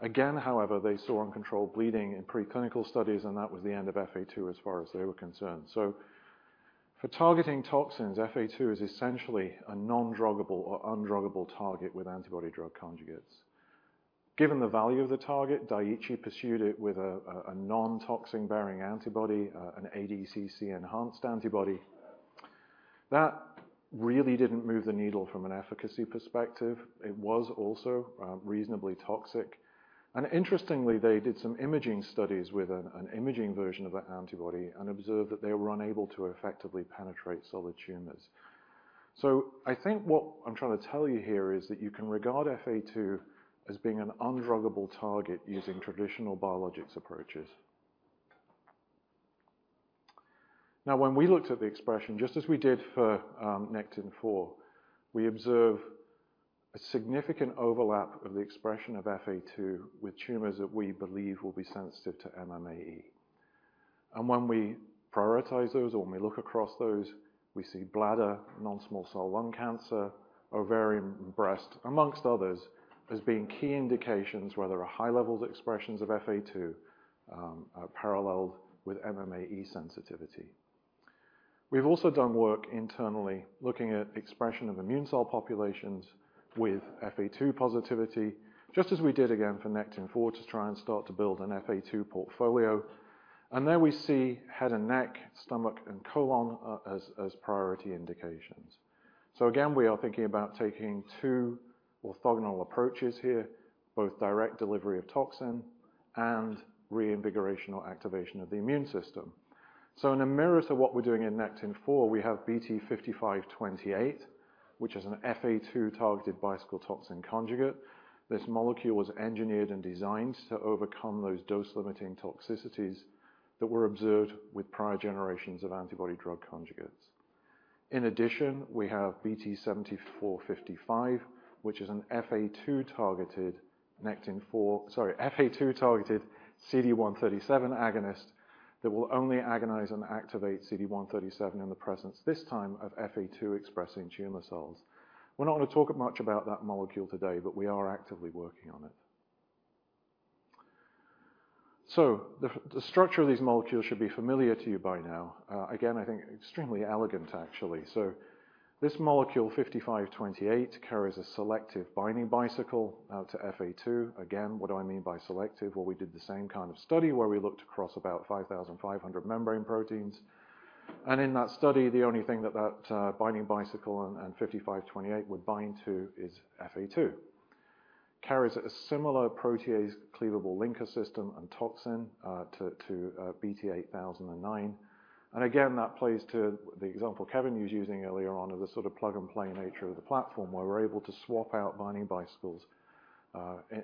Again, however, they saw uncontrolled bleeding in preclinical studies, and that was the end of EphA2 as far as they were concerned. So for targeting toxins, EphA2 is essentially a non-druggable or undruggable target with antibody drug conjugates. Given the value of the target, Daiichi pursued it with a non-toxin-bearing antibody, an ADCC-enhanced antibody. That really didn't move the needle from an efficacy perspective. It was also reasonably toxic, and interestingly, they did some imaging studies with an imaging version of that antibody and observed that they were unable to effectively penetrate solid tumors. So I think what I'm trying to tell you here is that you can regard EphA2 as being an undruggable target using traditional biologics approaches. Now, when we looked at the expression, just as we did for Nectin-4, we observe a significant overlap of the expression of EphA2 with tumors that we believe will be sensitive to MMAE. And when we prioritize those or when we look across those, we see bladder, non-small cell lung cancer, ovarian, and breast, among others, as being key indications where there are high levels of expressions of EphA2, paralleled with MMAE sensitivity. We've also done work internally, looking at expression of immune cell populations with EphA2 positivity, just as we did again for Nectin-4, to try and start to build an EphA2 portfolio. And there we see head and neck, stomach, and colon, as priority indications. So again, we are thinking about taking two orthogonal approaches here, both direct delivery of toxin and reinvigoration or activation of the immune system. So in a mirror to what we're doing in nectin-4, we have BT5528, which is an EphA2-targeted Bicycle toxin conjugate. This molecule was engineered and designed to overcome those dose-limiting toxicities that were observed with prior generations of antibody drug conjugates. In addition, we have BT7455, which is an EphA2-targeted nectin-4... Sorry, EphA2-targeted CD137 agonist that will only agonize and activate CD137 in the presence, this time, of EphA2-expressing tumor cells. We're not going to talk much about that molecule today, but we are actively working on it. So the structure of these molecules should be familiar to you by now. Again, I think extremely elegant, actually. So this molecule, 5528, carries a selective binding Bicycle out to EphA2. Again, what do I mean by selective? Well, we did the same kind of study where we looked across about 5,500 membrane proteins, and in that study, the only thing that binding Bicycle and BT5528 would bind to is EphA2. Carries a similar protease-cleavable linker system and toxin to BT8009. And again, that plays to the example Kevin was using earlier on, of the sort of plug-and-play nature of the platform, where we're able to swap out binding Bicycles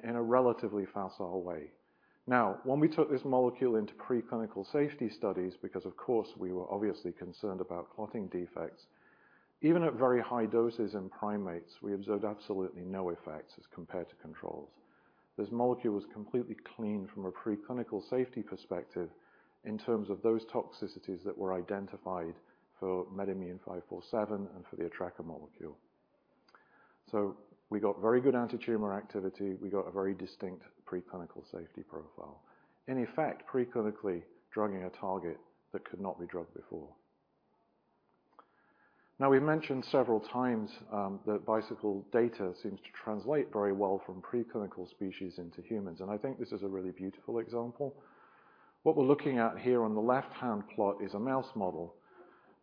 in a relatively facile way. Now, when we took this molecule into preclinical safety studies, because of course, we were obviously concerned about clotting defects, even at very high doses in primates, we observed absolutely no effects as compared to controls. This molecule was completely clean from a preclinical safety perspective in terms of those toxicities that were identified for MedImmune 547 and for the Attraka molecule. So we got very good antitumor activity. We got a very distinct preclinical safety profile. In effect, preclinically drugging a target that could not be drugged before. Now, we've mentioned several times that Bicycle data seems to translate very well from preclinical species into humans, and I think this is a really beautiful example. What we're looking at here on the left-hand plot is a mouse model.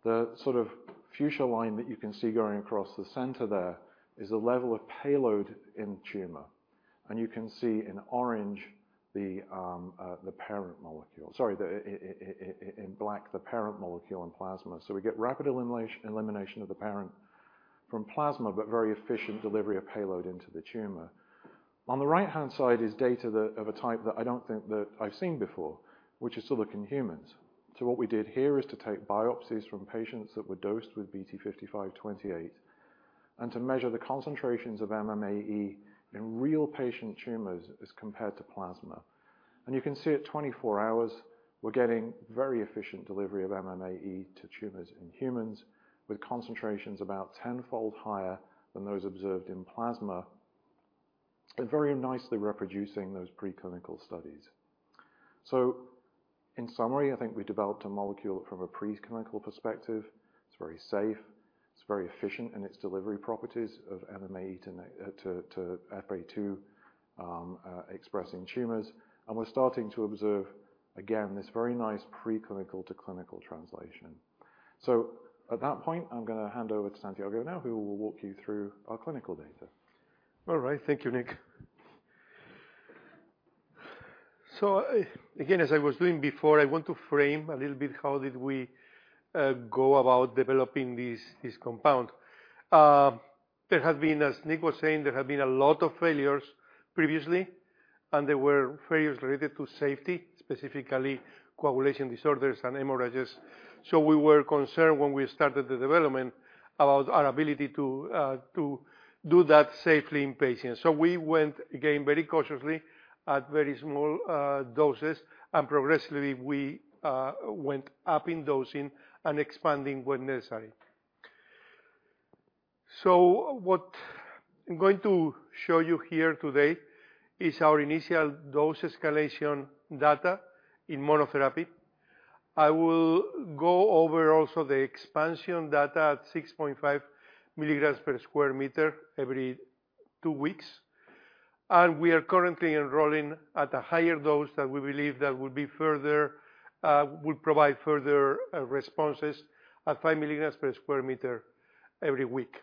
The sort of fuchsia line that you can see going across the center there is a level of payload in tumor, and you can see in orange the parent molecule... Sorry, in black, the parent molecule in plasma. So we get rapid elimination of the parent from plasma, but very efficient delivery of payload into the tumor. On the right-hand side is data that, of a type that I don't think that I've seen before, which is in humans. So what we did here is to take biopsies from patients that were dosed with BT5528 and to measure the concentrations of MMAE in real patient tumors as compared to plasma. And you can see at 24 hours, we're getting very efficient delivery of MMAE to tumors in humans, with concentrations about 10-fold higher than those observed in plasma, and very nicely reproducing those preclinical studies. So in summary, I think we developed a molecule from a preclinical perspective. It's very safe. It's very efficient in its delivery properties of MMAE to EphA2 expressing tumors, and we're starting to observe, again, this very nice preclinical to clinical translation. So at that point, I'm gonna hand over to Santiago now, who will walk you through our clinical data. All right. Thank you, Nick. So I, again, as I was doing before, I want to frame a little bit how did we go about developing this, this compound. There have been, as Nick was saying, there have been a lot of failures previously... and there were failures related to safety, specifically coagulation disorders and hemorrhages. So we were concerned when we started the development about our ability to do that safely in patients. So we went, again, very cautiously at very small doses, and progressively, we went up in dosing and expanding when necessary. So what I'm going to show you here today is our initial dose escalation data in monotherapy. I will go over also the expansion data at 6.5 milligrams per square meter every two weeks. We are currently enrolling at a higher dose that we believe will provide further responses at 5 milligrams per square meter every week.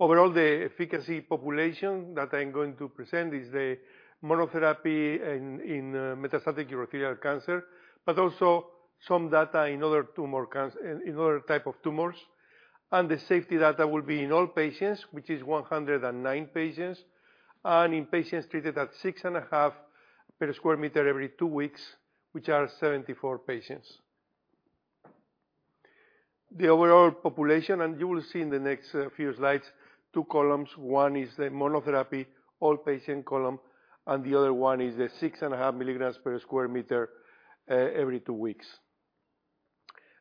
Overall, the efficacy population that I'm going to present is the monotherapy in metastatic urothelial cancer, but also some data in other types of tumors. The safety data will be in all patients, which is 109 patients, and in patients treated at 6.5 milligrams per square meter every two weeks, which are 74 patients. The overall population, and you will see in the next few slides, two columns. One is the monotherapy, all patients column, and the other one is the 6.5 milligrams per square meter every two weeks.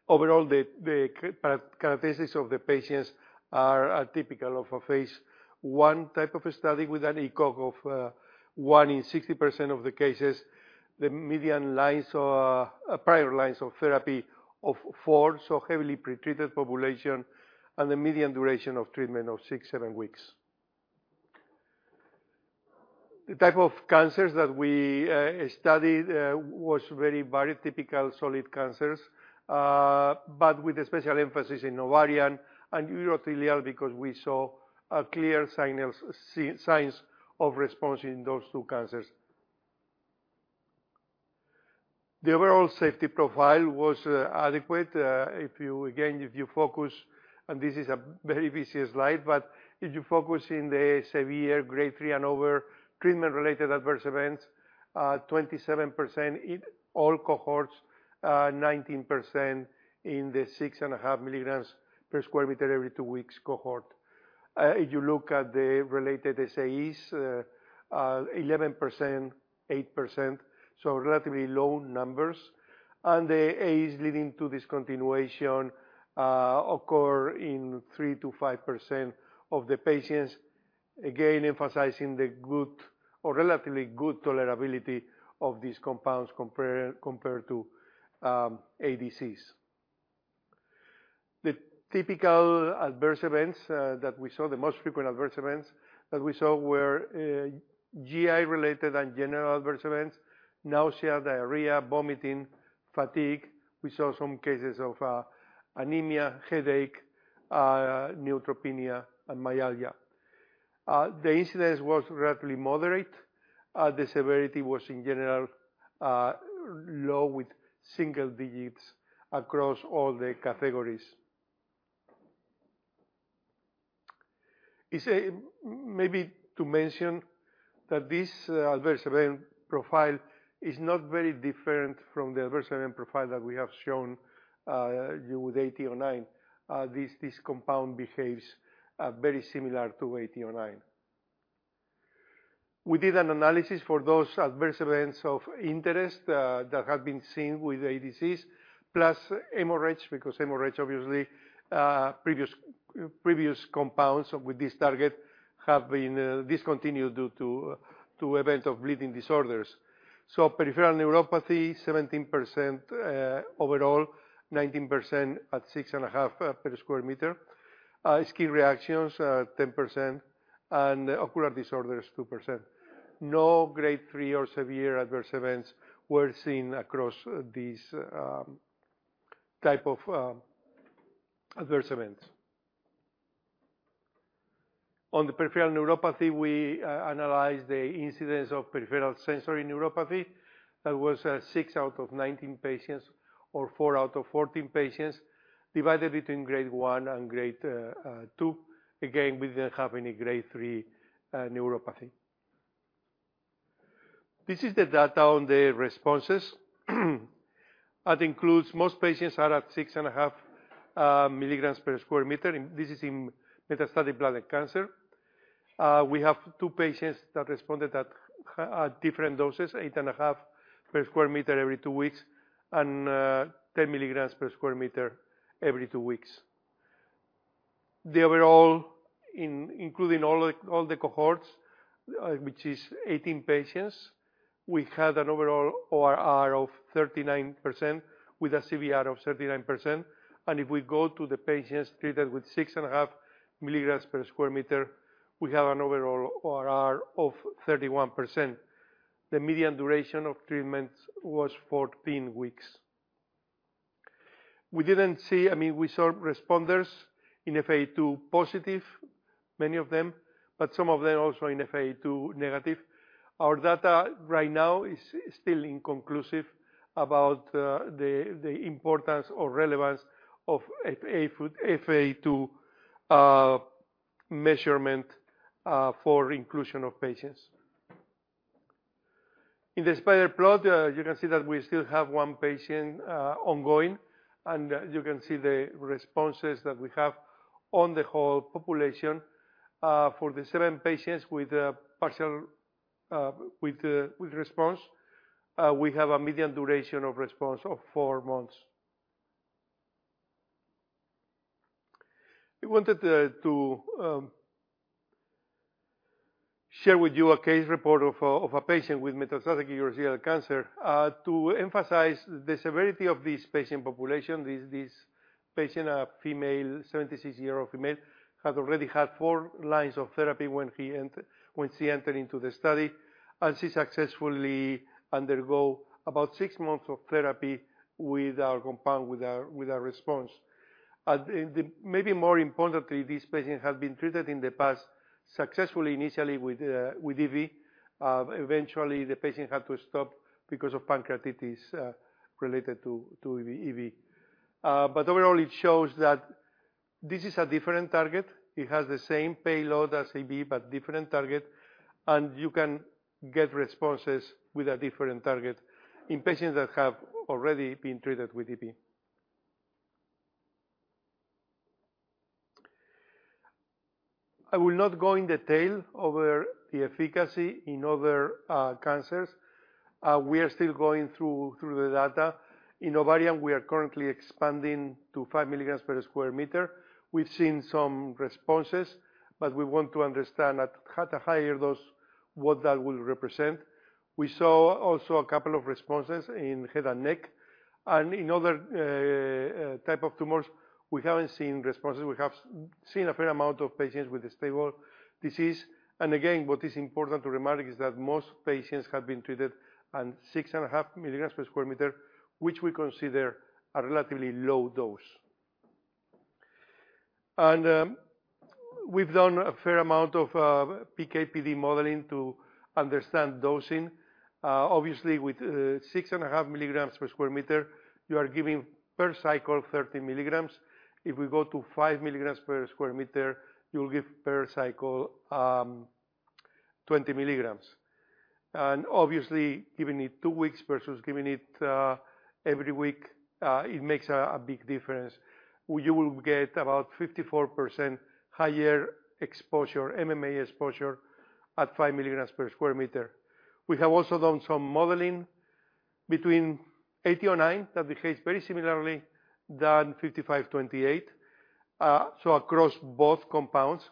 Overall, the characteristics of the patients are typical of a Phase I type of a study with an ECOG of 1 in 60% of the cases, the median lines or prior lines of therapy of 4, so heavily pretreated population, and the median duration of treatment of 6-7 weeks. The type of cancers that we studied was very, very typical solid cancers, but with a special emphasis in ovarian and urothelial, because we saw a clear signs of response in those two cancers. The overall safety profile was adequate. If you, again, if you focus, and this is a very busy slide, but if you focus in the severe grade 3 and over treatment-related adverse events, 27% in all cohorts, 19% in the 6.5 milligrams per square meter every two weeks cohort. If you look at the related SAEs, 11%, 8%, so relatively low numbers. And the AEs leading to discontinuation occur in 3%-5% of the patients, again, emphasizing the good or relatively good tolerability of these compounds compared to ADCs. The typical adverse events that we saw, the most frequent adverse events that we saw were GI-related and general adverse events, nausea, diarrhea, vomiting, fatigue. We saw some cases of anemia, headache, neutropenia, and myalgia. The incidence was relatively moderate. The severity was, in general, low, with single digits across all the categories. It's maybe to mention that this adverse event profile is not very different from the adverse event profile that we have shown you with AT09. This compound behaves very similar to AT09. We did an analysis for those adverse events of interest that had been seen with ADCs, plus hemorrhage, because hemorrhage, obviously, previous compounds with this target have been discontinued due to events of bleeding disorders. So peripheral neuropathy, 17% overall, 19% at 6.5 per square meter. Skin reactions, 10%, and ocular disorders, 2%. No grade three or severe adverse events were seen across these type of adverse events. On the peripheral neuropathy, we analyze the incidence of peripheral sensory neuropathy. That was 6 out of 19 patients or 4 out of 14 patients, divided between grade 1 and grade 2. Again, we didn't have any grade 3 neuropathy. This is the data on the responses. That includes most patients are at 6.5 milligrams per square meter. And this is in metastatic bladder cancer. We have two patients that responded at different doses, 8.5 per square meter every two weeks and 10 milligrams per square meter every two weeks. The overall, including all the cohorts, which is 18 patients, we had an overall ORR of 39% with a CVR of 39%. If we go to the patients treated with 6.5 milligrams per square meter, we have an overall ORR of 31%. The median duration of treatment was 14 weeks. We didn't see. I mean, we saw responders in EphA2 positive, many of them, but some of them also in EphA2 negative... Our data right now is still inconclusive about the importance or relevance of EphA2 measurement for inclusion of patients. In the spider plot, you can see that we still have one patient ongoing, and you can see the responses that we have on the whole population. For the seven patients with partial response, we have a median duration of response of four months. We wanted to share with you a case report of a patient with metastatic urothelial cancer to emphasize the severity of this patient population. This patient, a female, 76-year-old female, had already had four lines of therapy when she entered into the study, and she successfully undergo about six months of therapy with our compound, with a response. And maybe more importantly, this patient had been treated in the past successfully, initially with EV. Eventually, the patient had to stop because of pancreatitis related to EV. But overall, it shows that this is a different target. It has the same payload as EV, but different target, and you can get responses with a different target in patients that have already been treated with EV. I will not go in detail over the efficacy in other cancers. We are still going through the data. In ovarian, we are currently expanding to 5 milligrams per square meter. We've seen some responses, but we want to understand at a higher dose, what that will represent. We saw also a couple of responses in head and neck. And in other type of tumors, we haven't seen responses. We have seen a fair amount of patients with a stable disease. And again, what is important to remark is that most patients have been treated on 6.5 milligrams per square meter, which we consider a relatively low dose. And we've done a fair amount of PK/PD modeling to understand dosing. Obviously, with 6.5 milligrams per square meter, you are giving per cycle, 30 milligrams. If we go to 5 milligrams per square meter, you'll give per cycle, 20 milligrams. And obviously, giving it 2 weeks versus giving it every week, it makes a big difference, where you will get about 54% higher exposure, MMA exposure at 5 milligrams per square meter. We have also done some modeling between BT8009 that behaves very similarly than BT5528, so across both compounds.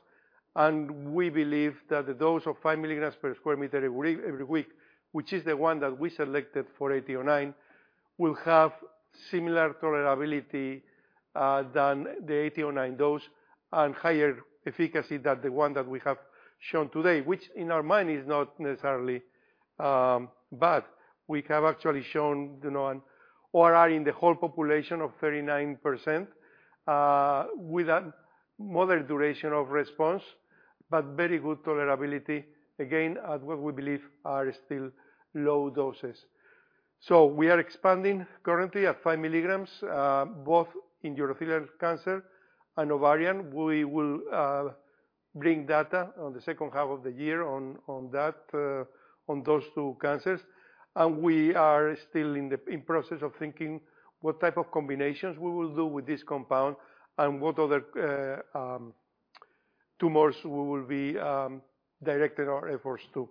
And we believe that the dose of 5 milligrams per square meter every week, every week, which is the one that we selected for BT8009, will have similar tolerability than the BT8009 dose and higher efficacy than the one that we have shown today, which in our mind is not necessarily bad. We have actually shown, you know, an ORR in the whole population of 39%, with a moderate duration of response, but very good tolerability, again, at what we believe are still low doses. So we are expanding currently at 5 milligrams, both in urothelial cancer and ovarian. We will bring data on the second half of the year on those two cancers, and we are still in the process of thinking what type of combinations we will do with this compound and what other tumors we will be directing our efforts to.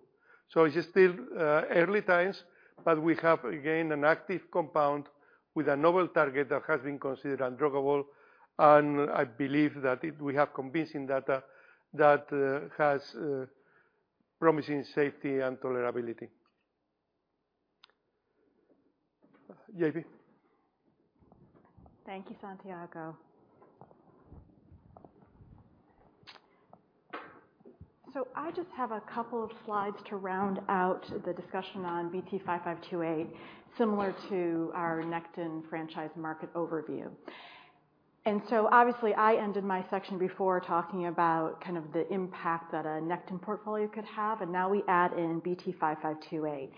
So it's still early times, but we have, again, an active compound with a novel target that has been considered undruggable, and I believe that we have convincing data that has promising safety and tolerability. JP? Thank you, Santiago. So I just have a couple of slides to round out the discussion on BT5528, similar to our Nectin franchise market overview. And so obviously, I ended my section before talking about kind of the impact that a Nectin portfolio could have, and now we add in BT5528.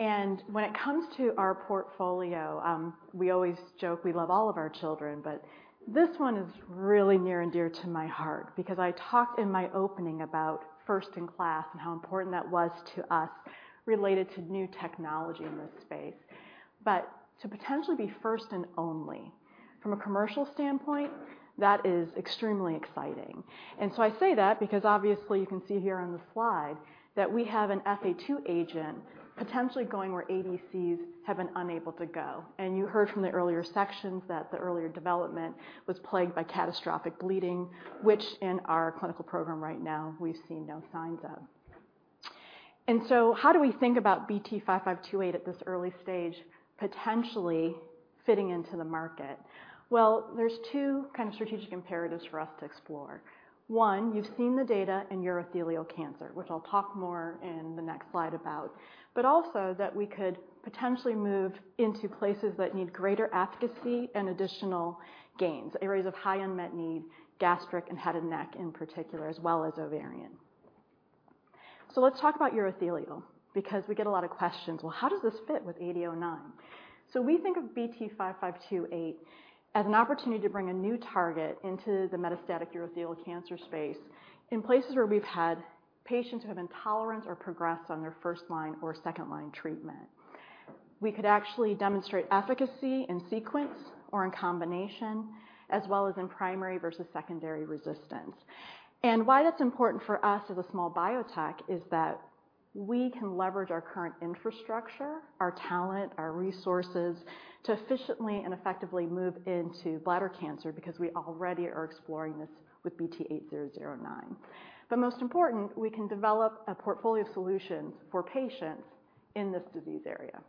And when it comes to our portfolio, we always joke we love all of our children, but this one is really near and dear to my heart because I talked in my opening about first-in-class and how important that was to us, related to new technology in this space. But to potentially be first and only, from a commercial standpoint, that is extremely exciting. And so I say that because obviously you can see here on the slide that we have an EphA2 agent potentially going where ADCs have been unable to go. You heard from the earlier sections that the earlier development was plagued by catastrophic bleeding, which in our clinical program right now, we've seen no signs of. So how do we think about BT5528 at this early stage, potentially fitting into the market? Well, there's two kind of strategic imperatives for us to explore. One, you've seen the data in urothelial cancer, which I'll talk more in the next slide about, but also that we could potentially move into places that need greater efficacy and additional gains, areas of high unmet need, gastric and head and neck in particular, as well as ovarian. So let's talk about urothelial, because we get a lot of questions. Well, how does this fit with BT8009? So we think of BT5528 as an opportunity to bring a new target into the metastatic urothelial cancer space in places where we've had patients who have intolerance or progressed on their first-line or second-line treatment. We could actually demonstrate efficacy in sequence or in combination, as well as in primary versus secondary resistance. And why that's important for us as a small biotech is that we can leverage our current infrastructure, our talent, our resources, to efficiently and effectively move into bladder cancer, because we already are exploring this with BT8009. But most important, we can develop a portfolio of solutions for patients in this disease area.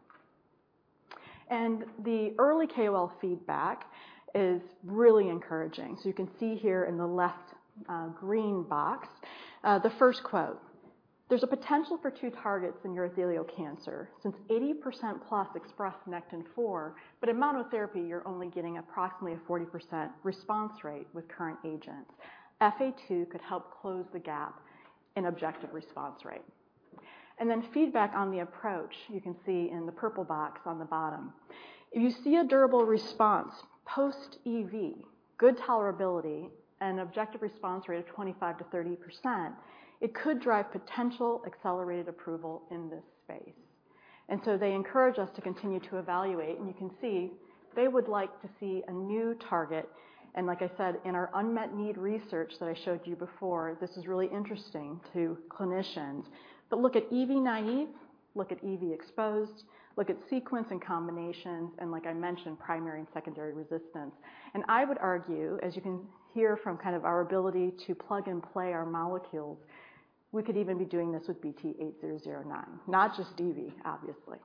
And the early KOL feedback is really encouraging. So you can see here in the left, green box, the first quote: "There's a potential for two targets in urothelial cancer, since 80% plus express Nectin-4, but in monotherapy, you're only getting approximately a 40% response rate with current agents. EphA2 could help close the gap in objective response rate." And then feedback on the approach, you can see in the purple box on the bottom. "If you see a durable response post EV, good tolerability, and objective response rate of 25%-30%, it could drive potential accelerated approval in this space." And so they encourage us to continue to evaluate, and you can see they would like to see a new target. And like I said, in our unmet need research that I showed you before, this is really interesting to clinicians. But look at EV naive, look at EV exposed, look at sequence and combinations, and like I mentioned, primary and secondary resistance. And I would argue, as you can hear from kind of our ability to plug and play our molecules, we could even be doing this with BT8009, not just EV, obviously.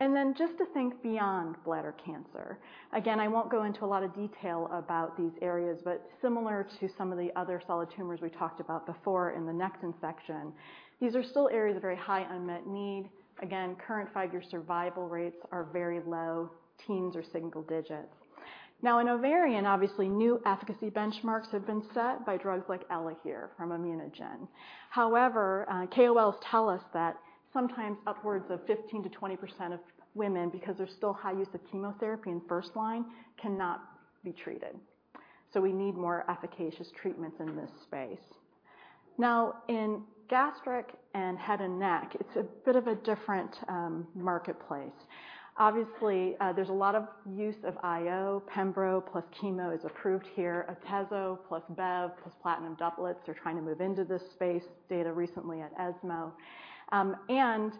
And then just to think beyond bladder cancer. Again, I won't go into a lot of detail about these areas, but similar to some of the other solid tumors we talked about before in the nectin section, these are still areas of very high unmet need. Again, current five-year survival rates are very low, teens or single digits. Now, in ovarian, obviously, new efficacy benchmarks have been set by drugs like Elahere from ImmunoGen. However, KOLs tell us that sometimes upwards of 15%-20% of women, because there's still high use of chemotherapy in first line, cannot be treated. So we need more efficacious treatments in this space. Now, in gastric and head and neck, it's a bit of a different marketplace. Obviously, there's a lot of use of IO. Pembro plus chemo is approved here. Atezo plus Bev plus platinum doublets are trying to move into this space, data recently at ESMO. And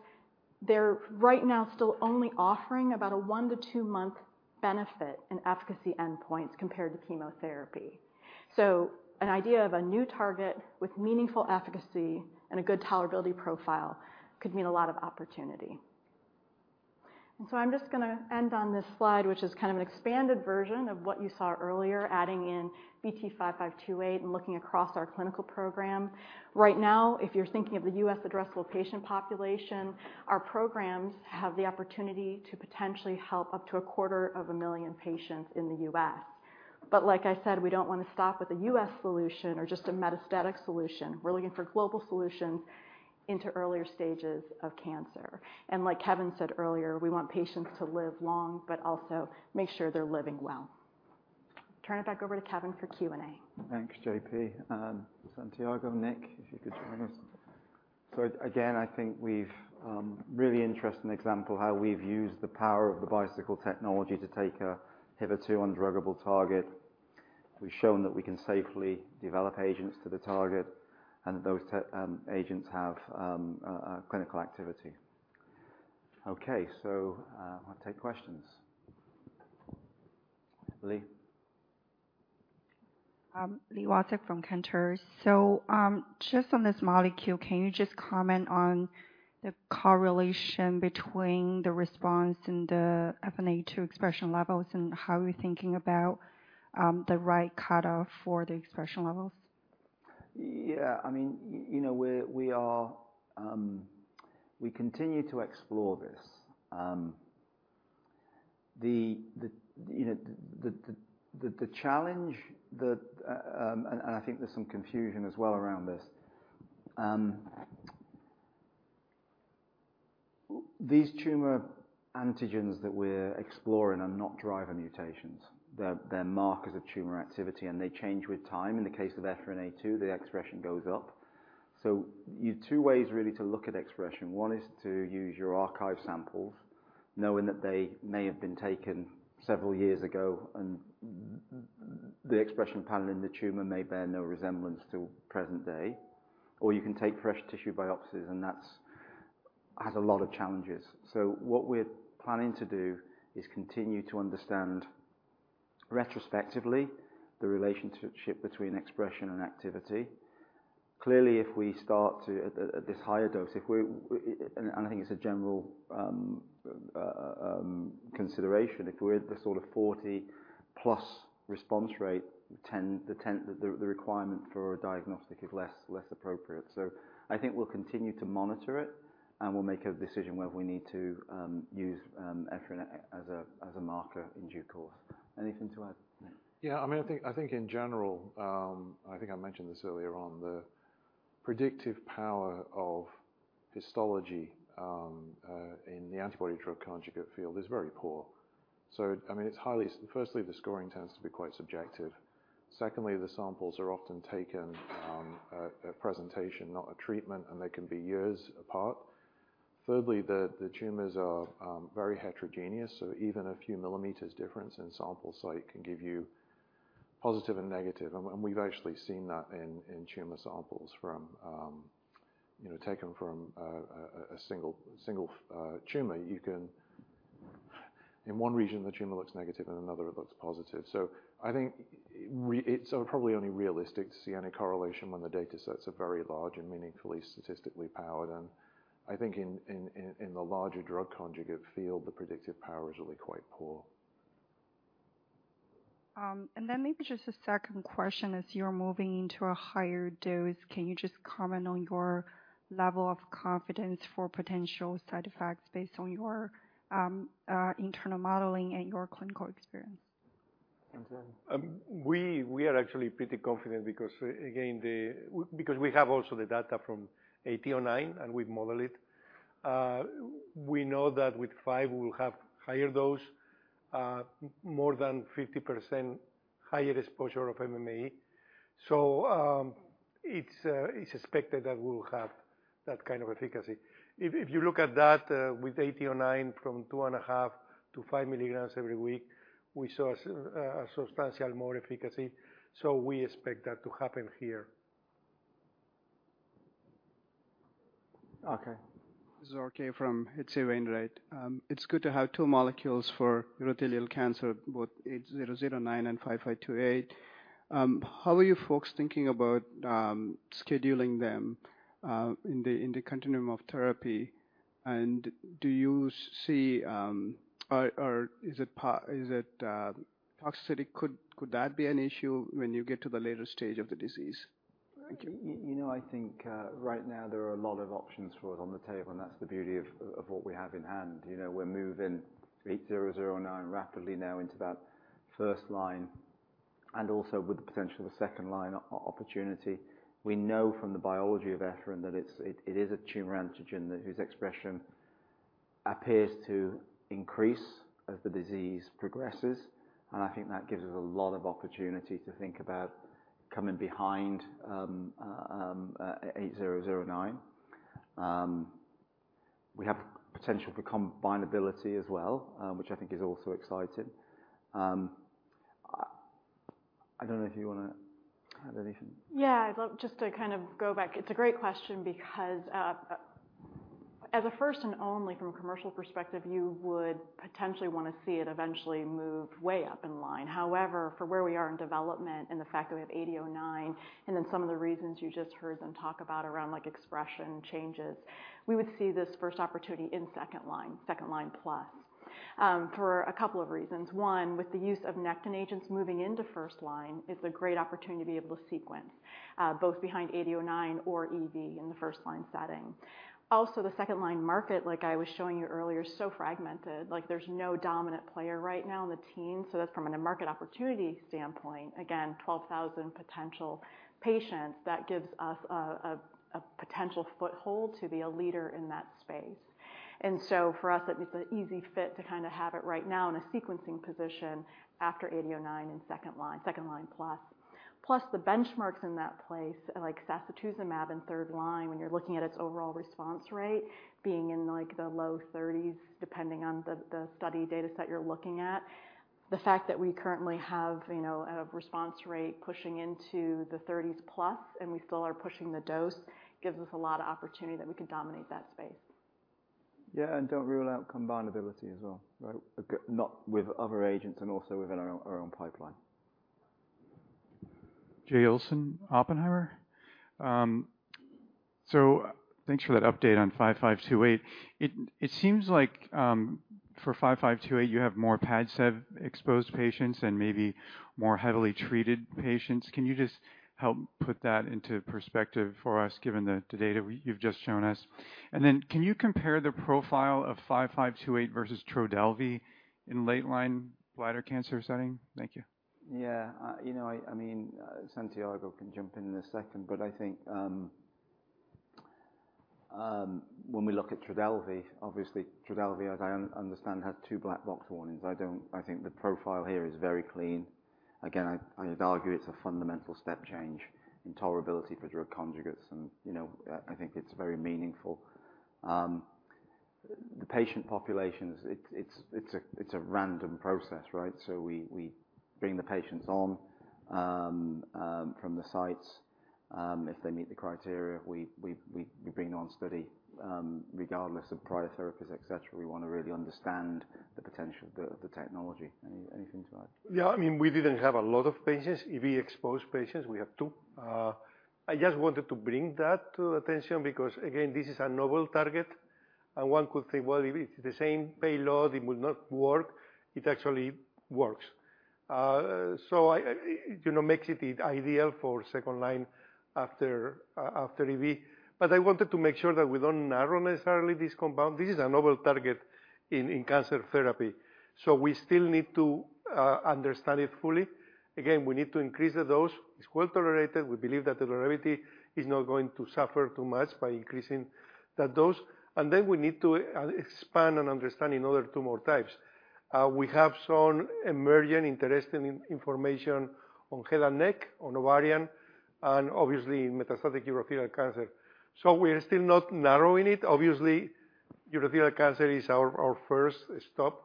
they're right now still only offering about a 1-2-month benefit in efficacy endpoints compared to chemotherapy. So an idea of a new target with meaningful efficacy and a good tolerability profile could mean a lot of opportunity. So I'm just gonna end on this slide, which is kind of an expanded version of what you saw earlier, adding in BT5528 and looking across our clinical program. Right now, if you're thinking of the U.S. addressable patient population, our programs have the opportunity to potentially help up to 250,000 patients in the U.S. But like I said, we don't want to stop at the U.S. solution or just a metastatic solution. We're looking for global solutions into earlier stages of cancer. And like Kevin said earlier, we want patients to live long, but also make sure they're living well. Turn it back over to Kevin for Q&A. Thanks, JP. Santiago, Nick, if you could join us. So again, I think we've really interesting example how we've used the power of the Bicycle technology to take a EphA2 undruggable target. We've shown that we can safely develop agents to the target and those agents have a clinical activity. Okay, so, I'll take questions. Lee? Li Watsek from Cantor. So, just on this molecule, can you just comment on the correlation between the response and the EphA2 expression levels, and how are you thinking about the right cutoff for the expression levels? Yeah, I mean, you know, we are. We continue to explore this. The challenge that, and I think there's some confusion as well around this. These tumor antigens that we're exploring are not driver mutations. They're markers of tumor activity, and they change with time. In the case of Ephrin A2, the expression goes up. So you've two ways really to look at expression. One is to use your archive samples, knowing that they may have been taken several years ago, and the expression panel in the tumor may bear no resemblance to present day. Or you can take fresh tissue biopsies, and that has a lot of challenges. So what we're planning to do is continue to understand, retrospectively, the relationship between expression and activity. Clearly, if we start to... At this higher dose, if we and I think it's a general consideration, if we're at the sort of 40+ response rate, the requirement for a diagnostic is less appropriate. So I think we'll continue to monitor it. And we'll make a decision whether we need to use Ephrin as a marker in due course. Anything to add? Yeah, I mean, I think, I think in general, I think I mentioned this earlier on, the predictive power of histology in the antibody-drug conjugate field is very poor. So I mean, it's highly, firstly, the scoring tends to be quite subjective. Secondly, the samples are often taken at presentation, not at treatment, and they can be years apart. Thirdly, the tumors are very heterogeneous, so even a few millimeters difference in sample site can give you positive and negative. And we've actually seen that in tumor samples from you know, taken from a single tumor. You can. In one region, the tumor looks negative, and another, it looks positive. So I think it's probably only realistic to see any correlation when the data sets are very large and meaningfully statistically powered. I think in the larger drug conjugate field, the predictive power is really quite poor. And then maybe just a second question, as you're moving into a higher dose, can you just comment on your level of confidence for potential side effects based on your internal modeling and your clinical experience? Santiago. We are actually pretty confident because, again, because we have also the data from BT8009, and we model it. We know that with 5, we will have higher dose, more than 50% higher exposure of MMAE. So, it's expected that we will have that kind of efficacy. If you look at that, with BT8009, from 2.5-5 milligrams every week, we saw a substantial more efficacy, so we expect that to happen here. Okay. This is RK from H.C. Wainwright. It's good to have two molecules for urothelial cancer, both 8009 and 5528. How are you folks thinking about scheduling them in the continuum of therapy? And do you see, or is it toxicity, could that be an issue when you get to the later stage of the disease? Thank you. You know, I think right now there are a lot of options for it on the table, and that's the beauty of what we have in hand. You know, we're moving 8009 rapidly now into that first line and also with the potential of a second-line opportunity. We know from the biology of ephrin that it's a tumor antigen whose expression appears to increase as the disease progresses, and I think that gives us a lot of opportunity to think about coming behind 8009. We have potential for combinability as well, which I think is also exciting. I don't know if you wanna add anything. Yeah. I'd love just to kind of go back. It's a great question because, as a first and only, from a commercial perspective, you would potentially want to see it eventually move way up in line. However, for where we are in development and the fact that we have eight zero nine, and then some of the reasons you just heard them talk about around like expression changes, we would see this first opportunity in second line, second line plus. For a couple of reasons. One, with the use of nectin agents moving into first line, it's a great opportunity to be able to sequence both behind eight zero nine or EV in the first line setting. Also, the second-line market, like I was showing you earlier, is so fragmented, like there's no dominant player right now in the TME, so that's from a market opportunity standpoint, again, 12,000 potential patients, that gives us a potential foothold to be a leader in that space. And so for us, it's an easy fit to kind of have it right now in a sequencing position after 8009 in second line, second line plus. Plus, the benchmarks in that space, like sacituzumab in third line, when you're looking at its overall response rate, being in like the low 30s, depending on the study data set you're looking at. The fact that we currently have, you know, a response rate pushing into the 30s+, and we still are pushing the dose, gives us a lot of opportunity that we could dominate that space. Yeah, and don't rule out combinability as well, right? Not with other agents and also within our own, our own pipeline. Jay Olson, Oppenheimer. So thanks for that update on 5528. It seems like for 5528, you have more PADCEV-exposed patients and maybe more heavily treated patients. Can you just help put that into perspective for us, given the data you've just shown us? And then can you compare the profile of 5528 versus Trodelvy in late-line bladder cancer setting? Thank you. Yeah. You know, I mean, Santiago can jump in a second, but I think when we look at Trodelvy, obviously Trodelvy, as I understand, has two black box warnings. I don't think the profile here is very clean. Again, I would argue it's a fundamental step change in tolerability for drug conjugates, and, you know, I think it's very meaningful. The patient populations, it's a random process, right? So we bring the patients on from the sites. If they meet the criteria, we bring them on study, regardless of prior therapies, et cetera. We want to really understand the potential, the technology. Anything to add? Yeah, I mean, we didn't have a lot of patients, EV-exposed patients. We have two. I just wanted to bring that to attention because, again, this is a novel target, and one could say, "Well, if it's the same payload, it will not work." It actually works. So I, you know, makes it ideal for second line after after EV. But I wanted to make sure that we don't narrow necessarily this compound. This is a novel target in cancer therapy, so we still need to understand it fully. Again, we need to increase the dose. It's well-tolerated. We believe that the tolerability is not going to suffer too much by increasing the dose, and then we need to expand and understand in other tumor types. We have some emerging interesting information on head and neck, on ovarian, and obviously metastatic urothelial cancer. So we are still not narrowing it. Obviously, urothelial cancer is our first stop,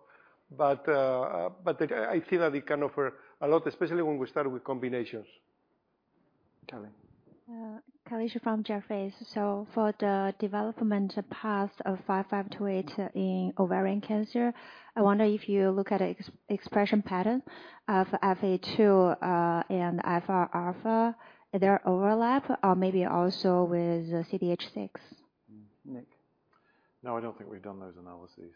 but I feel that it can offer a lot, especially when we start with combinations. Kelly? Kelly Shu from Jefferies. So for the development path of 5528 in ovarian cancer, I wonder if you look at expression pattern of EphA2 and FR alpha, their overlap, or maybe also with CDH6. Nick. No, I don't think we've done those analyses.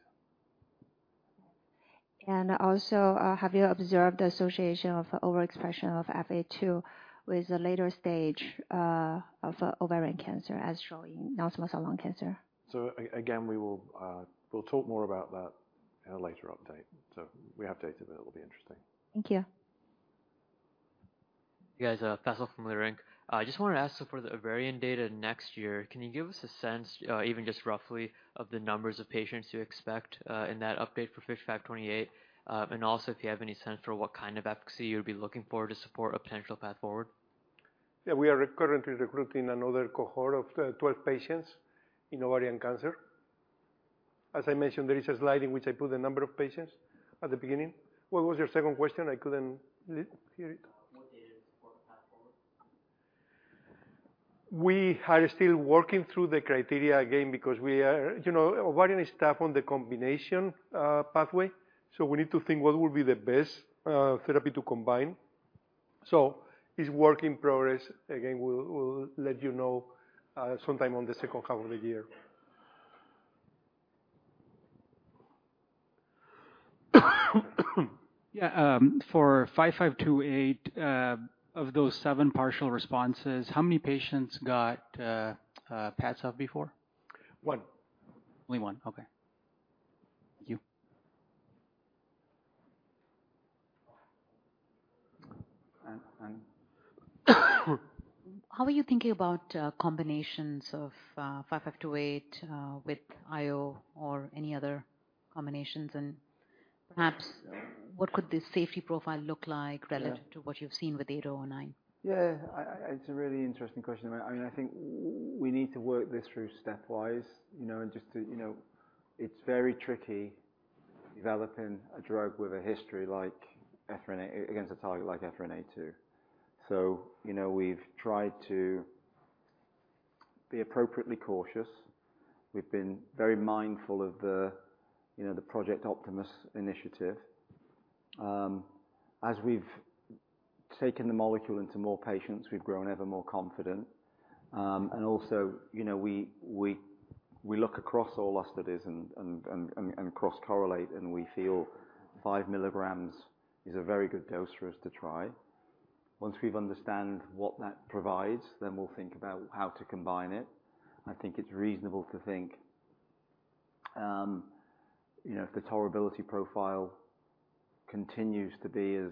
Also, have you observed association of overexpression of EphA2 with the later stage of ovarian cancer as shown in non-small cell lung cancer? So again, we will, we'll talk more about that in a later update. So we have data, but it'll be interesting. Thank you. You guys, Faisal from Leerink. I just wanted to ask, so for the ovarian data next year, can you give us a sense, even just roughly, of the numbers of patients you expect, in that update for BT5528? And also, if you have any sense for what kind of efficacy you would be looking for to support a potential path forward. Yeah, we are currently recruiting another cohort of 12 patients in ovarian cancer. As I mentioned, there is a slide in which I put the number of patients at the beginning. What was your second question? I couldn't hear it. What is support path forward? We are still working through the criteria again. You know, ovarian is tough on the combination pathway, so we need to think what would be the best therapy to combine. So it's work in progress. Again, we'll, we'll let you know sometime on the second half of the year. Yeah, for 5528 of those seven partial responses, how many patients got PFS off before? One. Only one. Okay. Thank you. And, and- How are you thinking about combinations of 5528 with IO or any other combinations? And perhaps, what could the safety profile look like? Yeah. -relative to what you've seen with 809? Yeah, I... It's a really interesting question. I mean, I think we need to work this through stepwise, you know, and just to, you know— It's very tricky developing a drug with a history like ephrin A2, against a target like ephrin A2. So, you know, we've tried to be appropriately cautious. We've been very mindful of the, you know, the Project Optimus initiative. As we've taken the molecule into more patients, we've grown ever more confident. And also, you know, we look across all our studies and cross-correlate, and we feel 5 milligrams is a very good dose for us to try. Once we've understand what that provides, then we'll think about how to combine it. I think it's reasonable to think, you know, if the tolerability profile continues to be as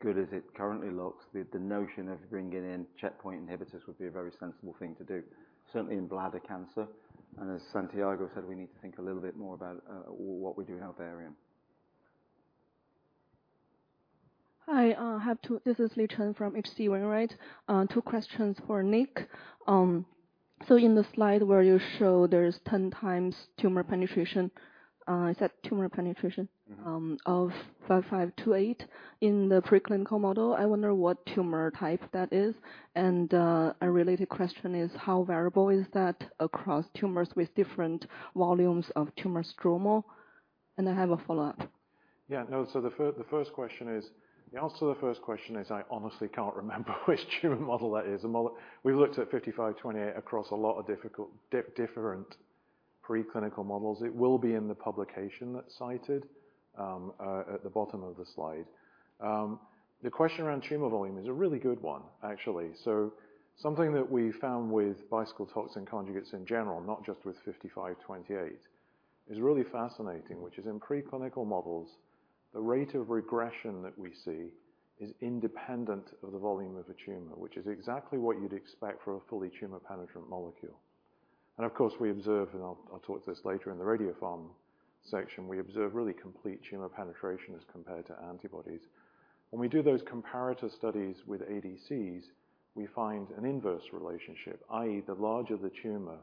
good as it currently looks, the notion of bringing in checkpoint inhibitors would be a very sensible thing to do, certainly in bladder cancer. And as Santiago said, we need to think a little bit more about what we do in ovarian. Hi, I have two— This is Yi Chen from H.C. Wainwright. Two questions for Nick. So in the slide where you show there's 10 times tumor penetration, is that tumor penetration? Mm-hmm. of 5528 in the preclinical model, I wonder what tumor type that is, and, a related question is: How variable is that across tumors with different volumes of tumor stroma? And I have a follow-up. Yeah, no. So the first question is-- The answer to the first question is I honestly can't remember which tumor model that is. The model-- We've looked at 5528 across a lot of difficult, different preclinical models. It will be in the publication that's cited at the bottom of the slide. The question around tumor volume is a really good one, actually. So something that we found with Bicycle toxin conjugates in general, not just with 5528, is really fascinating, which is in preclinical models, the rate of regression that we see is independent of the volume of a tumor, which is exactly what you'd expect from a fully tumor-penetrant molecule. And of course, we observe, and I'll talk this later in the radiopharm section, we observe really complete tumor penetration as compared to antibodies. When we do those comparator studies with ADCs, we find an inverse relationship, i.e., the larger the tumor,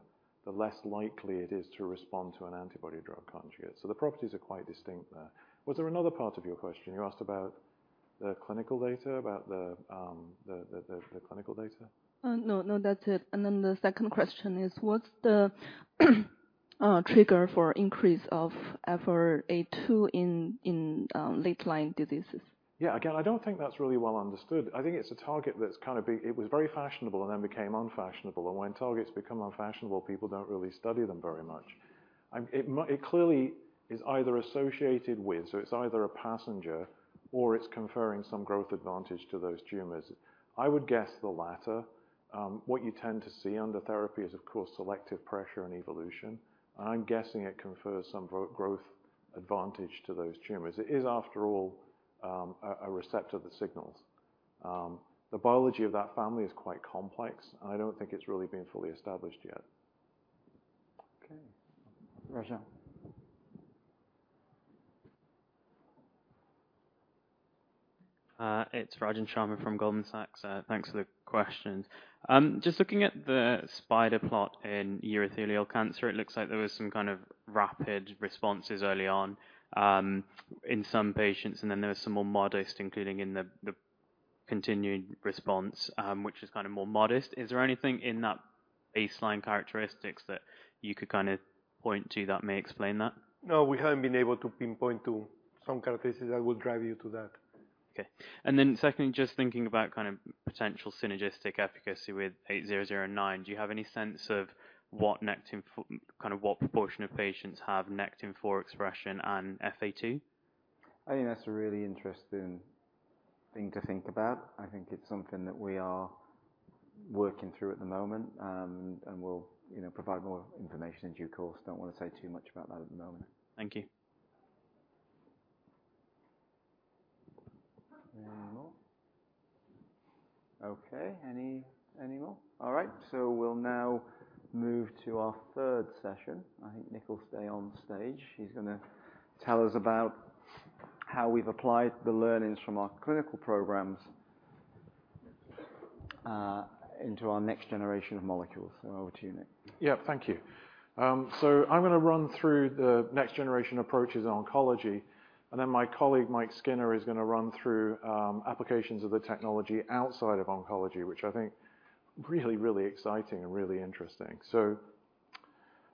the less likely it is to respond to an antibody-drug conjugate. So the properties are quite distinct there. Was there another part of your question? You asked about the clinical data? No, no, that's it. And then the second question is: What's the trigger for increase of Ephrin A2 in late-line diseases? Yeah, again, I don't think that's really well understood. I think it's a target that's kind of. It was very fashionable and then became unfashionable. When targets become unfashionable, people don't really study them very much.... It clearly is either associated with, so it's either a passenger or it's conferring some growth advantage to those tumors. I would guess the latter. What you tend to see under therapy is, of course, selective pressure and evolution, and I'm guessing it confers some growth advantage to those tumors. It is, after all, a receptor that signals. The biology of that family is quite complex, and I don't think it's really been fully established yet. Okay. Rajen? It's Rajan Sharma from Goldman Sachs. Thanks for the questions. Just looking at the spider plot in urothelial cancer, it looks like there was some kind of rapid responses early on in some patients, and then there was some more modest, including in the, the continuing response, which is kind of more modest. Is there anything in that baseline characteristics that you could kind of point to that may explain that? No, we haven't been able to pinpoint to some characteristics that would drive you to that. Okay. And then secondly, just thinking about kind of potential synergistic efficacy with 8009, do you have any sense of what Nectin-4 kind of what proportion of patients have Nectin-4 expression and EphA2? I think that's a really interesting thing to think about. I think it's something that we are working through at the moment, and we'll, you know, provide more information in due course. Don't want to say too much about that at the moment. Thank you. Any more? Okay, any more? All right, so we'll now move to our third session. I think Nick will stay on stage. He's gonna tell us about how we've applied the learnings from our clinical programs into our next generation of molecules. So over to you, Nick. Yeah. Thank you. So I'm gonna run through the next generation approaches in oncology, and then my colleague, Mike Skinner, is gonna run through applications of the technology outside of oncology, which I think really, really exciting and really interesting. So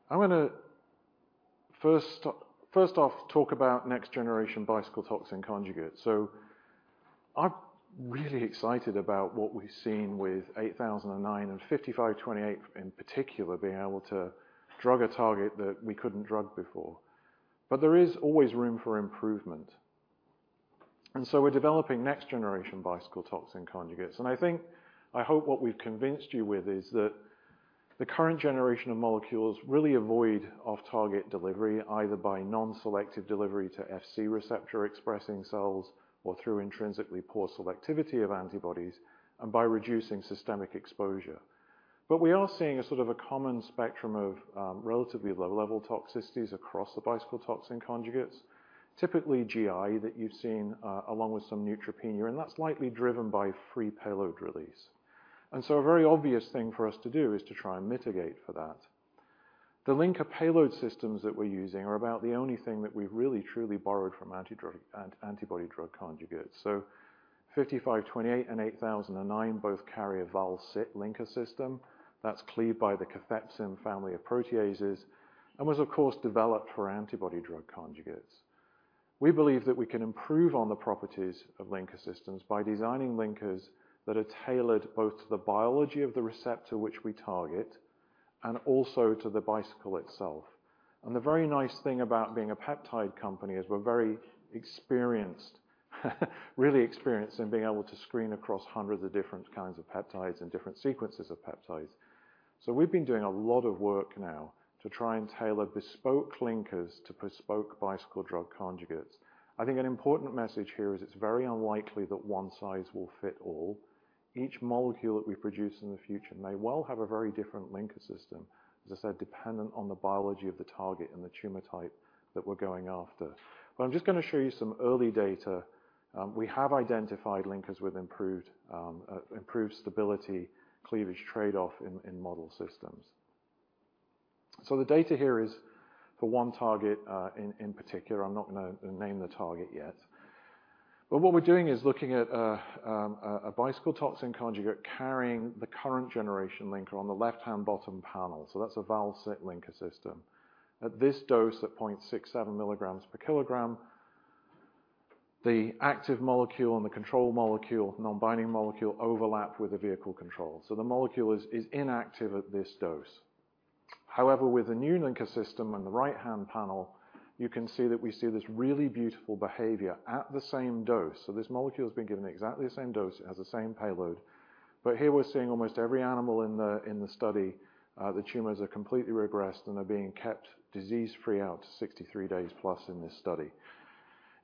I'm gonna first off, talk about next generation Bicycle toxin conjugates. So I'm really excited about what we've seen with 8009 and 5528, in particular, being able to drug a target that we couldn't drug before. But there is always room for improvement, and so we're developing next generation Bicycle toxin conjugates. And I think, I hope what we've convinced you with is that the current generation of molecules really avoid off-target delivery, either by non-selective delivery to Fc receptor expressing cells or through intrinsically poor selectivity of antibodies and by reducing systemic exposure. But we are seeing a sort of a common spectrum of relatively low-level toxicities across the Bicycle toxin conjugates, typically GI that you've seen, along with some neutropenia, and that's likely driven by free payload release. And so a very obvious thing for us to do is to try and mitigate for that. The linker payload systems that we're using are about the only thing that we've really truly borrowed from antibody-drug conjugates. So BT5528 and BT8009 both carry a Val-Cit linker system that's cleaved by the cathepsin family of proteases and was, of course, developed for antibody-drug conjugates. We believe that we can improve on the properties of linker systems by designing linkers that are tailored both to the biology of the receptor which we target and also to the Bicycle itself. The very nice thing about being a peptide company is we're very experienced, really experienced in being able to screen across hundreds of different kinds of peptides and different sequences of peptides. So we've been doing a lot of work now to try and tailor bespoke linkers to bespoke Bicycle drug conjugates. I think an important message here is it's very unlikely that one size will fit all. Each molecule that we produce in the future may well have a very different linker system, as I said, dependent on the biology of the target and the tumor type that we're going after. But I'm just gonna show you some early data. We have identified linkers with improved stability, cleavage trade-off in model systems. So the data here is for one target in particular. I'm not gonna name the target yet. But what we're doing is looking at a Bicycle Toxin Conjugate carrying the current generation linker on the left-hand bottom panel. So that's a Val-Cit linker system. At this dose, at 0.67 mg/kg, the active molecule and the control molecule, non-binding molecule, overlap with the vehicle control, so the molecule is inactive at this dose. However, with the new linker system on the right-hand panel, you can see that we see this really beautiful behavior at the same dose. So this molecule has been given exactly the same dose, it has the same payload, but here we're seeing almost every animal in the study, the tumors are completely regressed and are being kept disease-free out to 63 days plus in this study.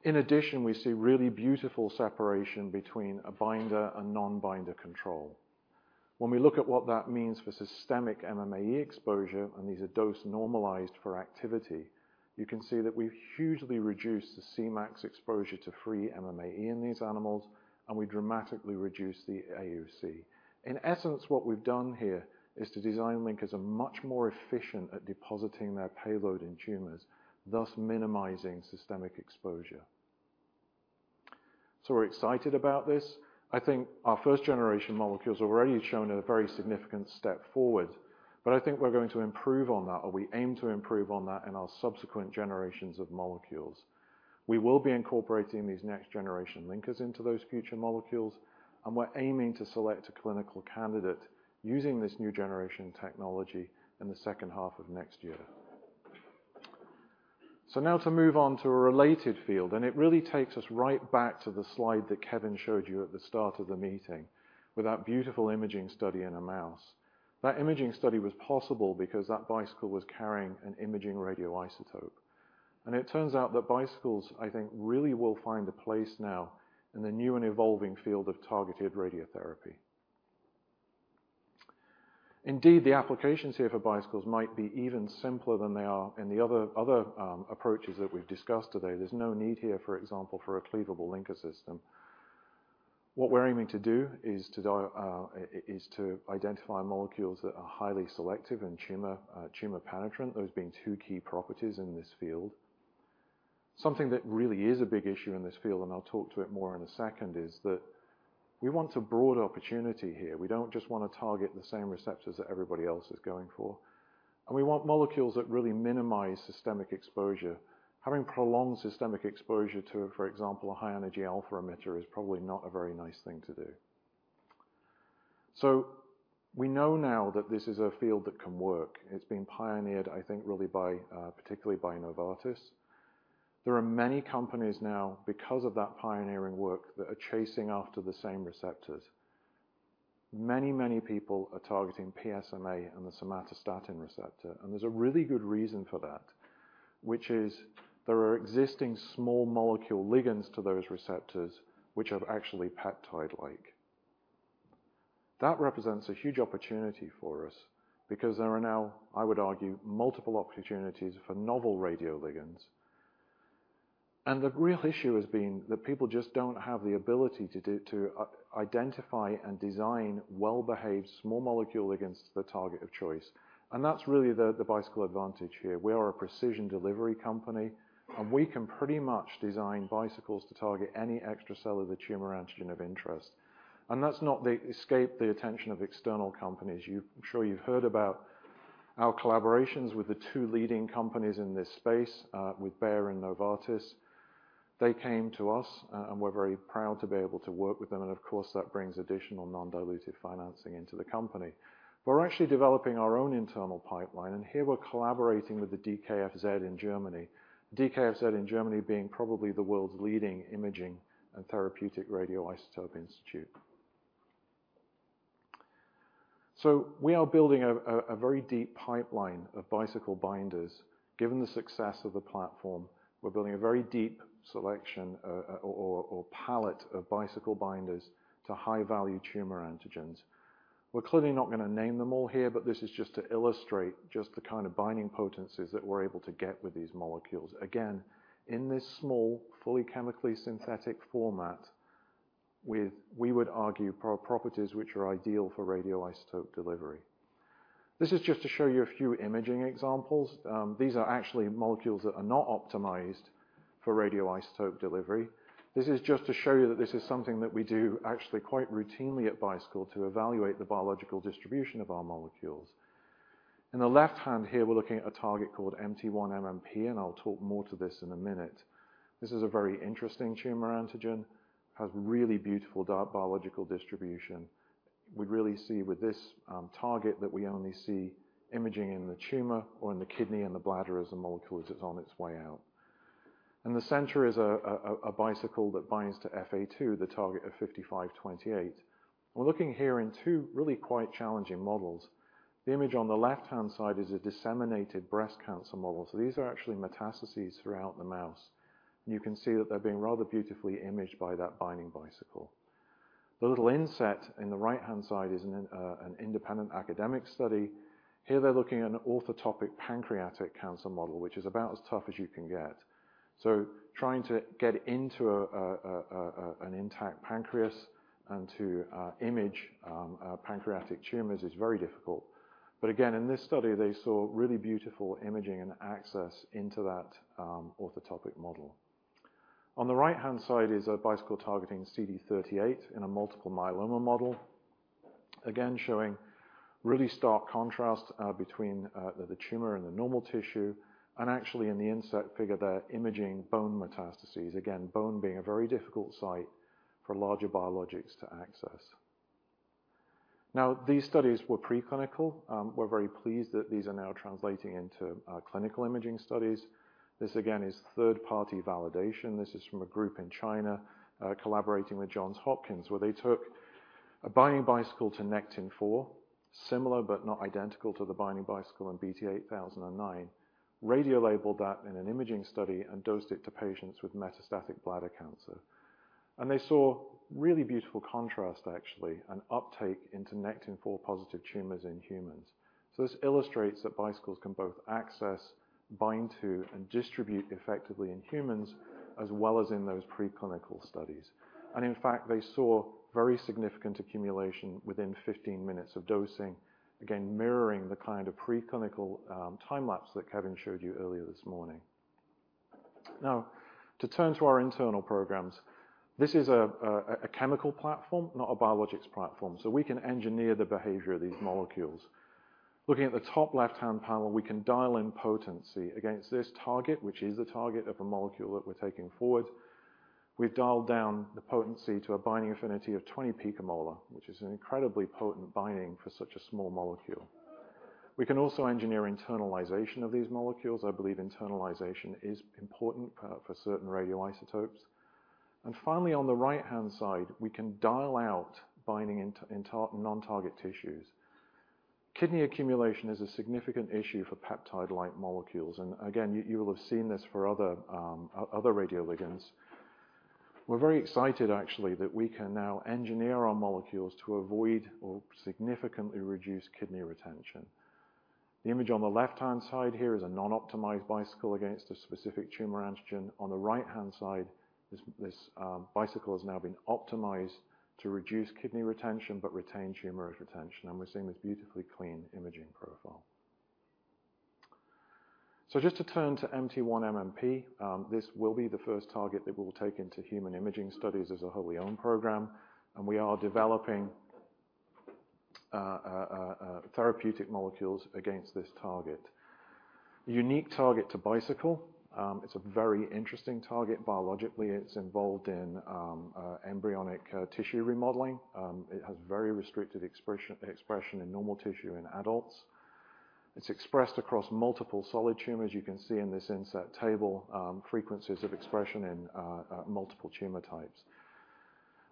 In addition, we see really beautiful separation between a binder and non-binder control. When we look at what that means for systemic MMAE exposure, and these are dose normalized for activity, you can see that we've hugely reduced the Cmax exposure to free MMAE in these animals, and we dramatically reduced the AUC. In essence, what we've done here is to design linkers are much more efficient at depositing their payload in tumors, thus minimizing systemic exposure. So we're excited about this. I think our first-generation molecules have already shown a very significant step forward, but I think we're going to improve on that, or we aim to improve on that in our subsequent generations of molecules. We will be incorporating these next-generation linkers into those future molecules, and we're aiming to select a clinical candidate using this new generation technology in the second half of next year. So now to move on to a related field, and it really takes us right back to the slide that Kevin showed you at the start of the meeting, with that beautiful imaging study in a mouse. That imaging study was possible because that Bicycle was carrying an imaging radioisotope. And it turns out that Bicycles, I think, really will find a place now in the new and evolving field of targeted radiotherapy. Indeed, the applications here for Bicycles might be even simpler than they are in the other, other approaches that we've discussed today. There's no need here, for example, for a cleavable linker system. What we're aiming to do is to is to identify molecules that are highly selective and tumor, tumor-penetrant, those being two key properties in this field. Something that really is a big issue in this field, and I'll talk to it more in a second, is that we want a broad opportunity here. We don't just want to target the same receptors that everybody else is going for, and we want molecules that really minimize systemic exposure. Having prolonged systemic exposure to, for example, a high-energy alpha emitter, is probably not a very nice thing to do. So we know now that this is a field that can work. It's been pioneered, I think, really by, particularly by Novartis. There are many companies now, because of that pioneering work, that are chasing after the same receptors. Many, many people are targeting PSMA and the somatostatin receptor, and there's a really good reason for that, which is there are existing small molecule ligands to those receptors, which are actually peptide-like. That represents a huge opportunity for us because there are now, I would argue, multiple opportunities for novel radioligands. The real issue has been that people just don't have the ability to identify and design well-behaved small molecule against the target of choice, and that's really the Bicycle advantage here. We are a precision delivery company, and we can pretty much design Bicycles to target any extracellular tumor antigen of interest. That's not escaped the attention of external companies. I'm sure you've heard about our collaborations with the two leading companies in this space with Bayer and Novartis. They came to us, and we're very proud to be able to work with them, and of course, that brings additional non-dilutive financing into the company. We're actually developing our own internal pipeline, and here, we're collaborating with the DKFZ in Germany. DKFZ in Germany, being probably the world's leading imaging and therapeutic radioisotope institute. So we are building a very deep pipeline of Bicycle binders. Given the success of the platform, we're building a very deep selection or palette of Bicycle binders to high-value tumor antigens. We're clearly not going to name them all here, but this is just to illustrate just the kind of binding potencies that we're able to get with these molecules. Again, in this small, fully chemically synthetic format, with, we would argue, pro-properties which are ideal for radioisotope delivery. This is just to show you a few imaging examples. These are actually molecules that are not optimized for radioisotope delivery. This is just to show you that this is something that we do actually quite routinely at Bicycle to evaluate the biological distribution of our molecules. In the left hand here, we're looking at a target called MT1-MMP, and I'll talk more to this in a minute. This is a very interesting tumor antigen, has really beautiful differential biodistribution. We really see with this target that we only see imaging in the tumor or in the kidney and the bladder as the molecule as it's on its way out. In the center is a Bicycle that binds to EphA2, the target of BT5528. We're looking here in two really quite challenging models. The image on the left-hand side is a disseminated breast cancer model, so these are actually metastases throughout the mouse. You can see that they're being rather beautifully imaged by that binding Bicycle. The little inset in the right-hand side is an independent academic study. Here, they're looking at an orthotopic pancreatic cancer model, which is about as tough as you can get. So trying to get into an intact pancreas and to image pancreatic tumors is very difficult. But again, in this study, they saw really beautiful imaging and access into that orthotopic model. On the right-hand side is a Bicycle targeting CD38 in a multiple myeloma model. Again, showing really stark contrast between the tumor and the normal tissue, and actually, in the inset figure there, imaging bone metastases. Again, bone being a very difficult site for larger biologics to access. Now, these studies were preclinical. We're very pleased that these are now translating into clinical imaging studies. This, again, is third-party validation. This is from a group in China, collaborating with Johns Hopkins, where they took a binding Bicycle to Nectin-4, similar but not identical to the binding Bicycle in BT8009, radiolabeled that in an imaging study and dosed it to patients with metastatic bladder cancer. They saw really beautiful contrast, actually, and uptake into Nectin-4 positive tumors in humans. This illustrates that Bicycles can both access, bind to, and distribute effectively in humans, as well as in those preclinical studies. In fact, they saw very significant accumulation within 15 minutes of dosing, again, mirroring the kind of preclinical time lapse that Kevin showed you earlier this morning. Now, to turn to our internal programs, this is a chemical platform, not a biologics platform, so we can engineer the behavior of these molecules.... Looking at the top left-hand panel, we can dial in potency against this target, which is the target of a molecule that we're taking forward. We've dialed down the potency to a binding affinity of 20 picomolar, which is an incredibly potent binding for such a small molecule. We can also engineer internalization of these molecules. I believe internalization is important for certain radioisotopes. And finally, on the right-hand side, we can dial out binding in non-target tissues. Kidney accumulation is a significant issue for peptide-like molecules, and again, you will have seen this for other radioligands. We're very excited, actually, that we can now engineer our molecules to avoid or significantly reduce kidney retention. The image on the left-hand side here is a non-optimized Bicycle against a specific tumor antigen. On the right-hand side, this Bicycle has now been optimized to reduce kidney retention but retain tumor retention, and we're seeing this beautifully clean imaging profile. So just to turn to MT1-MMP, this will be the first target that we'll take into human imaging studies as a wholly owned program, and we are developing therapeutic molecules against this target. Unique target to Bicycle. It's a very interesting target biologically. It's involved in embryonic tissue remodeling. It has very restricted expression in normal tissue in adults. It's expressed across multiple solid tumors. You can see in this insert table frequencies of expression in multiple tumor types.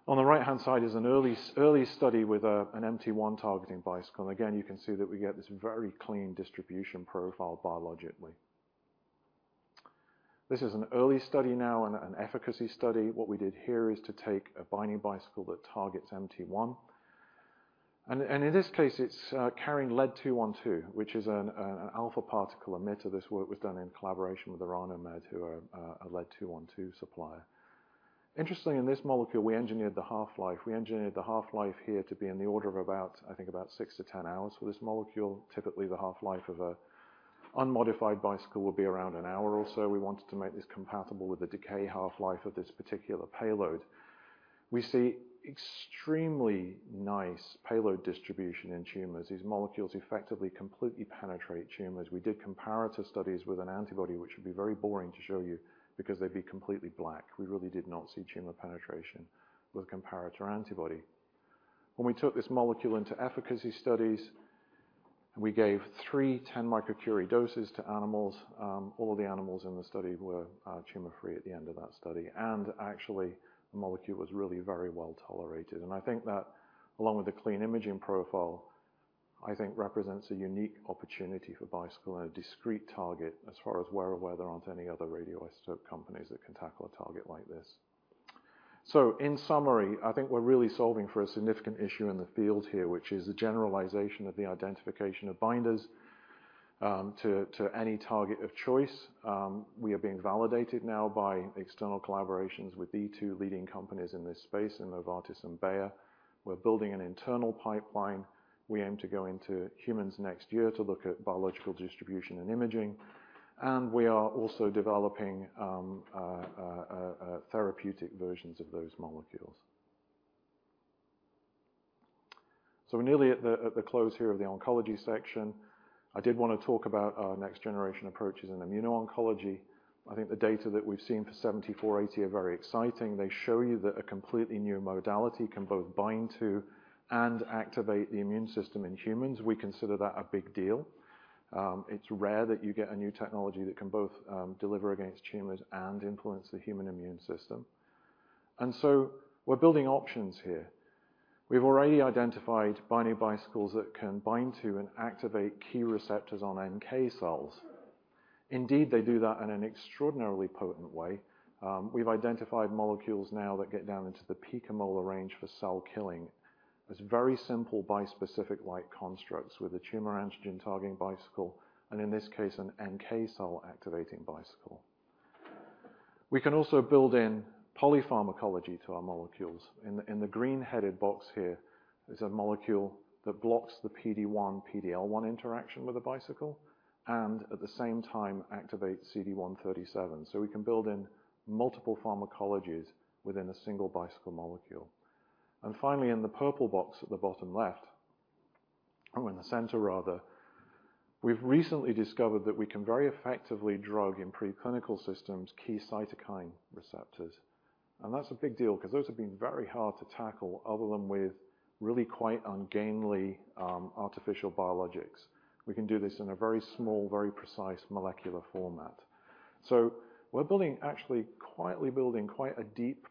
On the right-hand side is an early study with an MT1 targeting Bicycle. Again, you can see that we get this very clean distribution profile biologically. This is an early study now and an efficacy study. What we did here is to take a binding Bicycle that targets MT1, and in this case, it's carrying lead-212, which is an alpha particle emitter. This work was done in collaboration with Orano Med, who are a lead-212 supplier. Interestingly, in this molecule, we engineered the half-life. We engineered the half-life here to be in the order of about, I think, about 6-10 hours for this molecule. Typically, the half-life of a unmodified Bicycle will be around 1 hour or so. We wanted to make this compatible with the decay half-life of this particular payload. We see extremely nice payload distribution in tumors. These molecules effectively completely penetrate tumors. We did comparator studies with an antibody, which would be very boring to show you because they'd be completely black. We really did not see tumor penetration with a comparator antibody. When we took this molecule into efficacy studies, and we gave three 10 microcurie doses to animals, all of the animals in the study were tumor-free at the end of that study, and actually, the molecule was really very well-tolerated. I think that, along with the clean imaging profile, I think represents a unique opportunity for Bicycle and a discrete target as far as we're aware, there aren't any other radioisotope companies that can tackle a target like this. So in summary, I think we're really solving for a significant issue in the field here, which is the generalization of the identification of binders to any target of choice. We are being validated now by external collaborations with the two leading companies in this space, Novartis and Bayer. We're building an internal pipeline. We aim to go into humans next year to look at biological distribution and imaging, and we are also developing therapeutic versions of those molecules. So we're nearly at the close here of the oncology section. I did want to talk about our next-generation approaches in immuno-oncology. I think the data that we've seen for BT7480 are very exciting. They show you that a completely new modality can both bind to and activate the immune system in humans. We consider that a big deal. It's rare that you get a new technology that can both deliver against tumors and influence the human immune system. So we're building options here. We've already identified binding Bicycles that can bind to and activate key receptors on NK cells. Indeed, they do that in an extraordinarily potent way. We've identified molecules now that get down into the picomolar range for cell killing. It's very simple bispecific-like constructs with a tumor antigen-targeting Bicycle, and in this case, an NK cell-activating Bicycle. We can also build in polypharmacology to our molecules. In the green-headed box here is a molecule that blocks the PD-1, PD-L1 interaction with a Bicycle and, at the same time, activates CD137, so we can build in multiple pharmacologies within a single Bicycle molecule. And finally, in the purple box at the bottom left, or in the center, rather, we've recently discovered that we can very effectively drug in pre-clinical systems, key cytokine receptors. That's a big deal 'cause those have been very hard to tackle, other than with really quite ungainly artificial biologics. We can do this in a very small, very precise molecular format. So we're building... actually, quietly building quite a deep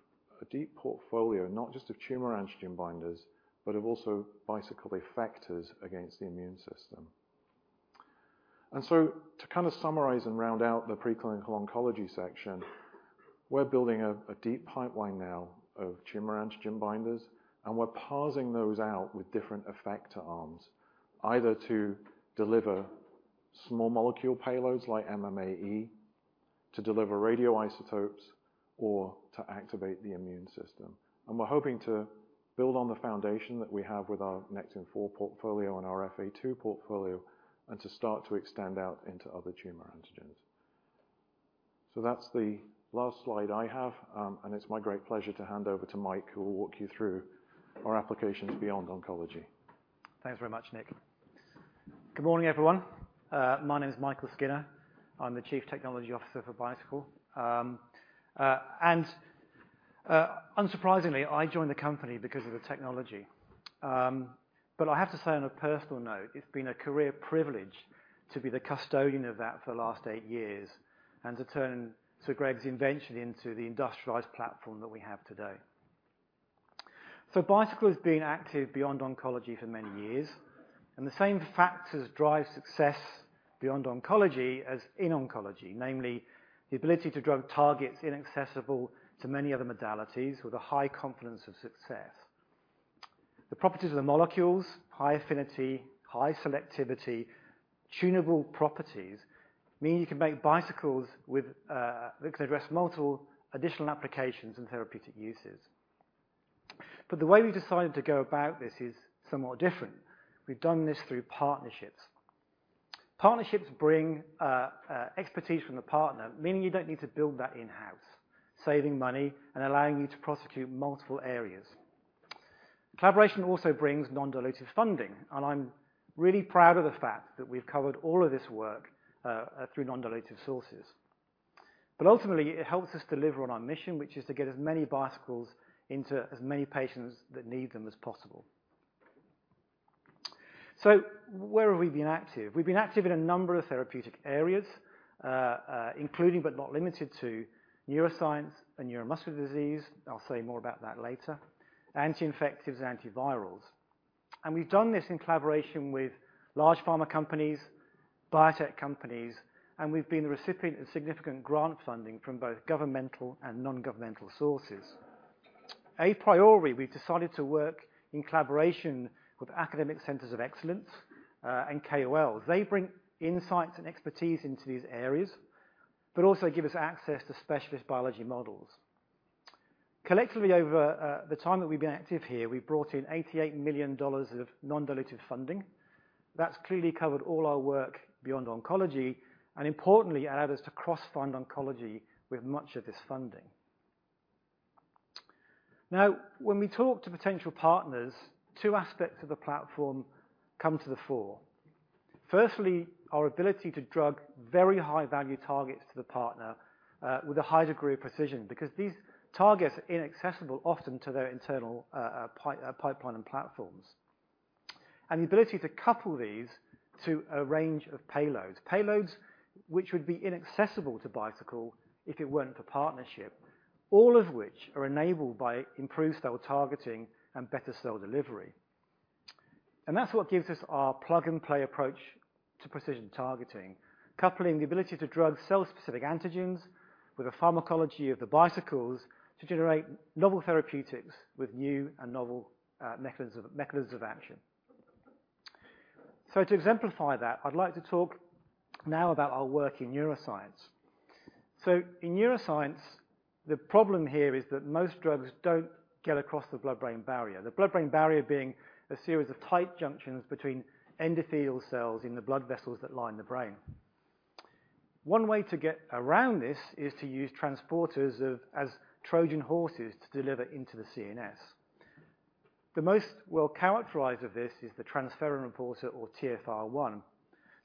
portfolio, not just of tumor antigen binders, but also of Bicycle effectors against the immune system. And so to kind of summarize and round out the pre-clinical oncology section, we're building a deep pipeline now of tumor antigen binders, and we're parsing those out with different effector arms, either to deliver small molecule payloads like MMAE, to deliver radioisotopes or to activate the immune system. And we're hoping to build on the foundation that we have with our Nectin-4 portfolio and our EphA2 portfolio, and to start to extend out into other tumor antigens. That's the last slide I have, and it's my great pleasure to hand over to Mike, who will walk you through our applications beyond oncology. Thanks very much, Nick. Good morning, everyone. My name is Michael Skinner. I'm the Chief Technology Officer for Bicycle. And unsurprisingly, I joined the company because of the technology. But I have to say, on a personal note, it's been a career privilege to be the custodian of that for the last eight years and to turn Sir Greg's invention into the industrialized platform that we have today. So Bicycle has been active beyond oncology for many years, and the same factors drive success beyond oncology as in oncology, namely, the ability to drug targets inaccessible to many other modalities with a high confidence of success. The properties of the molecules, high affinity, high selectivity, tunable properties, mean you can make Bicycles with that can address multiple additional applications and therapeutic uses. But the way we decided to go about this is somewhat different. We've done this through partnerships. Partnerships bring expertise from the partner, meaning you don't need to build that in-house, saving money and allowing you to prosecute multiple areas. Collaboration also brings non-dilutive funding, and I'm really proud of the fact that we've covered all of this work through non-dilutive sources. But ultimately, it helps us deliver on our mission, which is to get as many Bicycles into as many patients that need them as possible. So where have we been active? We've been active in a number of therapeutic areas, including but not limited to neuroscience and neuromuscular disease, I'll say more about that later, anti-infectives and antivirals. We've done this in collaboration with large pharma companies, biotech companies, and we've been the recipient of significant grant funding from both governmental and non-governmental sources. A priori, we've decided to work in collaboration with academic centers of excellence, and KOLs. They bring insights and expertise into these areas, but also give us access to specialist biology models. Collectively, over the time that we've been active here, we've brought in $88 million of non-dilutive funding. That's clearly covered all our work beyond oncology, and importantly, allowed us to cross-fund oncology with much of this funding. Now, when we talk to potential partners, two aspects of the platform come to the fore. Firstly, our ability to drug very high-value targets to the partner, with a high degree of precision, because these targets are inaccessible often to their internal pipeline and platforms. And the ability to couple these to a range of payloads, payloads which would be inaccessible to Bicycle if it weren't for partnership, all of which are enabled by improved cell targeting and better cell delivery. And that's what gives us our plug-and-play approach to precision targeting, coupling the ability to drug cell-specific antigens with the pharmacology of the Bicycles to generate novel therapeutics with new and novel, mechanisms of, mechanisms of action. So to exemplify that, I'd like to talk now about our work in neuroscience. So in neuroscience, the problem here is that most drugs don't get across the blood-brain barrier. The blood-brain barrier being a series of tight junctions between endothelial cells in the blood vessels that line the brain. One way to get around this is to use transporters as Trojan horses to deliver into the CNS. The most well-characterized of this is the transferrin receptor or TFR1.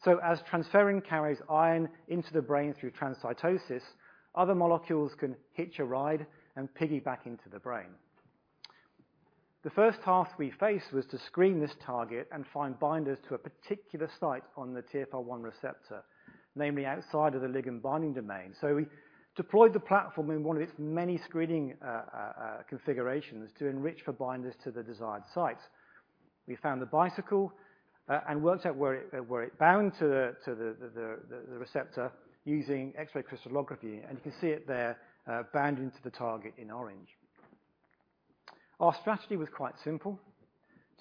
So as transferrin carries iron into the brain through transcytosis, other molecules can hitch a ride and piggyback into the brain. The first task we faced was to screen this target and find binders to a particular site on the TFR1 receptor, namely outside of the ligand binding domain. So we deployed the platform in one of its many screening configurations to enrich for binders to the desired site. We found a Bicycle and worked out where it bound to the receptor using X-ray crystallography, and you can see it there bound into the target in orange. Our strategy was quite simple: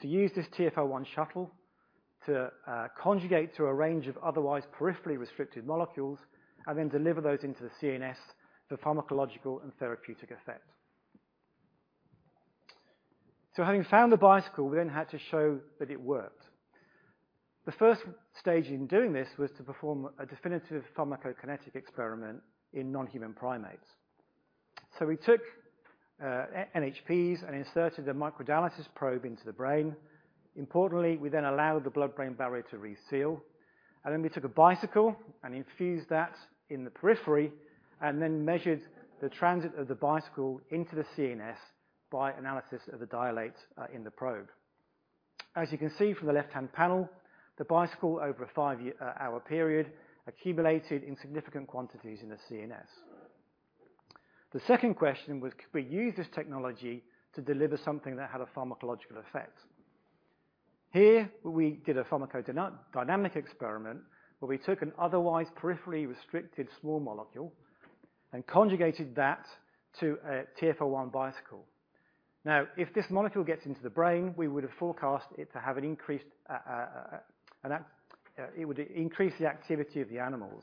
to use this TFR1 shuttle to conjugate to a range of otherwise peripherally restricted molecules, and then deliver those into the CNS for pharmacological and therapeutic effect. So having found a Bicycle, we then had to show that it worked. The first stage in doing this was to perform a definitive pharmacokinetic experiment in non-human primates. So we took NHPs and inserted a microdialysis probe into the brain. Importantly, we then allowed the blood-brain barrier to reseal, and then we took a Bicycle and infused that in the periphery, and then measured the transit of the Bicycle into the CNS by analysis of the dialysate in the probe. As you can see from the left-hand panel, the Bicycle over a five-year hour period accumulated in significant quantities in the CNS. The second question, could we use this technology to deliver something that had a pharmacological effect? Here, we did a pharmacodynamic experiment, where we took an otherwise peripherally restricted small molecule and conjugated that to a TFR1 Bicycle. Now, if this molecule gets into the brain, we would have forecast it to have an increased, it would increase the activity of the animals.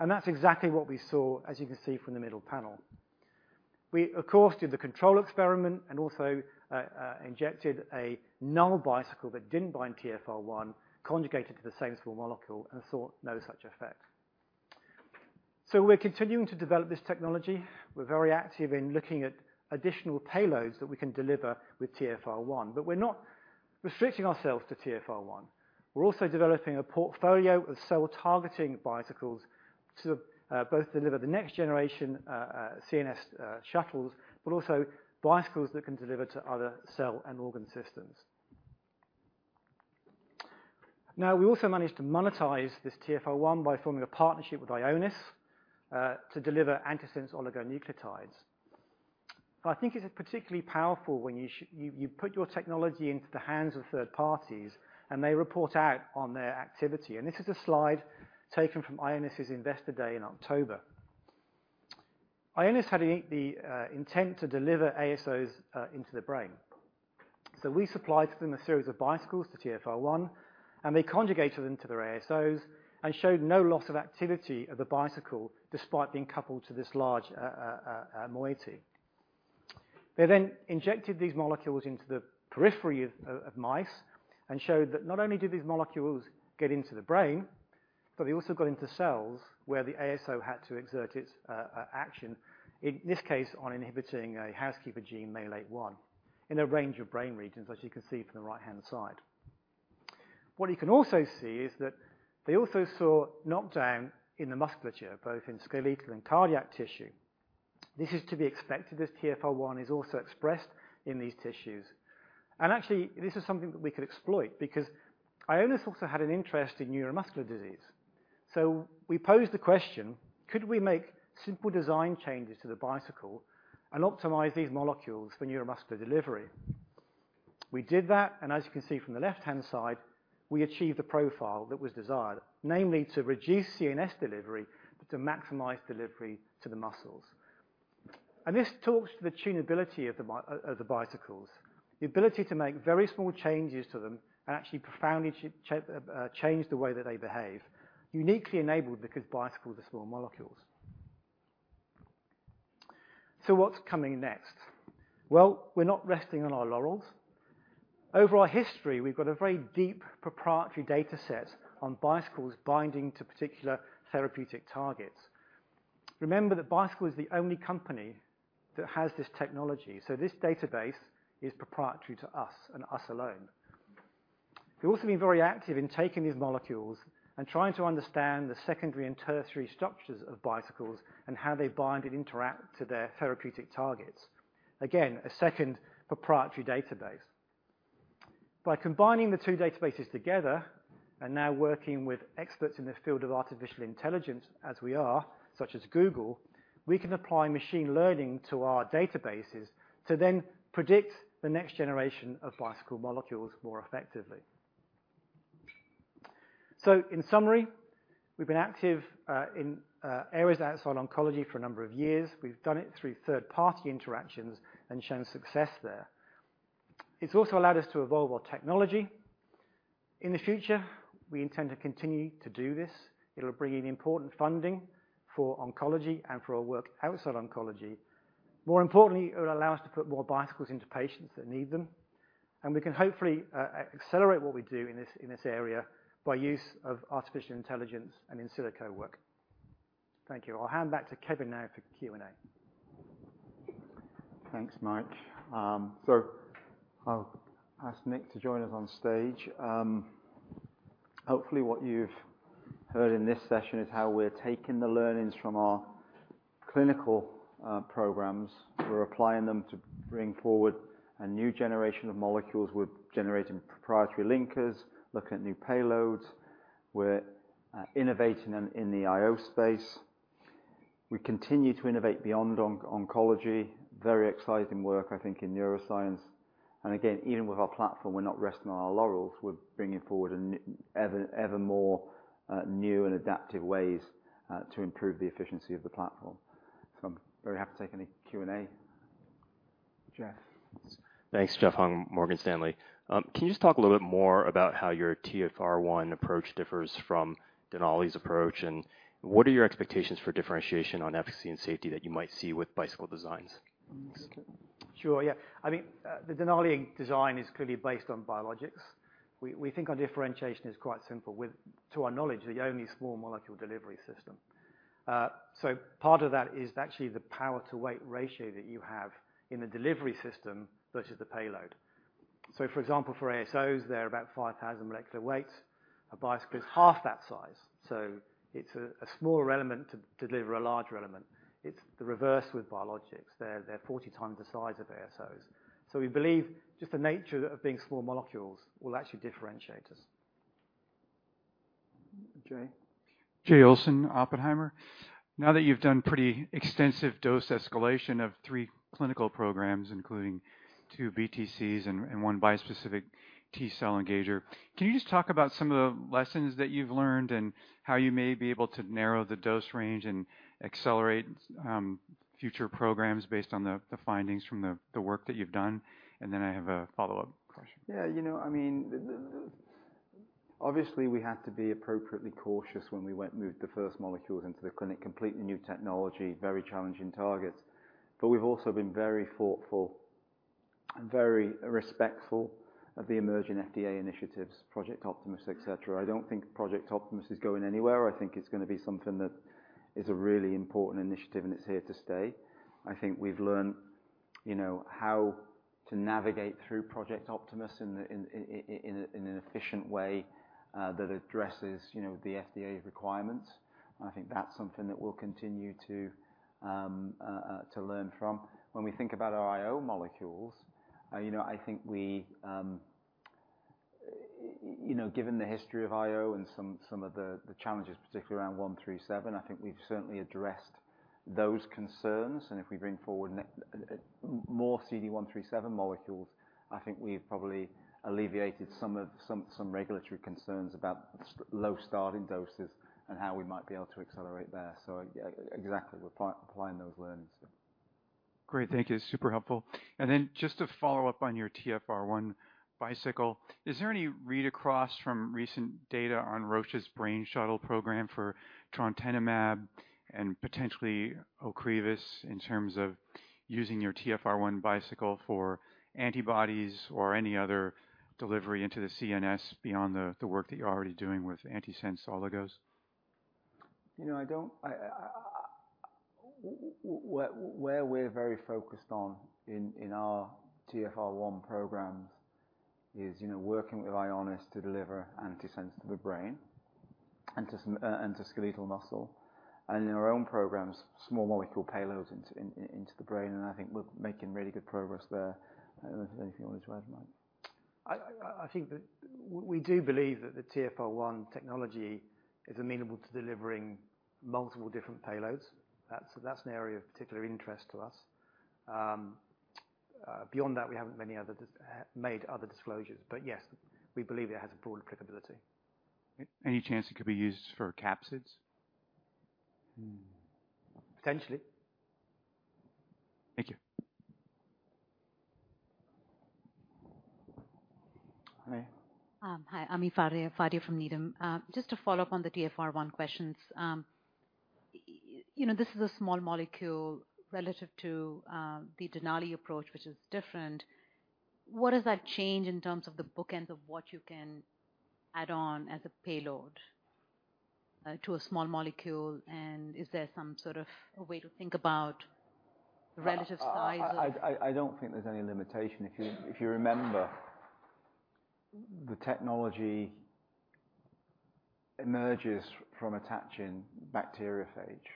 And that's exactly what we saw, as you can see from the middle panel. We, of course, did the control experiment and also injected a null Bicycle that didn't bind TFR1, conjugated to the same small molecule, and saw no such effect. So we're continuing to develop this technology. We're very active in looking at additional payloads that we can deliver with TFR1, but we're not restricting ourselves to TFR1. We're also developing a portfolio of cell-targeting Bicycles to both deliver the next generation CNS shuttles, but also Bicycles that can deliver to other cell and organ systems. Now, we also managed to monetize this TFR1 by forming a partnership with Ionis to deliver antisense oligonucleotides. I think it's particularly powerful when you put your technology into the hands of third parties, and they report out on their activity, and this is a slide taken from Ionis's Investor Day in October. Ionis had the intent to deliver ASOs into the brain. So we supplied them a series of Bicycles to TFR1, and they conjugated them to their ASOs and showed no loss of activity of the Bicycle, despite being coupled to this large moiety. They then injected these molecules into the periphery of mice and showed that not only did these molecules get into the brain, but they also got into cells where the ASO had to exert its action, in this case, on inhibiting a housekeeper gene, MALAT1, in a range of brain regions, as you can see from the right-hand side. What you can also see is that they also saw knockdown in the musculature, both in skeletal and cardiac tissue. This is to be expected, as TFR1 is also expressed in these tissues. And actually, this is something that we could exploit because Ionis also had an interest in neuromuscular disease. So we posed the question: Could we make simple design changes to the Bicycle and optimize these molecules for neuromuscular delivery? We did that, and as you can see from the left-hand side, we achieved the profile that was desired, namely, to reduce CNS delivery to maximize delivery to the muscles. And this talks to the tunability of the Bicycles, the ability to make very small changes to them and actually profoundly change the way that they behave, uniquely enabled because Bicycles are small molecules. So what's coming next? Well, we're not resting on our laurels. Over our history, we've got a very deep proprietary dataset on Bicycles binding to particular therapeutic targets. Remember that Bicycle is the only company that has this technology, so this database is proprietary to us and us alone. We've also been very active in taking these molecules and trying to understand the secondary and tertiary structures of Bicycles and how they bind and interact to their therapeutic targets. Again, a second proprietary database. By combining the two databases together and now working with experts in the field of artificial intelligence, as we are, such as Google, we can apply machine learning to our databases to then predict the next generation of Bicycle molecules more effectively. So in summary, we've been active in areas outside oncology for a number of years. We've done it through third-party interactions and shown success there. It's also allowed us to evolve our technology. In the future, we intend to continue to do this. It'll bring in important funding for oncology and for our work outside oncology. More importantly, it will allow us to put more Bicycles into patients that need them, and we can hopefully accelerate what we do in this area by use of artificial intelligence and in silico work. Thank you. I'll hand back to Kevin now for Q&A. Thanks, Mike. So I'll ask Nick to join us on stage. Hopefully, what you've heard in this session is how we're taking the learnings from our clinical programs. We're applying them to bring forward a new generation of molecules. We're generating proprietary linkers, looking at new payloads. We're innovating them in the IO space. We continue to innovate beyond oncology, very exciting work, I think, in neuroscience. And again, even with our platform, we're not resting on our laurels. We're bringing forward an ever, ever more new and adaptive ways to improve the efficiency of the platform. So I'm very happy to take any Q&A. Jeff? Thanks. Jeff Hung, Morgan Stanley. Can you just talk a little bit more about how your TFR1 approach differs from Denali's approach, and what are your expectations for differentiation on efficacy and safety that you might see with Bicycle designs? Thanks. Sure, yeah. I mean, the Denali design is clearly based on biologics. We, we think our differentiation is quite simple, with, to our knowledge, the only small molecule delivery system. So part of that is actually the power-to-weight ratio that you have in the delivery system versus the payload. So for example, for ASOs, they're about 5,000 molecular weight. A Bicycle is half that size, so it's a smaller element to deliver a larger element. It's the reverse with biologics. They're, they're 40 times the size of ASOs. So we believe just the nature of being small molecules will actually differentiate us. Jay? Jay Olson, Oppenheimer. Now that you've done pretty extensive dose escalation of three clinical programs, including two BTCs and one bispecific T-cell engager, can you just talk about some of the lessons that you've learned and how you may be able to narrow the dose range and accelerate future programs based on the findings from the work that you've done? Then I have a follow-up question. Yeah, you know, I mean, the-... Obviously, we had to be appropriately cautious when we moved the first molecules into the clinic. Completely new technology, very challenging targets. But we've also been very thoughtful and very respectful of the emerging FDA initiatives, Project Optimus, et cetera. I don't think Project Optimus is going anywhere. I think it's gonna be something that is a really important initiative, and it's here to stay. I think we've learned, you know, how to navigate through Project Optimus in an efficient way that addresses, you know, the FDA requirements. And I think that's something that we'll continue to learn from. When we think about our IO molecules, you know, I think we... You know, given the history of IO and some of the challenges, particularly around CD137, I think we've certainly addressed those concerns, and if we bring forward more CD137 molecules, I think we've probably alleviated some of the regulatory concerns about slow starting doses and how we might be able to accelerate there. So, yeah, exactly, we're applying those learnings. Great. Thank you. Super helpful. And then just to follow up on your TFR1 Bicycle, is there any read across from recent data on Roche's Brain Shuttle program for trastuzumab and potentially Ocrevus in terms of using your TFR1 Bicycle for antibodies or any other delivery into the CNS beyond the work that you're already doing with antisense oligos? You know, where we're very focused on in our TFR1 programs is, you know, working with Ionis to deliver antisense to the brain and to skeletal muscle, and in our own programs, small molecule payloads into the brain, and I think we're making really good progress there. I don't know if you have anything you want to add, Mike? I think that we do believe that the TFR1 technology is amenable to delivering multiple different payloads. That's an area of particular interest to us. Beyond that, we haven't made many other disclosures. But yes, we believe it has a broad applicability. Any chance it could be used for capsids? Potentially. Thank you. Hi, Ami Fadia, Fadia from Needham. Just to follow up on the TFR1 questions. You know, this is a small molecule relative to the Denali approach, which is different. What does that change in terms of the bookends of what you can add on as a payload to a small molecule? And is there some sort of a way to think about the relative size of- I don't think there's any limitation. If you remember, the technology emerges from attaching bacteriophage,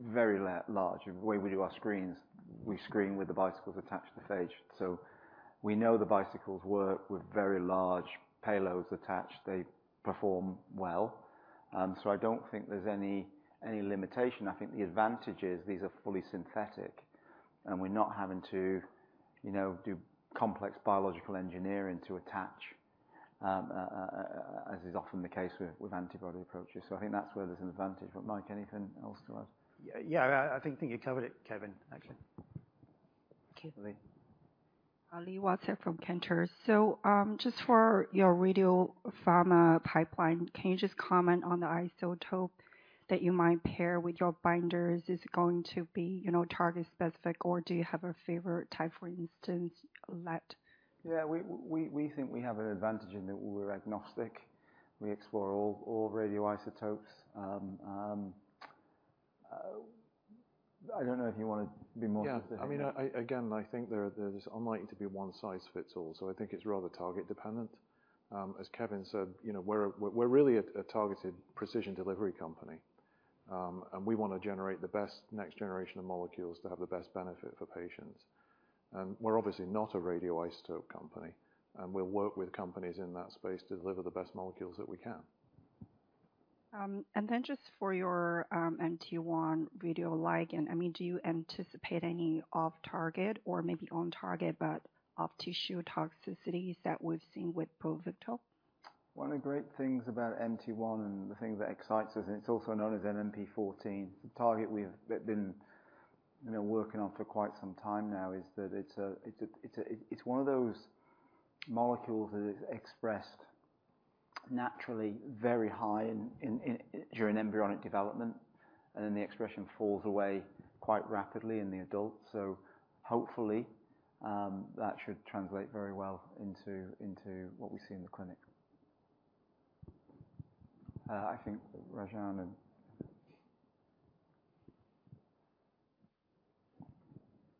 very large. The way we do our screens, we screen with the Bicycles attached to phage. So we know the Bicycles work with very large payloads attached. They perform well. So I don't think there's any limitation. I think the advantage is these are fully synthetic, and we're not having to, you know, do complex biological engineering to attach, as is often the case with antibody approaches. So I think that's where there's an advantage. But Mike, anything else to add? Yeah, I think you covered it, Kevin, actually. Okay. Ali. Ali Wassef from Cantori. So, just for your radiopharma pipeline, can you just comment on the isotope that you might pair with your binders? Is it going to be, you know, target specific, or do you have a favorite type, for instance, like- Yeah, we think we have an advantage in that we're agnostic. We explore all radioisotopes. I don't know if you want to be more- Yeah. I mean, I again, I think there, there's unlikely to be one size fits all, so I think it's rather target dependent. As Kevin said, you know, we're really a targeted precision delivery company. And we want to generate the best next generation of molecules to have the best benefit for patients. And we're obviously not a radioisotope company, and we'll work with companies in that space to deliver the best molecules that we can. And then just for your MT1 radioligand, I mean, do you anticipate any off-target or maybe on-target, but off-tissue toxicities that we've seen with Pluvicto? One of the great things about MT1, and the thing that excites us, and it's also known as MMP14, it's a target we've been, you know, working on for quite some time now, is that it's one of those molecules that is expressed naturally very high during embryonic development, and then the expression falls away quite rapidly in the adult. So hopefully, that should translate very well into what we see in the clinic. I think Rajan and-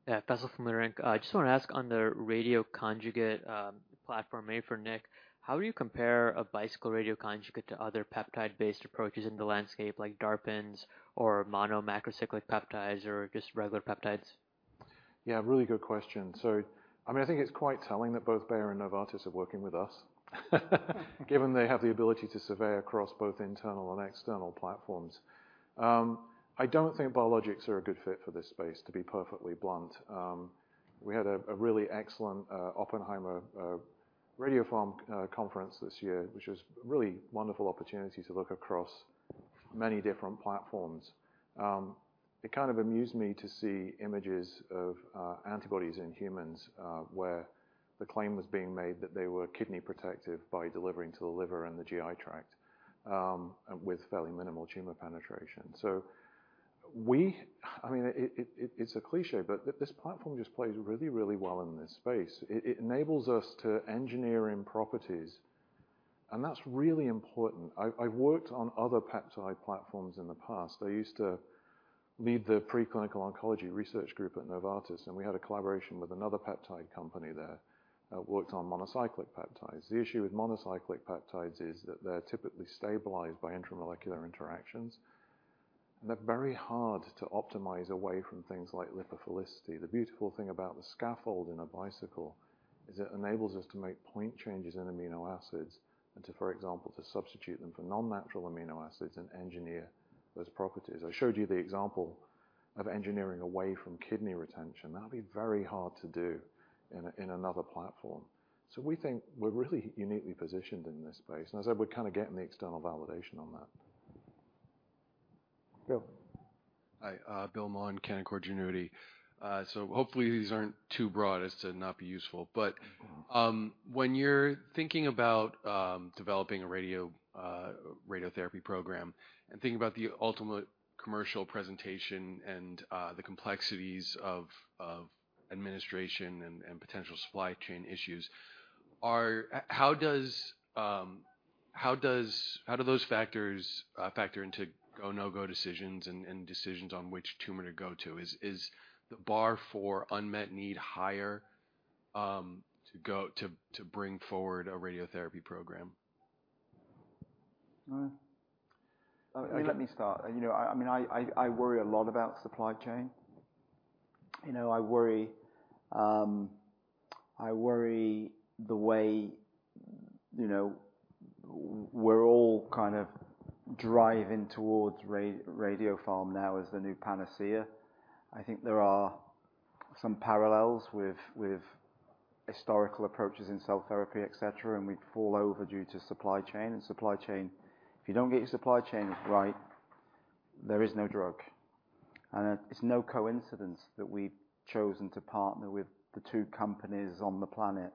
Yeah, Faisal from Leerink. I just want to ask on the radioconjugate platform, maybe for Nick. How do you compare a Bicycle radioconjugate to other peptide-based approaches in the landscape, like DARPin or mono macrocyclic peptides or just regular peptides? Yeah, really good question. So I mean, I think it's quite telling that both Bayer and Novartis are working with us, given they have the ability to survey across both internal and external platforms. I don't think biologics are a good fit for this space, to be perfectly blunt. We had a really excellent Oppenheimer Radiopharm conference this year, which was a really wonderful opportunity to look across many different platforms. It kind of amused me to see images of antibodies in humans where the claim was being made that they were kidney protective by delivering to the liver and the GI tract with fairly minimal tumor penetration. I mean, it's a cliché, but this platform just plays really, really well in this space. It enables us to engineer in properties, and that's really important. I, I've worked on other peptide platforms in the past. I used to lead the preclinical oncology research group at Novartis, and we had a collaboration with another peptide company there that worked on monocyclic peptides. The issue with monocyclic peptides is that they're typically stabilized by intramolecular interactions, and they're very hard to optimize away from things like lipophilicity. The beautiful thing about the scaffold in a Bicycle is it enables us to make point changes in amino acids and to, for example, to substitute them for non-natural amino acids and engineer those properties. I showed you the example of engineering away from kidney retention. That'd be very hard to do in a, in another platform. So we think we're really uniquely positioned in this space, and as I said, we're kind of getting the external validation on that. Bill? Hi, Bill Maughan, Canaccord Genuity. So hopefully these aren't too broad as to not be useful. But- Mm-hmm. When you're thinking about developing a radiotherapy program and thinking about the ultimate commercial presentation and the complexities of administration and potential supply chain issues, how do those factors factor into go/no-go decisions and decisions on which tumor to go to? Is the bar for unmet need higher to bring forward a radiotherapy program? Let me start. You know, I mean, I worry a lot about supply chain. You know, I worry, I worry the way, you know, we're all kind of driving towards radiopharm now as the new panacea. I think there are some parallels with historical approaches in cell therapy, et cetera, and we'd fall over due to supply chain. And supply chain, if you don't get your supply chains right, there is no drug. And it, it's no coincidence that we've chosen to partner with the two companies on the planet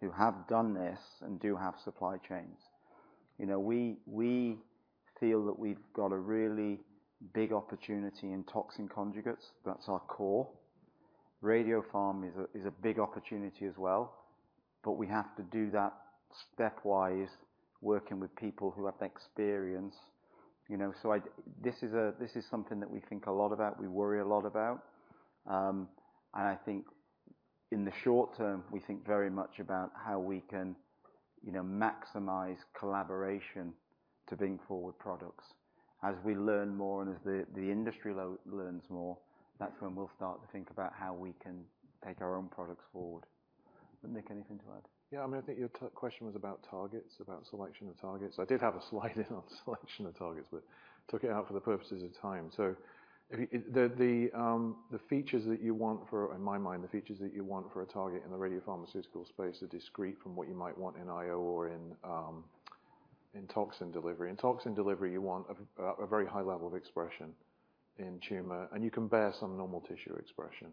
who have done this and do have supply chains. You know, we feel that we've got a really big opportunity in toxin conjugates. That's our core. Radiopharm is a big opportunity as well, but we have to do that stepwise, working with people who have experience, you know? So this is something that we think a lot about, we worry a lot about. And I think in the short term, we think very much about how we can, you know, maximize collaboration to bring forward products. As we learn more and as the industry learns more, that's when we'll start to think about how we can take our own products forward. Nick, anything to add? Yeah, I mean, I think your question was about targets, about selection of targets. I did have a slide in on selection of targets, but took it out for the purposes of time. So the features that you want for a target in the radiopharmaceutical space are discrete from what you might want in IO or in toxin delivery. In toxin delivery, you want a very high level of expression in tumor, and you can bear some normal tissue expression,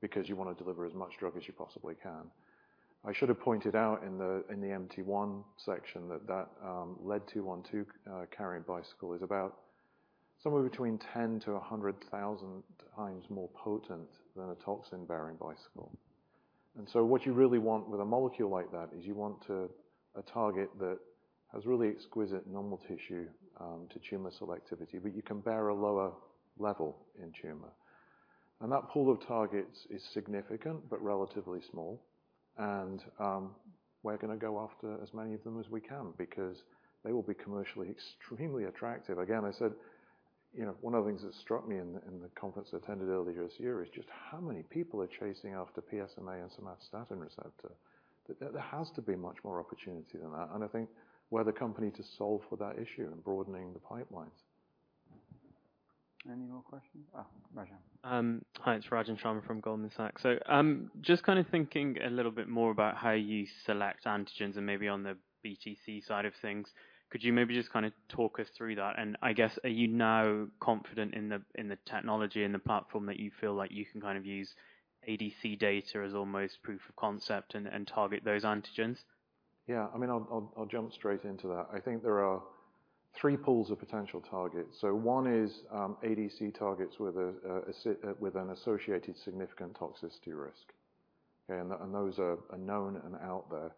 because you want to deliver as much drug as you possibly can. I should have pointed out in the MT1 section that lead-212 carrying Bicycle is about somewhere between 10-100,000 times more potent than a toxin-bearing Bicycle. So what you really want with a molecule like that is you want a target that has really exquisite normal tissue to tumor selectivity, but you can bear a lower level in tumor. And that pool of targets is significant, but relatively small, and we're gonna go after as many of them as we can because they will be commercially extremely attractive. Again, I said, you know, one of the things that struck me in the conference I attended earlier this year is just how many people are chasing after PSMA and somatostatin receptor. There has to be much more opportunity than that, and I think we're the company to solve for that issue and broadening the pipelines. Any more questions? Ah, Rajan. Hi, it's Rajan Sharma from Goldman Sachs. So, just kind of thinking a little bit more about how you select antigens and maybe on the BTC side of things, could you maybe just kind of talk us through that? And I guess, are you now confident in the technology and the platform, that you feel like you can kind of use ADC data as almost proof of concept and target those antigens? Yeah, I mean, I'll jump straight into that. I think there are three pools of potential targets. So one is ADC targets with an associated significant toxicity risk. Okay. And those are known and out there.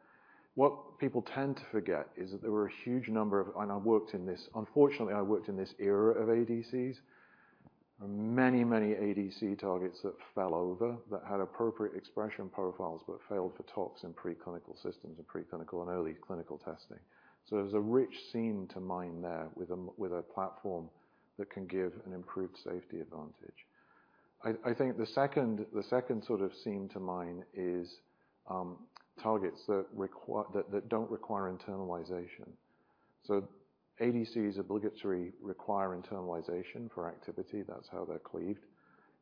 What people tend to forget is that there were a huge number of... And I worked in this, unfortunately, I worked in this era of ADCs. There were many, many ADC targets that fell over, that had appropriate expression profiles, but failed for tox in preclinical systems, in preclinical and early clinical testing. So there's a rich scene to mine there with a platform that can give an improved safety advantage. I think the second sort of scene to mine is targets that don't require internalization. So ADCs obligatory require internalization for activity. That's how they're cleaved....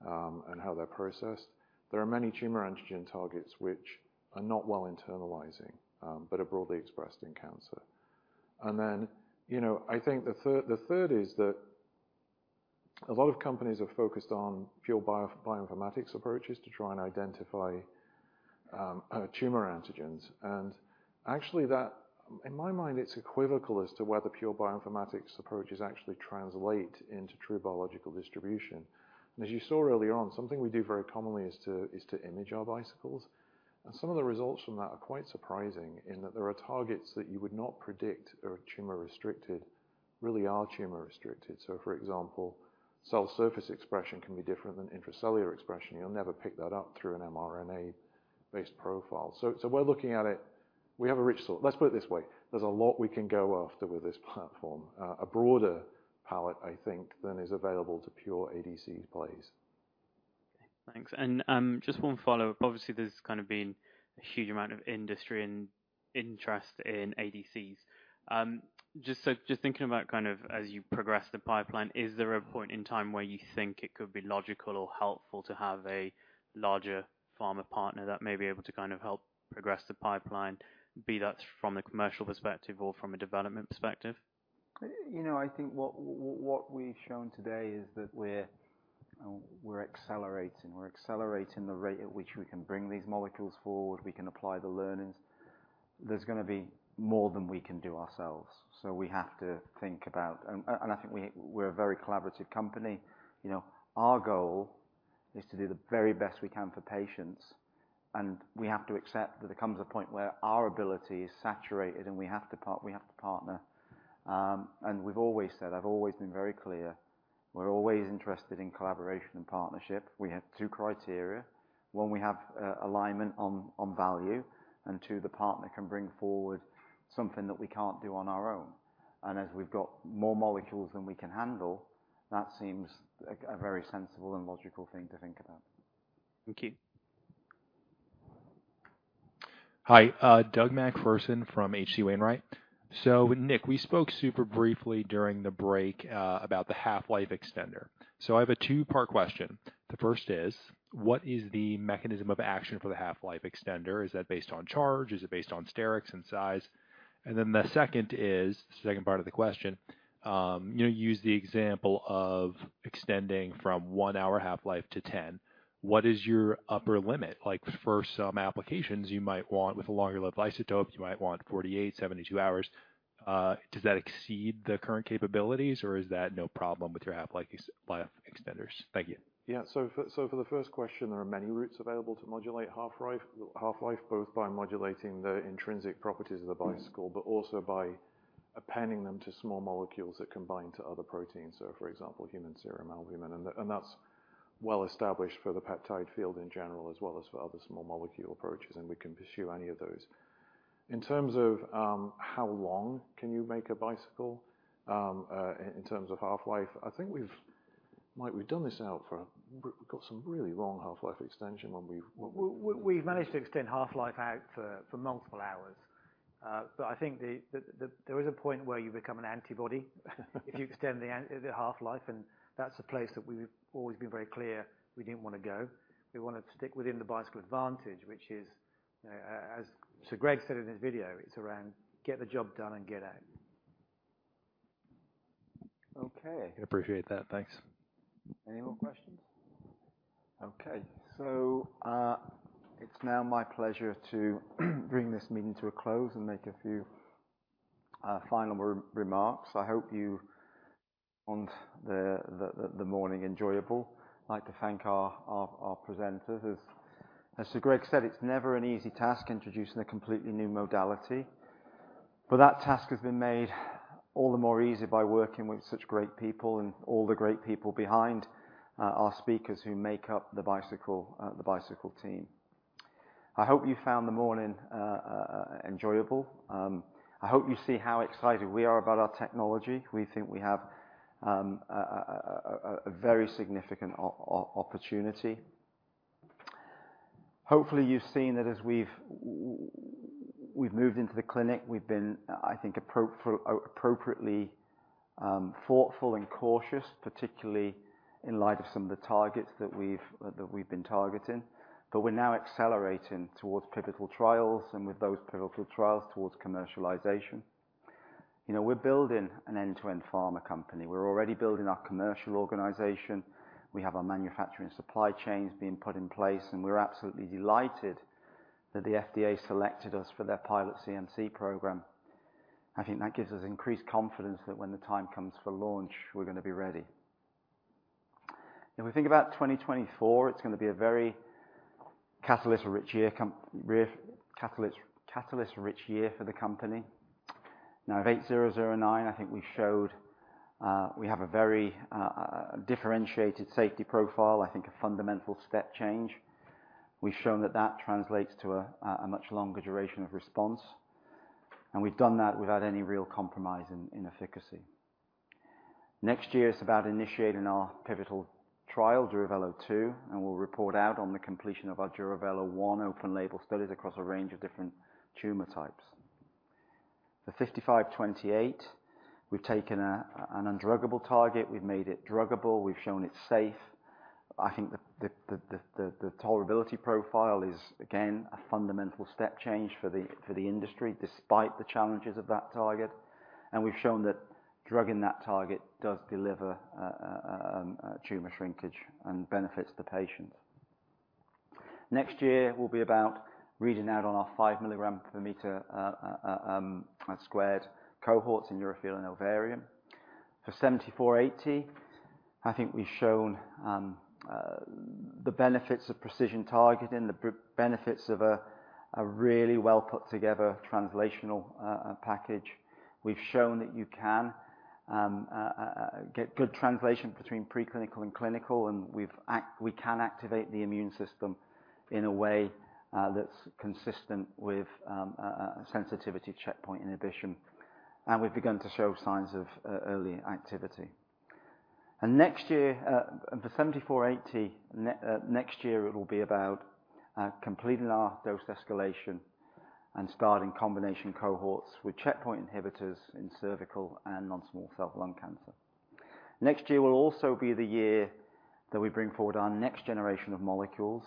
and how they're processed. There are many tumor antigen targets which are not well internalizing, but are broadly expressed in cancer. And then, you know, I think the third is that a lot of companies have focused on pure bioinformatics approaches to try and identify tumor antigens. And actually that... In my mind, it's equivocal as to whether pure bioinformatics approaches actually translate into true biological distribution. And as you saw earlier on, something we do very commonly is to image our Bicycles. And some of the results from that are quite surprising, in that there are targets that you would not predict are tumor-restricted, really are tumor-restricted. So for example, cell surface expression can be different than intracellular expression. You'll never pick that up through an mRNA-based profile. So we're looking at it. We have a rich source. Let's put it this way: there's a lot we can go after with this platform. A broader palette, I think, than is available to pure ADCs place. Thanks. Just one follow-up. Obviously, there's kind of been a huge amount of industry and interest in ADCs. Just thinking about kind of as you progress the pipeline, is there a point in time where you think it could be logical or helpful to have a larger pharma partner that may be able to kind of help progress the pipeline, be that from a commercial perspective or from a development perspective? You know, I think what we've shown today is that we're, we're accelerating. We're accelerating the rate at which we can bring these molecules forward, we can apply the learnings. There's gonna be more than we can do ourselves, so we have to think about... And I think we're a very collaborative company. You know, our goal is to do the very best we can for patients, and we have to accept that there comes a point where our ability is saturated, and we have to partner. And we've always said, I've always been very clear, we're always interested in collaboration and partnership. We have two criteria. One, we have alignment on value, and two, the partner can bring forward something that we can't do on our own. As we've got more molecules than we can handle, that seems like a very sensible and logical thing to think about. Thank you. Hi, Doug McPherson from H.C. Wainwright. So Nick, we spoke super briefly during the break about the half-life extender. So I have a two-part question. The first is: What is the mechanism of action for the half-life extender? Is that based on charge? Is it based on sterics and size? And then the second is, second part of the question, you know, use the example of extending from 1-hour half-life to 10. What is your upper limit? Like, for some applications, you might want with a longer-lived isotope, you might want 48, 72 hours. Does that exceed the current capabilities, or is that no problem with your half-life, half-life extenders? Thank you. Yeah. So for, so for the first question, there are many routes available to modulate half-life, half-life, both by modulating the intrinsic properties of the Bicycle, but also by appending them to small molecules that can bind to other proteins, so for example, human serum albumin. And that, and that's well established for the peptide field in general, as well as for other small molecule approaches, and we can pursue any of those. In terms of how long can you make a Bicycle in terms of half-life, I think we've... Mike, we've done this out for, we've got some really long half-life extension when we've- We've managed to extend half-life out for multiple hours. But I think there is a point where you become an antibody, if you extend the half-life, and that's a place that we've always been very clear we didn't want to go. We wanted to stick within the Bicycle advantage, which is, as Sir Greg said in his video, it's around, "Get the job done and get out. Okay. I appreciate that. Thanks. Any more questions? Okay. So, it's now my pleasure to bring this meeting to a close and make a few final remarks. I hope you found the morning enjoyable. I'd like to thank our presenters. As Sir Greg said, it's never an easy task introducing a completely new modality, but that task has been made all the more easy by working with such great people and all the great people behind our speakers who make up the Bicycle team. I hope you found the morning enjoyable. I hope you see how excited we are about our technology. We think we have a very significant opportunity. Hopefully, you've seen that as we've moved into the clinic, we've been, I think, appropriately thoughtful and cautious, particularly in light of some of the targets that we've been targeting. But we're now accelerating towards pivotal trials, and with those pivotal trials, towards commercialization. You know, we're building an end-to-end pharma company. We're already building our commercial organization. We have our manufacturing supply chains being put in place, and we're absolutely delighted that the FDA selected us for their pilot CMC program. I think that gives us increased confidence that when the time comes for launch, we're gonna be ready. If we think about 2024, it's gonna be a very catalyst-rich year for the company. Now, of 8009, I think we showed, we have a very, differentiated safety profile, I think a fundamental step change. We've shown that that translates to a, a much longer duration of response, and we've done that without any real compromise in efficacy. Next year is about initiating our pivotal trial, DURAVELO 2, and we'll report out on the completion of our DURAVELO 1 open label studies across a range of different tumor types. ... For BT5528, we've taken an undruggable target, we've made it druggable, we've shown it's safe. I think the tolerability profile is, again, a fundamental step change for the industry, despite the challenges of that target. And we've shown that drugging that target does deliver tumor shrinkage and benefits the patient. Next year will be about reading out on our 5 mg/m² cohorts in urothelial and ovarian. For BT7480, I think we've shown the benefits of precision targeting, the benefits of a really well put together translational package. We've shown that you can get good translation between preclinical and clinical, and we can activate the immune system in a way that's consistent with sensitivity checkpoint inhibition. We've begun to show signs of early activity. Next year, and for BT7480, next year, it will be about completing our dose escalation and starting combination cohorts with checkpoint inhibitors in cervical and non-small cell lung cancer. Next year will also be the year that we bring forward our next generation of molecules,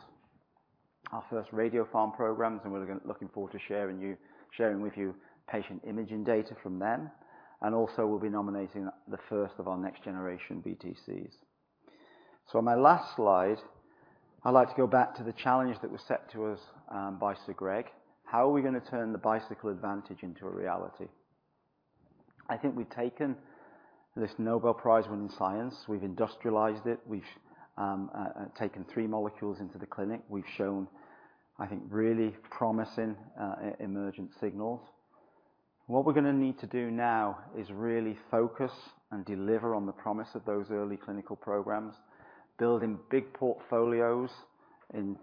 our first radiopharm programs, and we're looking forward to sharing with you patient imaging data from them, and also we'll be nominating the first of our next generation BTCs. On my last slide, I'd like to go back to the challenge that was set to us by Sir Greg. How are we gonna turn the Bicycle advantage into a reality? I think we've taken this Nobel Prize-winning science, we've industrialized it, we've taken 3 molecules into the clinic. We've shown, I think, really promising emergent signals. What we're gonna need to do now is really focus and deliver on the promise of those early clinical programs, building big portfolios in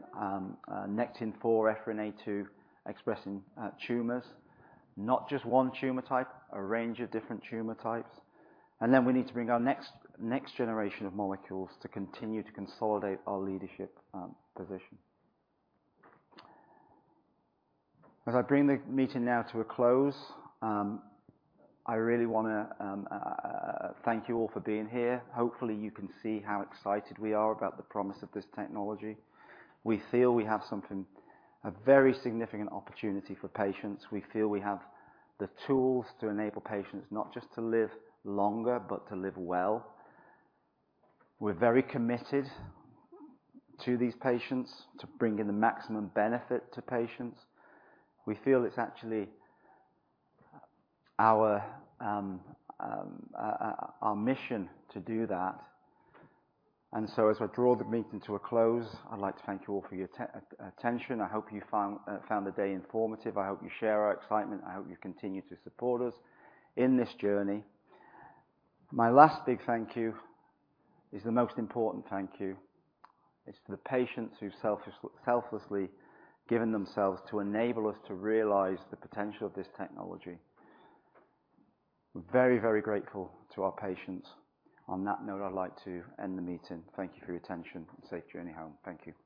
Nectin-4, EphA2-expressing tumors. Not just one tumor type, a range of different tumor types. And then we need to bring our next generation of molecules to continue to consolidate our leadership position. As I bring the meeting now to a close, I really wanna thank you all for being here. Hopefully, you can see how excited we are about the promise of this technology. We feel we have something, a very significant opportunity for patients. We feel we have the tools to enable patients not just to live longer, but to live well. We're very committed to these patients, to bringing the maximum benefit to patients. We feel it's actually our mission to do that. And so as I draw the meeting to a close, I'd like to thank you all for your attention. I hope you found the day informative. I hope you share our excitement. I hope you continue to support us in this journey. My last big thank you is the most important thank you. It's to the patients who've selflessly given themselves to enable us to realize the potential of this technology. We're very, very grateful to our patients. On that note, I'd like to end the meeting. Thank you for your attention, and safe journey home. Thank you.